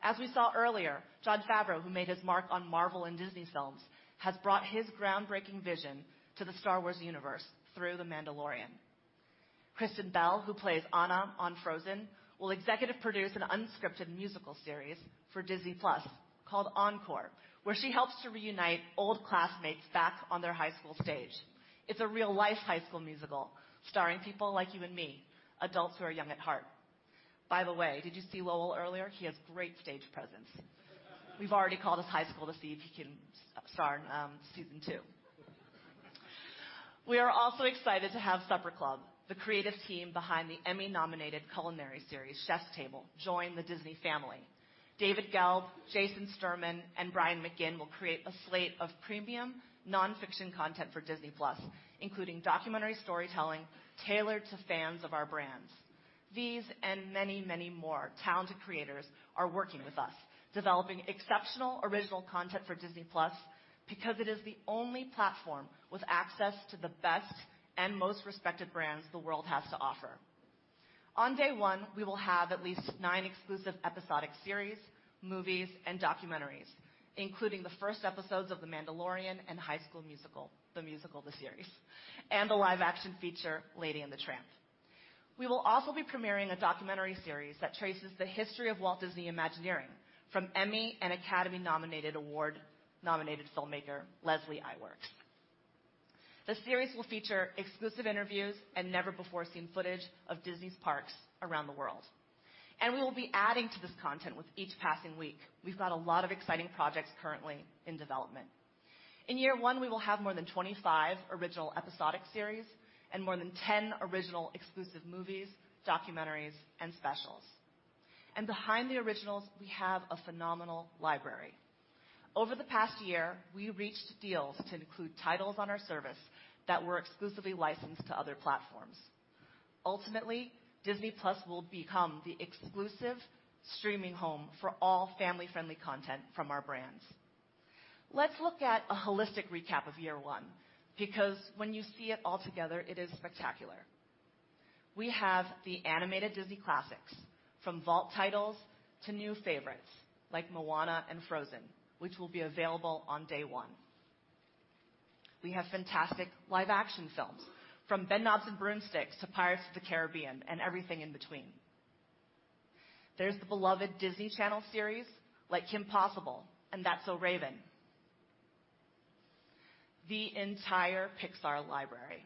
As we saw earlier, Jon Favreau, who made his mark on Marvel and Disney films, has brought his groundbreaking vision to the Star Wars universe through "The Mandalorian." Kristen Bell, who plays Anna on "Frozen," will executive produce an unscripted musical series for Disney+ called "Encore!," where she helps to reunite old classmates back on their high school stage. It's a real-life "High School Musical," starring people like you and me, adults who are young at heart. By the way, did you see Lowell earlier? He has great stage presence. We've already called his high school to see if he can star in season 2. We are also excited to have Supper Club, the creative team behind the Emmy-nominated culinary series "Chef's Table," join the Disney family. David Gelb, Jason Sterman, and Brian McGinn will create a slate of premium nonfiction content for Disney+, including documentary storytelling tailored to fans of our brands. These and many, many more talented creators are working with us, developing exceptional original content for Disney+ because it is the only platform with access to the best and most respected brands the world has to offer. On day one, we will have at least nine exclusive episodic series, movies, and documentaries, including the first episodes of "The Mandalorian" and "High School Musical: The Musical: The Series," and the live-action feature "Lady and the Tramp." We will also be premiering a documentary series that traces the history of Walt Disney Imagineering from Emmy and Academy-nominated award-nominated filmmaker Leslie Iwerks. The series will feature exclusive interviews and never-before-seen footage of Disney's parks around the world. We will be adding to this content with each passing week. We've got a lot of exciting projects currently in development. In year one, we will have more than 25 original episodic series and more than 10 original exclusive movies, documentaries, and specials. Behind the originals, we have a phenomenal library. Over the past year, we reached deals to include titles on our service that were exclusively licensed to other platforms. Ultimately, Disney+ will become the exclusive streaming home for all family-friendly content from our brands. Let's look at a holistic recap of year one, because when you see it all together, it is spectacular. We have the animated Disney classics, from vault titles to new favorites like "Moana" and "Frozen," which will be available on day one. We have fantastic live-action films from "Bedknobs and Broomsticks" to "Pirates of the Caribbean" and everything in between. There's the beloved Disney Channel series like "Kim Possible" and "That's So Raven." The entire Pixar library.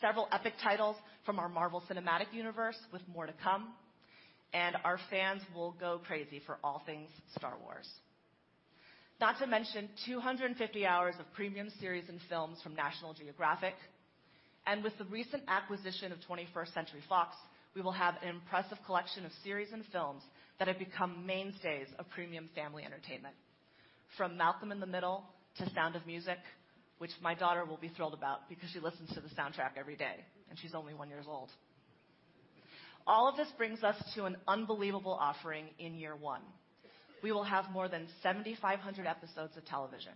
Several epic titles from our Marvel Cinematic Universe with more to come. Our fans will go crazy for all things Star Wars. Not to mention 250 hours of premium series and films from National Geographic. With the recent acquisition of 21st Century Fox, we will have an impressive collection of series and films that have become mainstays of premium family entertainment, from "Malcolm in the Middle" to "The Sound of Music," which my daughter will be thrilled about because she listens to the soundtrack every day, and she's only one years old. All of this brings us to an unbelievable offering in year one. We will have more than 7,500 episodes of television,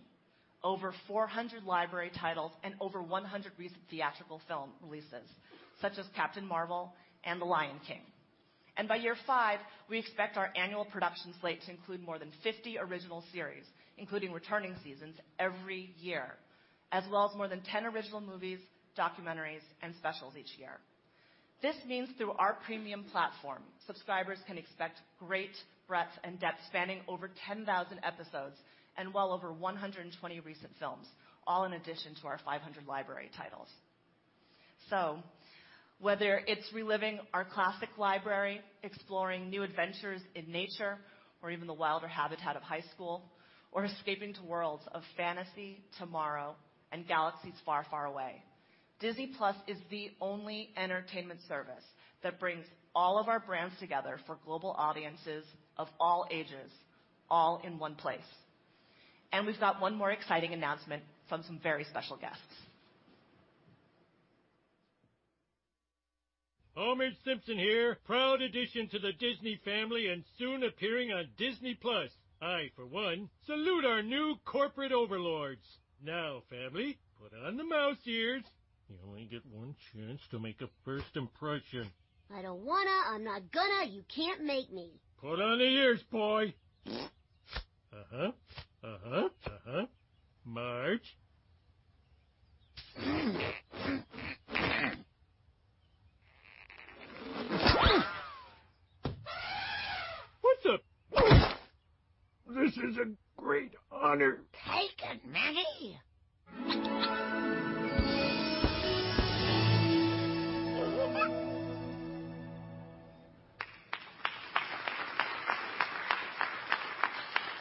over 400 library titles, and over 100 recent theatrical film releases, such as "Captain Marvel" and "The Lion King." By year five, we expect our annual production slate to include more than 50 original series, including returning seasons every year, as well as more than 10 original movies, documentaries, and specials each year. This means through our premium platform, subscribers can expect great breadth and depth spanning over 10,000 episodes and well over 120 recent films, all in addition to our 500 library titles. Whether it's reliving our classic library, exploring new adventures in nature, or even the wilder habitat of high school, or escaping to worlds of fantasy tomorrow and galaxies far, far away, Disney+ is the only entertainment service that brings all of our brands together for global audiences of all ages, all in one place. We've got one more exciting announcement from some very special guests. Homer Simpson here, proud addition to the Disney family and soon appearing on Disney+. I, for one, salute our new corporate overlords. Now, family, put on the mouse ears. You only get one chance to make a first impression. I don't wanna. I'm not gonna. You can't make me. Put on the ears, boy. Uh-huh. Uh-huh. Uh-huh. Marge? This is a great honor. Take it, Maggie.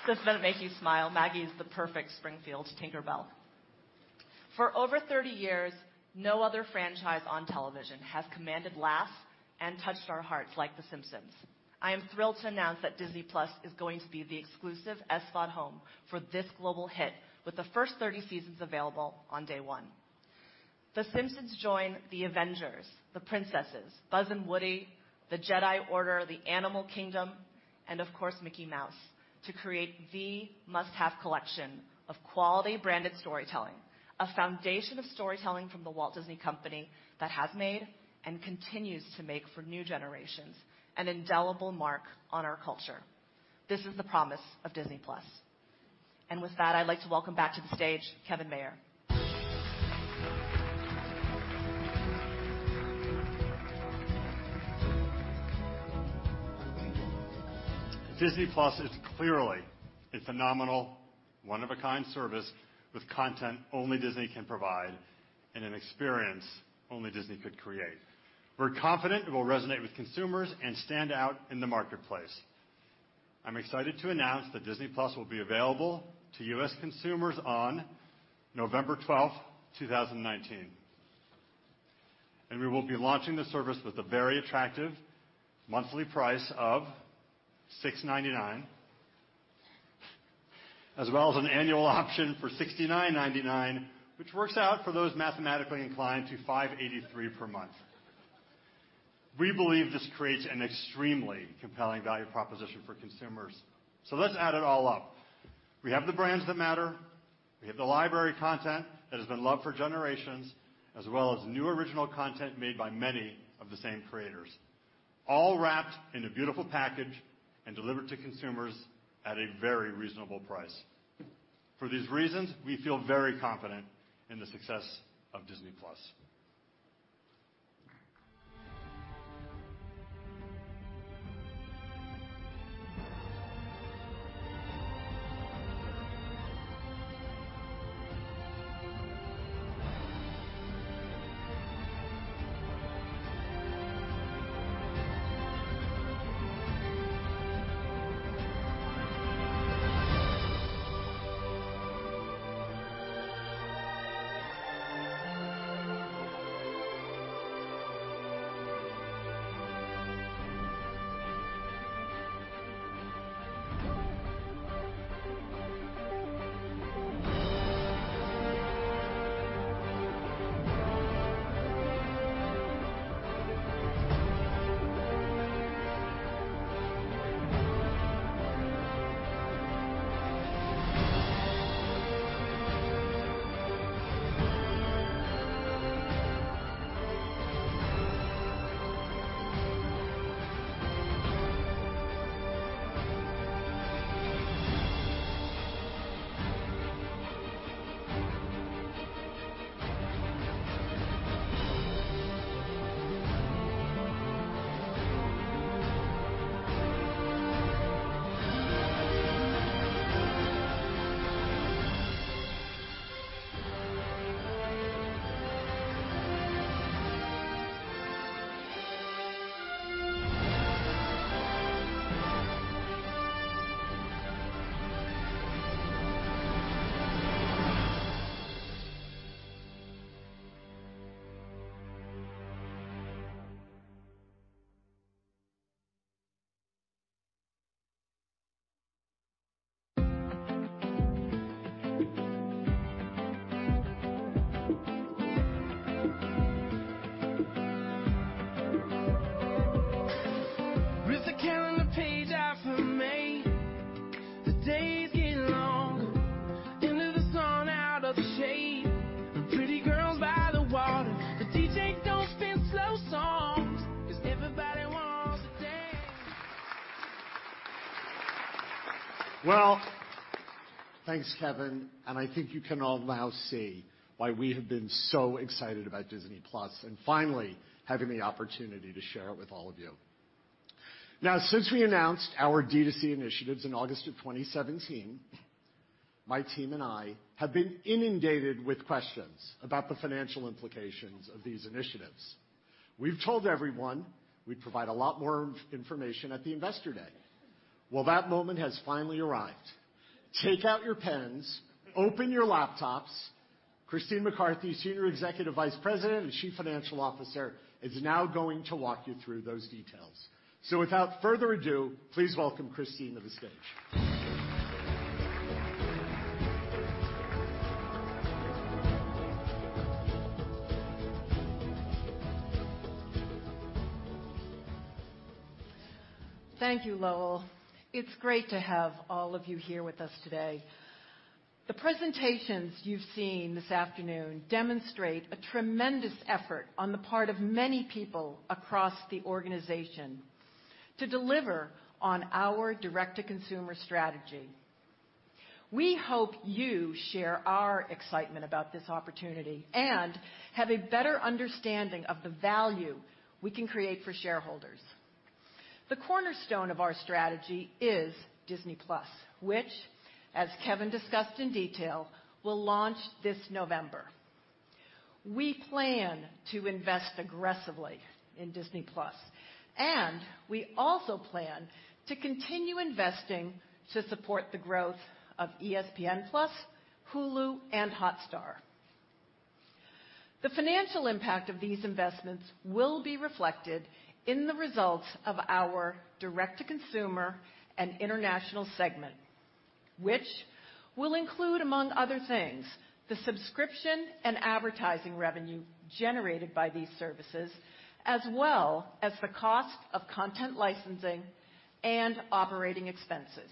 This is going to make you smile. Maggie is the perfect Springfield Tinker Bell. For over 30 years, no other franchise on television has commanded laughs and touched our hearts like "The Simpsons." I am thrilled to announce that Disney+ is going to be the exclusive SVOD home for this global hit, with the first 30 seasons available on day one. "The Simpsons" join the Avengers, the Princesses, Buzz and Woody, the Jedi Order, the Animal Kingdom, and of course, Mickey Mouse, to create the must-have collection of quality branded storytelling, a foundation of storytelling from The Walt Disney Company that has made and continues to make for new generations an indelible mark on our culture. This is the promise of Disney+. With that, I'd like to welcome back to the stage Kevin Mayer. Disney+ is clearly a phenomenal, one-of-a-kind service with content only Disney can provide and an experience only Disney could create. We're confident it will resonate with consumers and stand out in the marketplace. I'm excited to announce that Disney+ will be available to U.S. consumers on November 12th, 2019. We will be launching the service with a very attractive monthly price of $6.99, as well as an annual option for $69.99, which works out for those mathematically inclined to $5.83 per month. We believe this creates an extremely compelling value proposition for consumers. Let's add it all up. We have the brands that matter, we have the library content that has been loved for generations, as well as new original content made by many of the same creators, all wrapped in a beautiful package and delivered to consumers at a very reasonable price. For these reasons, we feel very confident in the success of Disney+. Rip the calendar page off of May. The days get longer. Into the sun out of the shade. Pretty girls by the water. The DJ don't spin slow songs. 'Cause everybody wants to dance. Thanks, Kevin, and I think you can all now see why we have been so excited about Disney+ and finally having the opportunity to share it with all of you. Since we announced our D2C initiatives in August of 2017, my team and I have been inundated with questions about the financial implications of these initiatives. We've told everyone we'd provide a lot more information at the Investor Day. That moment has finally arrived. Take out your pens, open your laptops. Christine McCarthy, Senior Executive Vice President and Chief Financial Officer, is now going to walk you through those details. Without further ado, please welcome Christine to the stage. Thank you, Lowell. It's great to have all of you here with us today. The presentations you've seen this afternoon demonstrate a tremendous effort on the part of many people across the organization to deliver on our direct-to-consumer strategy. We hope you share our excitement about this opportunity and have a better understanding of the value we can create for shareholders. The cornerstone of our strategy is Disney+, which, as Kevin discussed in detail, will launch this November. We plan to invest aggressively in Disney+ and we also plan to continue investing to support the growth of ESPN+, Hulu and Hotstar. The financial impact of these investments will be reflected in the results of our Direct-to-Consumer and International segment, which will include, among other things, the subscription and advertising revenue generated by these services, as well as the cost of content licensing and operating expenses.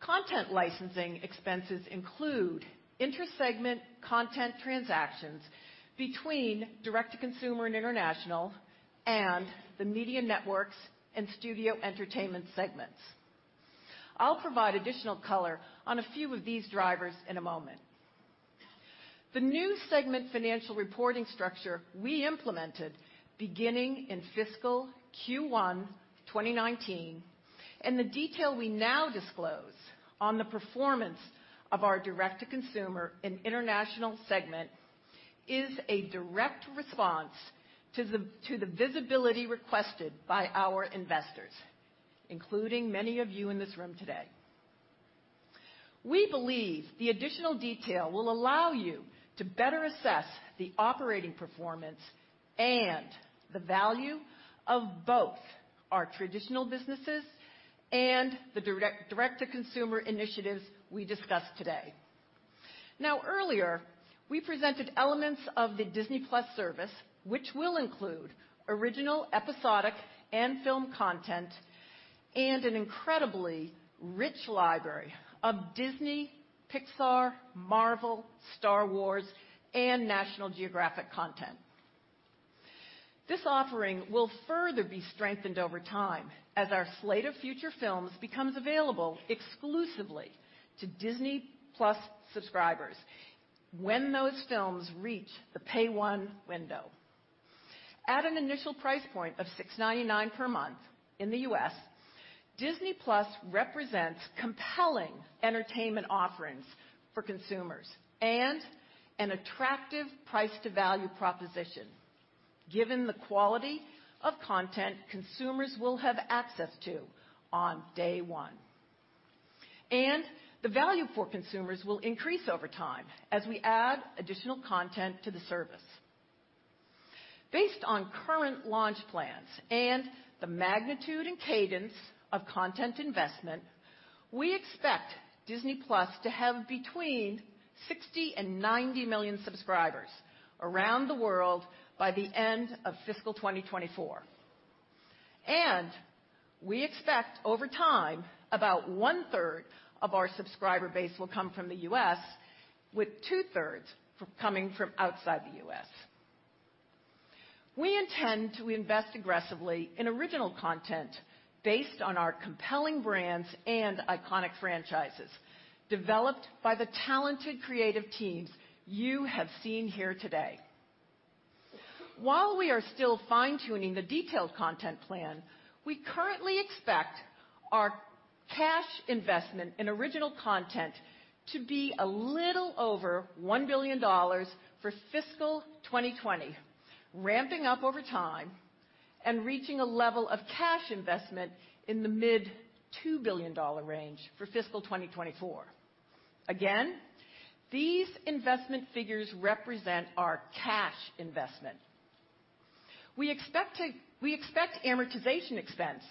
Content licensing expenses include inter-segment content transactions between Direct-to-Consumer and International and the Media Networks and Studio Entertainment segments. I'll provide additional color on a few of these drivers in a moment. The new segment financial reporting structure we implemented beginning in fiscal Q1 2019, and the detail we now disclose on the performance of our Direct-to-Consumer and International segment is a direct response to the visibility requested by our investors, including many of you in this room today. We believe the additional detail will allow you to better assess the operating performance and the value of both our traditional businesses and the Direct-to-Consumer initiatives we discussed today. Earlier we presented elements of the Disney+ service, which will include original episodic and film content and an incredibly rich library of Disney, Pixar, Marvel, Star Wars and National Geographic content. This offering will further be strengthened over time as our slate of future films becomes available exclusively to Disney+ subscribers when those films reach the Pay 1 window. At an initial price point of $6.99 per month in the U.S., Disney+ represents compelling entertainment offerings for consumers and an attractive price to value proposition given the quality of content consumers will have access to on day one. The value for consumers will increase over time as we add additional content to the service. Based on current launch plans and the magnitude and cadence of content investment, we expect Disney+ to have between 60 and 90 million subscribers around the world by the end of fiscal 2024. We expect over time, about one-third of our subscriber base will come from the U.S., with two thirds coming from outside the U.S. We intend to invest aggressively in original content based on our compelling brands and iconic franchises developed by the talented creative teams you have seen here today. While we are still fine-tuning the detailed content plan, we currently expect our cash investment in original content to be a little over $1 billion for fiscal 2020, ramping up over time and reaching a level of cash investment in the mid $2 billion range for fiscal 2024. Again, these investment figures represent our cash investment. We expect amortization expense,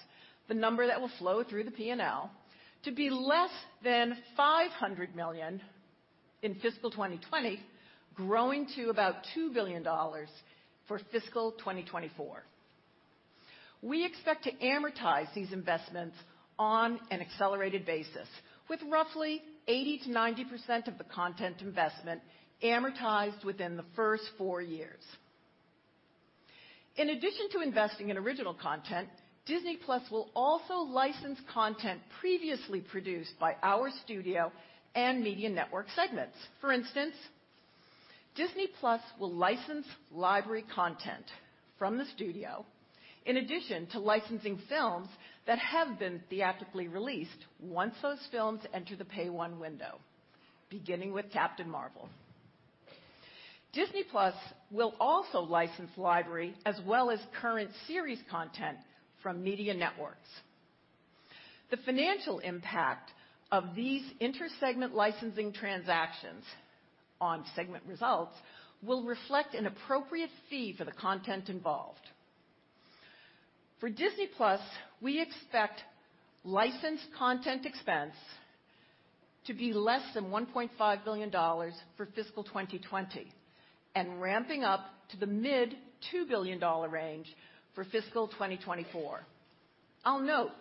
the number that will flow through the P&L to be less than $500 million in fiscal 2020, growing to about $2 billion for fiscal 2024. We expect to amortize these investments on an accelerated basis with roughly 80%-90% of the content investment amortized within the first four years. In addition to investing in original content, Disney+ will also license content previously produced by our studio and media network segments. For instance, Disney+ will license library content from the studio in addition to licensing films that have been theatrically released, once those films enter the Pay 1 window, beginning with Captain Marvel. Disney+ will also license library as well as current series content from media networks. The financial impact of these inter-segment licensing transactions on segment results will reflect an appropriate fee for the content involved. For Disney+, we expect licensed content expense to be less than $1.5 billion for fiscal 2020 and ramping up to the mid $2 billion range for fiscal 2024. I'll note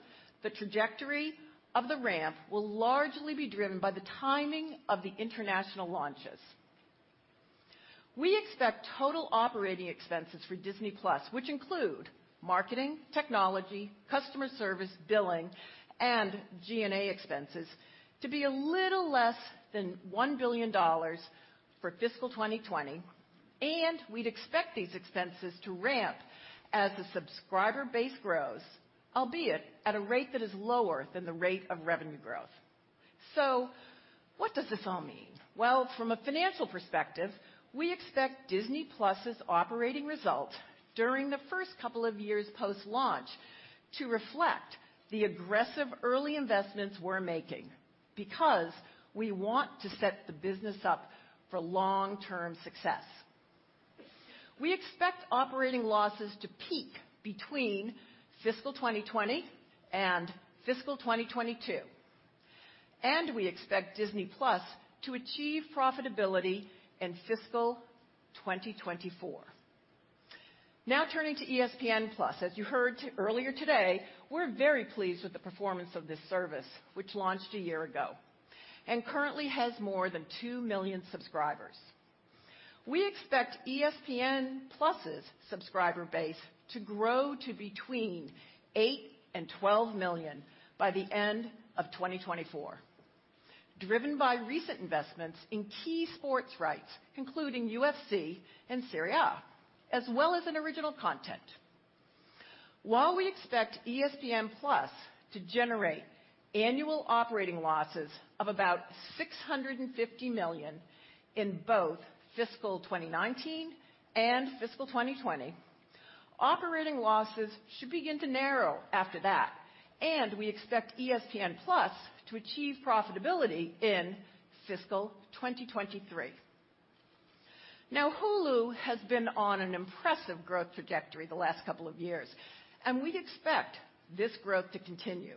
the trajectory of the ramp will largely be driven by the timing of the international launches. We expect total operating expenses for Disney+, which include marketing, technology, customer service, billing, and G&A expenses to be a little less than $1 billion for fiscal 2020. We'd expect these expenses to ramp as the subscriber base grows, albeit at a rate that is lower than the rate of revenue growth. What does this all mean? Well, from a financial perspective, we expect Disney+'s operating results during the first couple of years post-launch to reflect the aggressive early investments we're making because we want to set the business up for long-term success. We expect operating losses to peak between fiscal 2020 and fiscal 2022, and we expect Disney+ to achieve profitability in fiscal 2024. Turning to ESPN+. As you heard earlier today, we're very pleased with the performance of this service, which launched a year ago and currently has more than 2 million subscribers. We expect ESPN+'s subscriber base to grow to between 8 and 12 million by the end of 2024, driven by recent investments in key sports rights, including UFC and Serie A, as well as in original content. While we expect ESPN+ to generate annual operating losses of about $650 million in both fiscal 2019 and fiscal 2020, operating losses should begin to narrow after that, and we expect ESPN+ to achieve profitability in fiscal 2023. Hulu has been on an impressive growth trajectory the last couple of years, and we'd expect this growth to continue.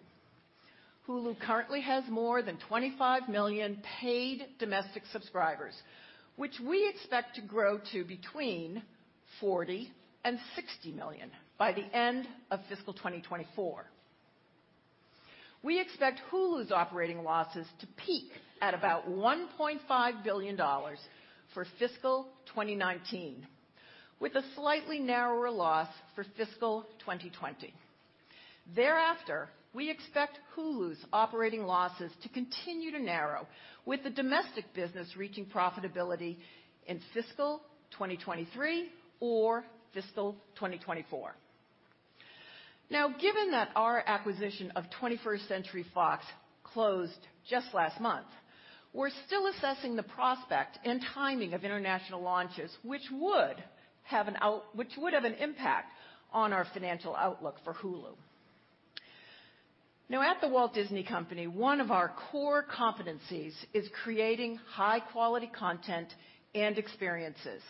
Hulu currently has more than 25 million paid domestic subscribers, which we expect to grow to between 40 and 60 million by the end of fiscal 2024. We expect Hulu's operating losses to peak at about $1.5 billion for fiscal 2019, with a slightly narrower loss for fiscal 2020. Thereafter, we expect Hulu's operating losses to continue to narrow with the domestic business reaching profitability in fiscal 2023 or fiscal 2024. Given that our acquisition of 21st Century Fox closed just last month, we're still assessing the prospect and timing of international launches, which would have an impact on our financial outlook for Hulu. At The Walt Disney Company, one of our core competencies is creating high-quality content and experiences,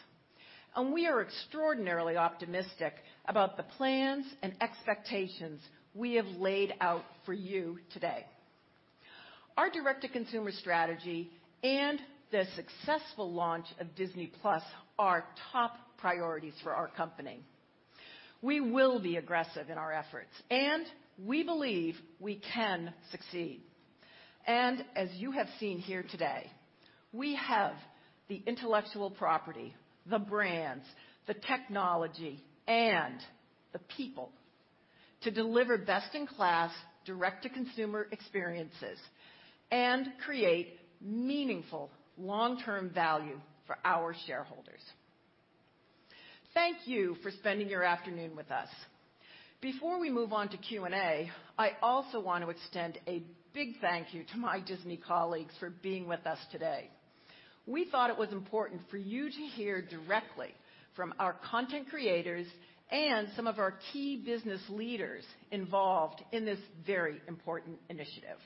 and we are extraordinarily optimistic about the plans and expectations we have laid out for you today. Our direct-to-consumer strategy and the successful launch of Disney+ are top priorities for our company. We will be aggressive in our efforts and we believe we can succeed. As you have seen here today, we have the intellectual property, the brands, the technology, and the people to deliver best-in-class direct-to-consumer experiences and create meaningful long-term value for our shareholders. Thank you for spending your afternoon with us. Before we move on to Q&A, I also want to extend a big thank you to my Disney colleagues for being with us today. We thought it was important for you to hear directly from our content creators and some of our key business leaders involved in this very important initiative.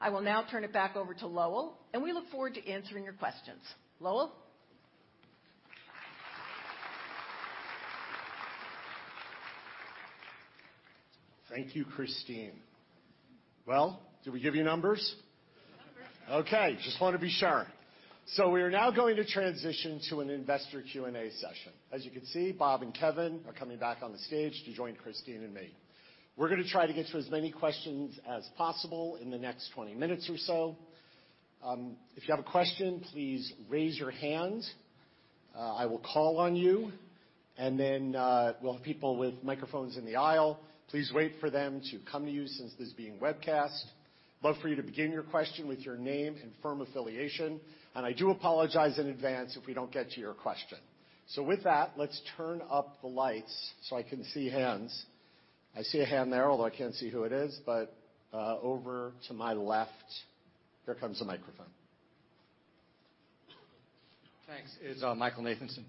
I will now turn it back over to Lowell, we look forward to answering your questions. Lowell? Thank you, Christine. Well, did we give you numbers? Okay, just wanted to be sure. We are now going to transition to an investor Q&A session. As you can see, Bob and Kevin are coming back on the stage to join Christine and me. We're going to try to get to as many questions as possible in the next 20 minutes or so. If you have a question, please raise your hand. I will call on you, then we'll have people with microphones in the aisle. Please wait for them to come to you since this is being webcast. Love for you to begin your question with your name and firm affiliation. I do apologize in advance if we don't get to your question. With that, let's turn up the lights so I can see hands. I see a hand there, although I can't see who it is. Over to my left, here comes a microphone. Thanks. It's Michael Nathanson.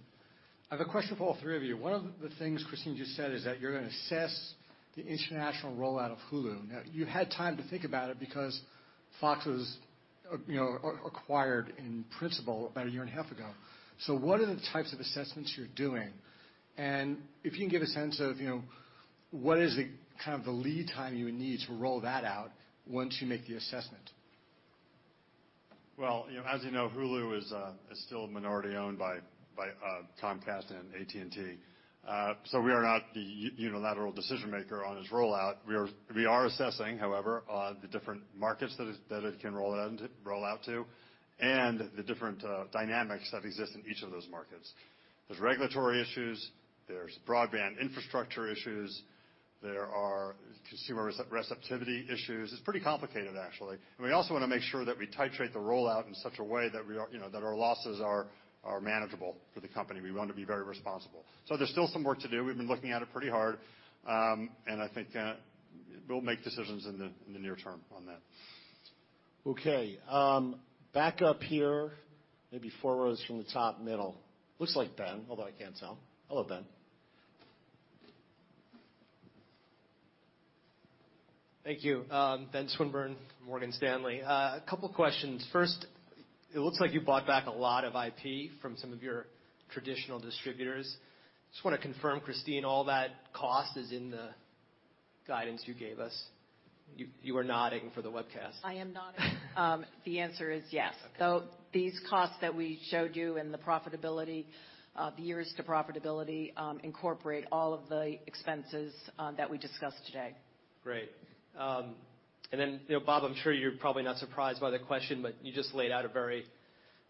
I have a question for all three of you. One of the things Christine just said is that you're going to assess the international rollout of Hulu. You've had time to think about it because Fox was acquired in principle about a year and a half ago. What are the types of assessments you're doing? If you can give a sense of what is the lead time you need to roll that out once you make the assessment? Well, as you know, Hulu is still minority owned by Comcast and AT&T. We are not the unilateral decision maker on its rollout. We are assessing, however, the different markets that it can roll out to, and the different dynamics that exist in each of those markets. There's regulatory issues. There's broadband infrastructure issues. There are consumer receptivity issues. It's pretty complicated, actually. We also want to make sure that we titrate the rollout in such a way that our losses are manageable for the company. We want to be very responsible. There's still some work to do. We've been looking at it pretty hard. I think we'll make decisions in the near term on that. Okay. Back up here, maybe four rows from the top middle. Looks like Ben, although I can't tell. Hello, Ben. Thank you. Ben Swinburne, Morgan Stanley. A couple questions. First, it looks like you bought back a lot of IP from some of your traditional distributors. Just want to confirm, Christine, all that cost is in the guidance you gave us? You are nodding for the webcast. I am nodding. The answer is yes. Okay. These costs that we showed you and the years to profitability, incorporate all of the expenses that we discussed today. Great. Then, Bob, I'm sure you're probably not surprised by the question, but you just laid out a very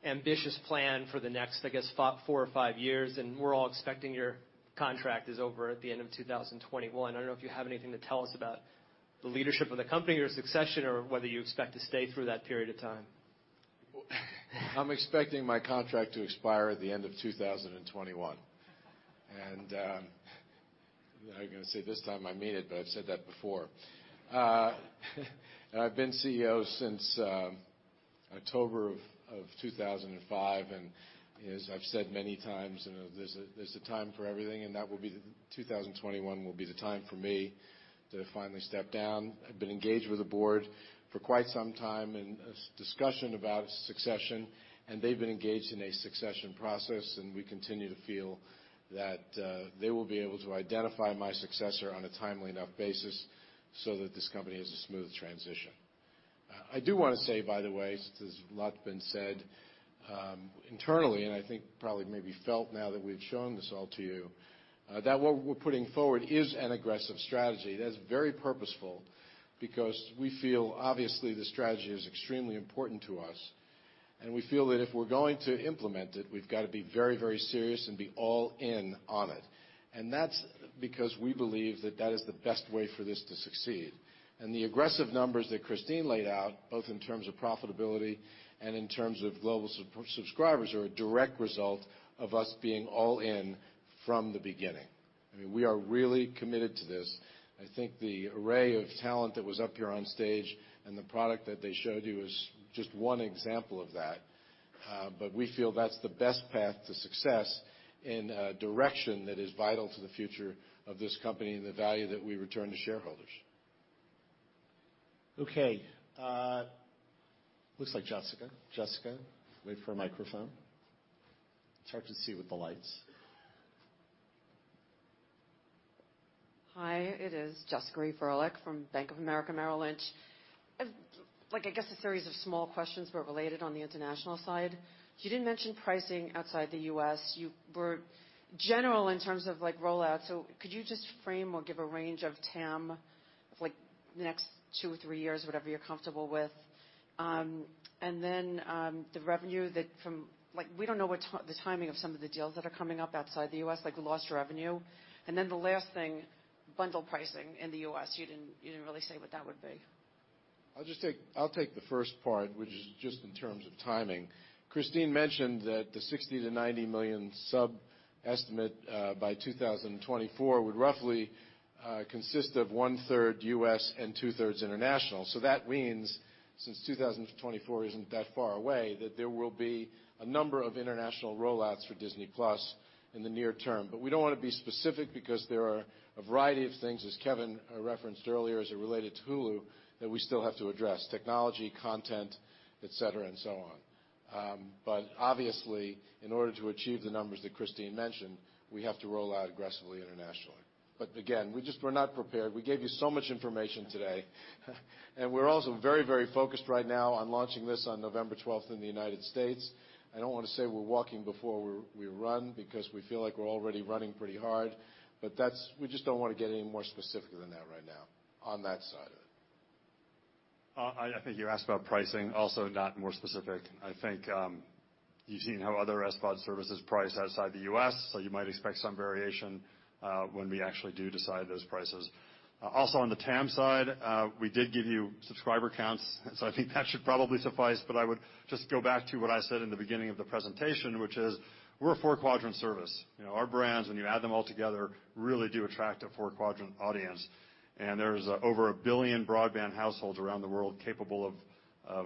ambitious plan for the next, I guess, four or five years, and we're all expecting your contract is over at the end of 2021. I don't know if you have anything to tell us about the leadership of the company or succession, or whether you expect to stay through that period of time. I'm expecting my contract to expire at the end of 2021. I was going to say, this time I mean it, but I've said that before. I've been CEO since October of 2005, and as I've said many times, there's a time for everything and that will be that 2021 will be the time for me to finally step down. I've been engaged with the board for quite some time in discussion about succession, and they've been engaged in a succession process, and we continue to feel that they will be able to identify my successor on a timely enough basis so that this company has a smooth transition. I do want to say, by the way, since there's a lot been said internally, and I think probably maybe felt now that we've shown this all to you, that what we're putting forward is an aggressive strategy that is very purposeful because we feel obviously the strategy is extremely important to us, and we feel that if we're going to implement it, we've got to be very serious and be all in on it. That's because we believe that that is the best way for this to succeed. The aggressive numbers that Christine laid out, both in terms of profitability and in terms of global subscribers, are a direct result of us being all in from the beginning. I mean, we are really committed to this. I think the array of talent that was up here on stage and the product that they showed you is just one example of that. We feel that's the best path to success in a direction that is vital to the future of this company and the value that we return to shareholders. Okay. Looks like Jessica. Jessica, wait for a microphone. It's hard to see with the lights. Hi, it is Jessica Reif Ehrlich from Bank of America Merrill Lynch. I guess a series of small questions, but related on the international side. You didn't mention pricing outside the U.S. You were general in terms of rollout. Could you just frame or give a range of TAM of next two or three years, whatever you're comfortable with? Then, the revenue that we don't know the timing of some of the deals that are coming up outside the U.S., like the lost revenue. Then the last thing, bundle pricing in the U.S. You didn't really say what that would be. I'll take the first part, which is just in terms of timing. Christine mentioned that the 60 to 90 million sub estimate by 2024 would roughly consist of one-third U.S. and two-thirds international. That means, since 2024 isn't that far away, that there will be a number of international rollouts for Disney+ in the near term. We don't want to be specific because there are a variety of things, as Kevin referenced earlier as it related to Hulu, that we still have to address. Technology, content, et cetera, and so on. Obviously, in order to achieve the numbers that Christine mentioned, we have to roll out aggressively internationally. Again, we're not prepared. We gave you so much information today. We're also very focused right now on launching this on November 12th in the United States. I don't want to say we're walking before we run because we feel like we're already running pretty hard, but we just don't want to get any more specific than that right now on that side of it. I think you asked about pricing, also not more specific. I think, you've seen how other SVOD services price outside the U.S., so you might expect some variation when we actually do decide those prices. Also on the TAM side, we did give you subscriber counts, so I think that should probably suffice. I would just go back to what I said in the beginning of the presentation, which is we're a four-quadrant service. Our brands, when you add them all together, really do attract a four-quadrant audience. There's over 1 billion broadband households around the world capable of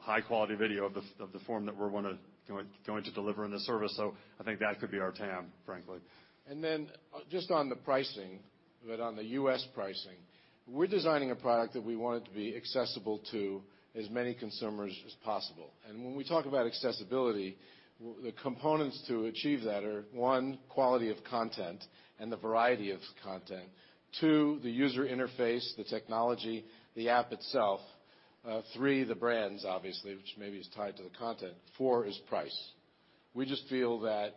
high-quality video of the form that we're going to deliver in the service. I think that could be our TAM, frankly. Just on the pricing, on the U.S. pricing. We're designing a product that we want it to be accessible to as many consumers as possible. When we talk about accessibility, the components to achieve that are, one, quality of content and the variety of content. Two, the user interface, the technology, the app itself. Three, the brands obviously, which maybe is tied to the content. Four is price. We just feel that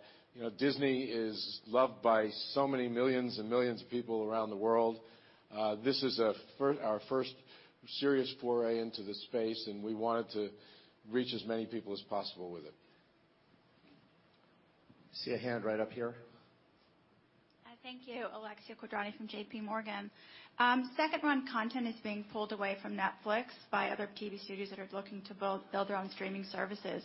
Disney is loved by so many millions and millions of people around the world. This is our first serious foray into this space, and we wanted to reach as many people as possible with it. I see a hand right up here. Thank you. Alexia Quadrani from J.P. Morgan. Second-run content is being pulled away from Netflix by other TV studios that are looking to build their own streaming services.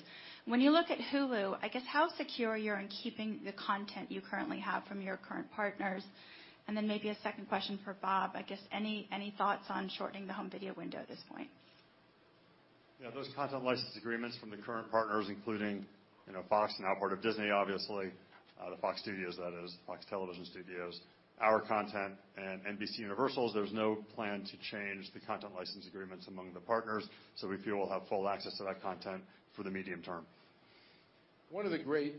When you look at Hulu, I guess how secure you are in keeping the content you currently have from your current partners? Maybe a second question for Bob. I guess any thoughts on shortening the home video window at this point? Yeah. Those content license agreements from the current partners, including Fox, now part of Disney, obviously, the Fox Studios, that is, Fox Television Studios, our content, and NBCUniversal's, there's no plan to change the content license agreements among the partners. We feel we'll have full access to that content for the medium term. One of the great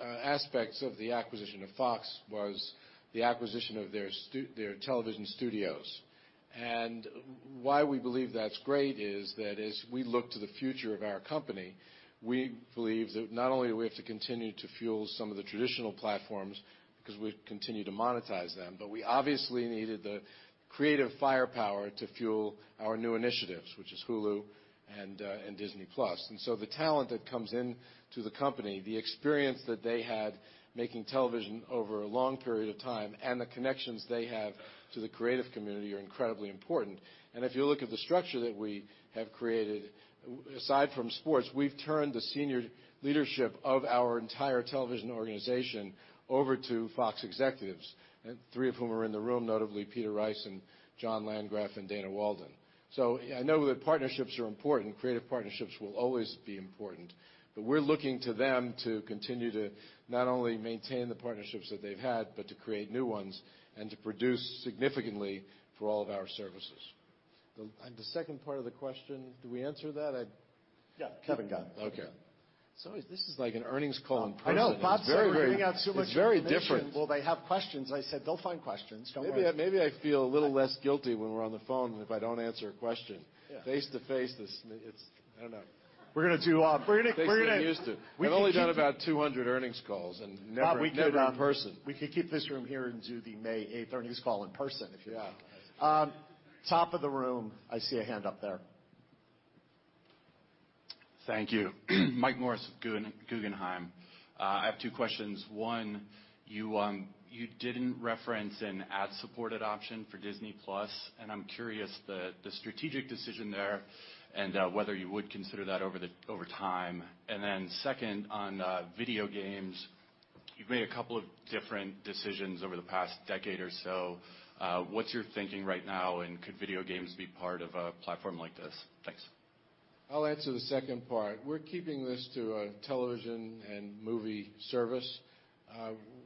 aspects of the acquisition of Fox was the acquisition of their television studios. Why we believe that's great is that as we look to the future of our company, we believe that not only do we have to continue to fuel some of the traditional platforms because we continue to monetize them, but we obviously needed the creative firepower to fuel our new initiatives, which is Hulu and Disney+. The talent that comes into the company, the experience that they had making television over a long period of time, and the connections they have to the creative community are incredibly important. If you look at the structure that we have created, aside from sports, we've turned the senior leadership of our entire television organization over to Fox executives, three of whom are in the room, notably Peter Rice and John Landgraf and Dana Walden. I know that partnerships are important. Creative partnerships will always be important. We're looking to them to continue to not only maintain the partnerships that they've had, but to create new ones and to produce significantly for all of our services. The second part of the question, did we answer that? Yeah. Kevin got it. Okay. This is like an earnings call in person. I know. Bob said we're giving out so much information. It's very different. Well, they have questions. I said, "They'll find questions, don't worry. Maybe I feel a little less guilty when we're on the phone if I don't answer a question. Yeah. Face to face, I don't know. We're going to do. I'm not used to it. I've only done about 200 earnings calls and never in person. Bob, we could keep this room here and do the May 8th earnings call in person if you want. Yeah. Top of the room. I see a hand up there. Thank you. Michael Morris with Guggenheim. I have two questions. One, you didn't reference an ad-supported option for Disney+, and I'm curious the strategic decision there and whether you would consider that over time. Second, on video games, you've made a couple of different decisions over the past decade or so. What's your thinking right now? Could video games be part of a platform like this? Thanks. I'll answer the second part. We're keeping this to a television and movie service.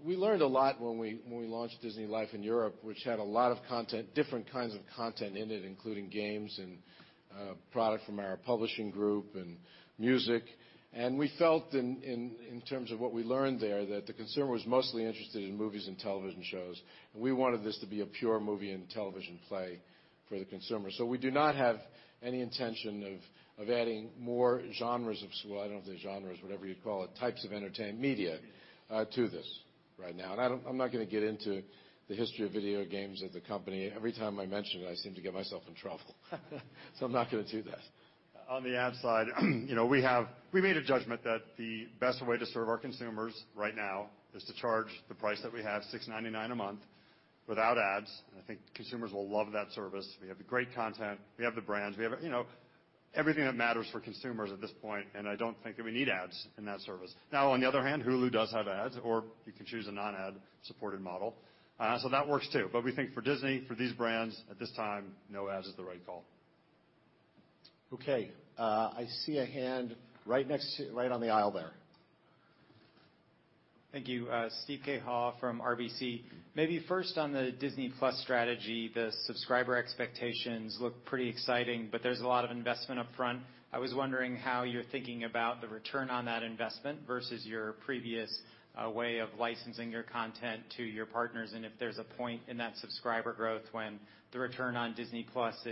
We learned a lot when we launched DisneyLife in Europe, which had a lot of content, different kinds of content in it, including games and product from our publishing group and music. We felt in terms of what we learned there, that the consumer was mostly interested in movies and television shows, and we wanted this to be a pure movie and television play for the consumer. We do not have any intention of adding more genres of, I don't know if they're genres, whatever you'd call it, types of entertainment media to this right now. I'm not going to get into the history of video games at the company. Every time I mention it, I seem to get myself in trouble. I'm not going to do that. On the ad side, we made a judgment that the best way to serve our consumers right now is to charge the price that we have, $6.99 a month without ads. I think consumers will love that service. We have the great content. We have the brands. We have everything that matters for consumers at this point, and I don't think that we need ads in that service. On the other hand, Hulu does have ads, or you can choose a non-ad supported model. That works, too. We think for Disney, for these brands, at this time, no ads is the right call. I see a hand right on the aisle there. Thank you. Steve Cahall from RBC. First on the Disney+ strategy, the subscriber expectations look pretty exciting, but there's a lot of investment up front. I was wondering how you're thinking about the return on that investment versus your previous way of licensing your content to your partners, and if there's a point in that subscriber growth when the return on Disney+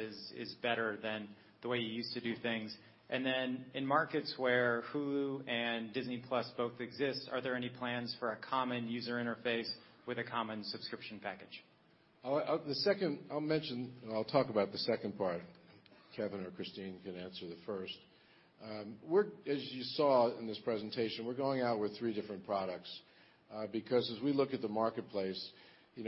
is better than the way you used to do things. In markets where Hulu and Disney+ both exist, are there any plans for a common user interface with a common subscription package? The second I'll mention, and I'll talk about the second part. Kevin or Christine can answer the first. As you saw in this presentation, we're going out with three different products, because as we look at the marketplace,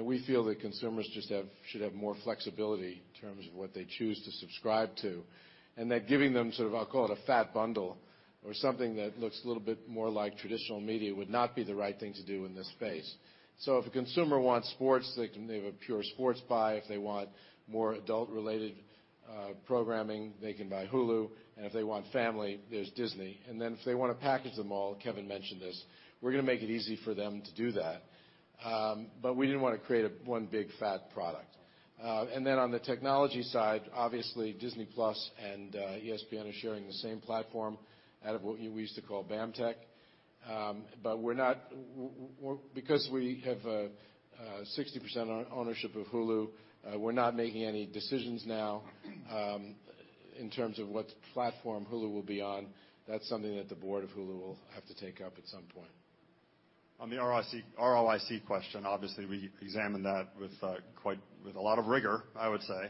we feel that consumers just should have more flexibility in terms of what they choose to subscribe to. That giving them sort of, I'll call it a fat bundle or something that looks a little bit more like traditional media would not be the right thing to do in this space. If a consumer wants sports, they can have a pure sports buy. If they want more adult related programming, they can buy Hulu, and if they want family, there's Disney. If they want to package them all, Kevin mentioned this, we're going to make it easy for them to do that. We didn't want to create one big fat product. On the technology side, obviously Disney+ and ESPN are sharing the same platform out of what we used to call BAMTech. Because we have a 60% ownership of Hulu, we're not making any decisions now in terms of what platform Hulu will be on. That's something that the board of Hulu will have to take up at some point. On the ROIC question, obviously, we examined that with a lot of rigor, I would say.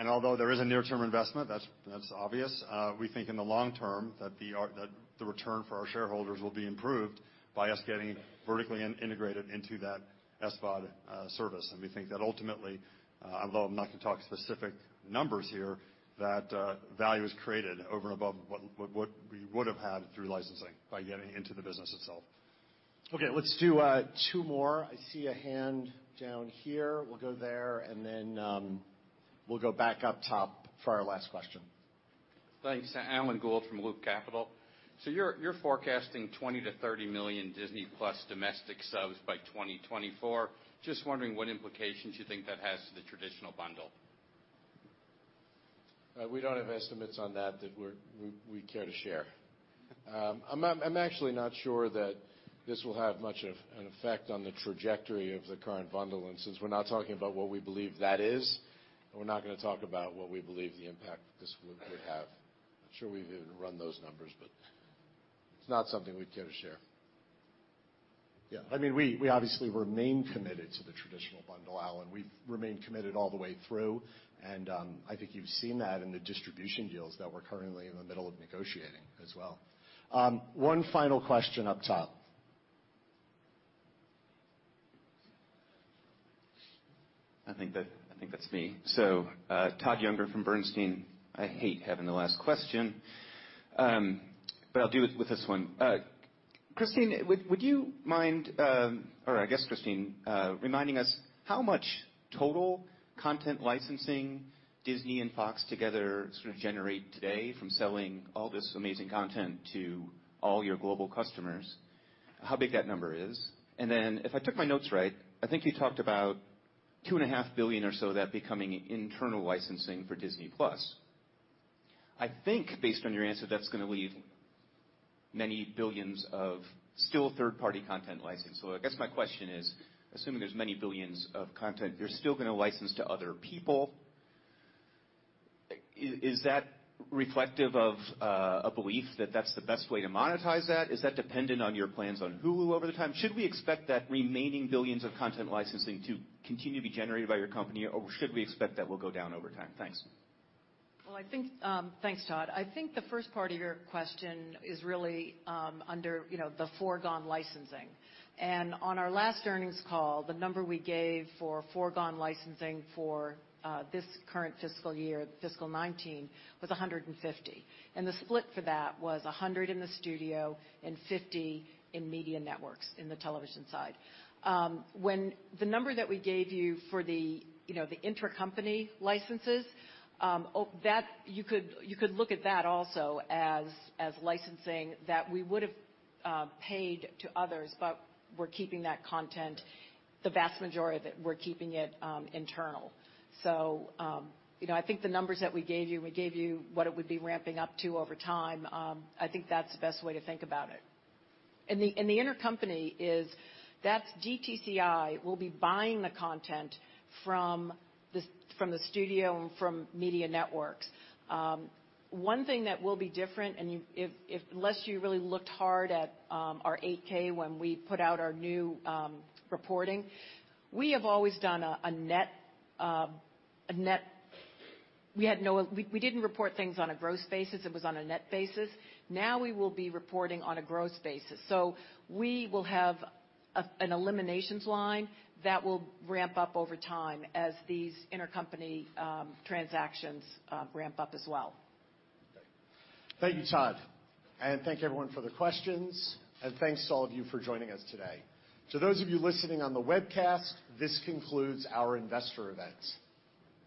Although there is a near-term investment, that's obvious. We think in the long term that the return for our shareholders will be improved by us getting vertically integrated into that SVOD service. We think that ultimately, although I'm not going to talk specific numbers here, that value is created over and above what we would have had through licensing by getting into the business itself. Let's do two more. I see a hand down here. We'll go there and then we'll go back up top for our last question. Thanks. Alan Gould from Loop Capital. You're forecasting $20 million-$30 million Disney+ domestic subs by 2024. Just wondering what implications you think that has to the traditional bundle. We don't have estimates on that we care to share. I'm actually not sure that this will have much of an effect on the trajectory of the current bundle and since we're not talking about what we believe that is, we're not going to talk about what we believe the impact this would have. Not sure we've even run those numbers, but it's not something we'd care to share. Yeah. We obviously remain committed to the traditional bundle, Alan. We've remained committed all the way through, and, I think you've seen that in the distribution deals that we're currently in the middle of negotiating as well. One final question up top. I think that's me. Todd Juenger from Bernstein. I hate having the last question. I'll do it with this one. Christine, would you mind, or I guess Christine, reminding us how much total content licensing Disney and Fox together sort of generate today from selling all this amazing content to all your global customers? How big that number is? If I took my notes right, I think you talked about $2.5 billion or so that becoming internal licensing for Disney+. I think based on your answer, that's going to leave many billions of still third-party content license. I guess my question is, assuming there's many billions of content, you're still going to license to other people. Is that reflective of a belief that that's the best way to monetize that? Is that dependent on your plans on Hulu over the time? Should we expect that remaining billions of content licensing to continue to be generated by your company? Should we expect that will go down over time? Thanks. Well, thanks, Todd. The first part of your question is really under the foregone licensing. On our last earnings call, the number we gave for foregone licensing for this current fiscal year, fiscal 2019, was $150. The split for that was $100 in the studio and $50 in media networks in the television side. The number that we gave you for the intercompany licenses, you could look at that also as licensing that we would have paid to others, but we're keeping that content, the vast majority of it, we're keeping it internal. I think the numbers that we gave you, we gave you what it would be ramping up to over time. I think that's the best way to think about it. The intercompany is that DTCI will be buying the content from the studio and from media networks. One thing that will be different, unless you really looked hard at our 8-K when we put out our new reporting, we have always done a net. We didn't report things on a gross basis, it was on a net basis. Now we will be reporting on a gross basis. We will have an eliminations line that will ramp up over time as these intercompany transactions ramp up as well. Thank you, Todd, and thank you everyone for the questions, and thanks to all of you for joining us today. To those of you listening on the webcast, this concludes our investor event.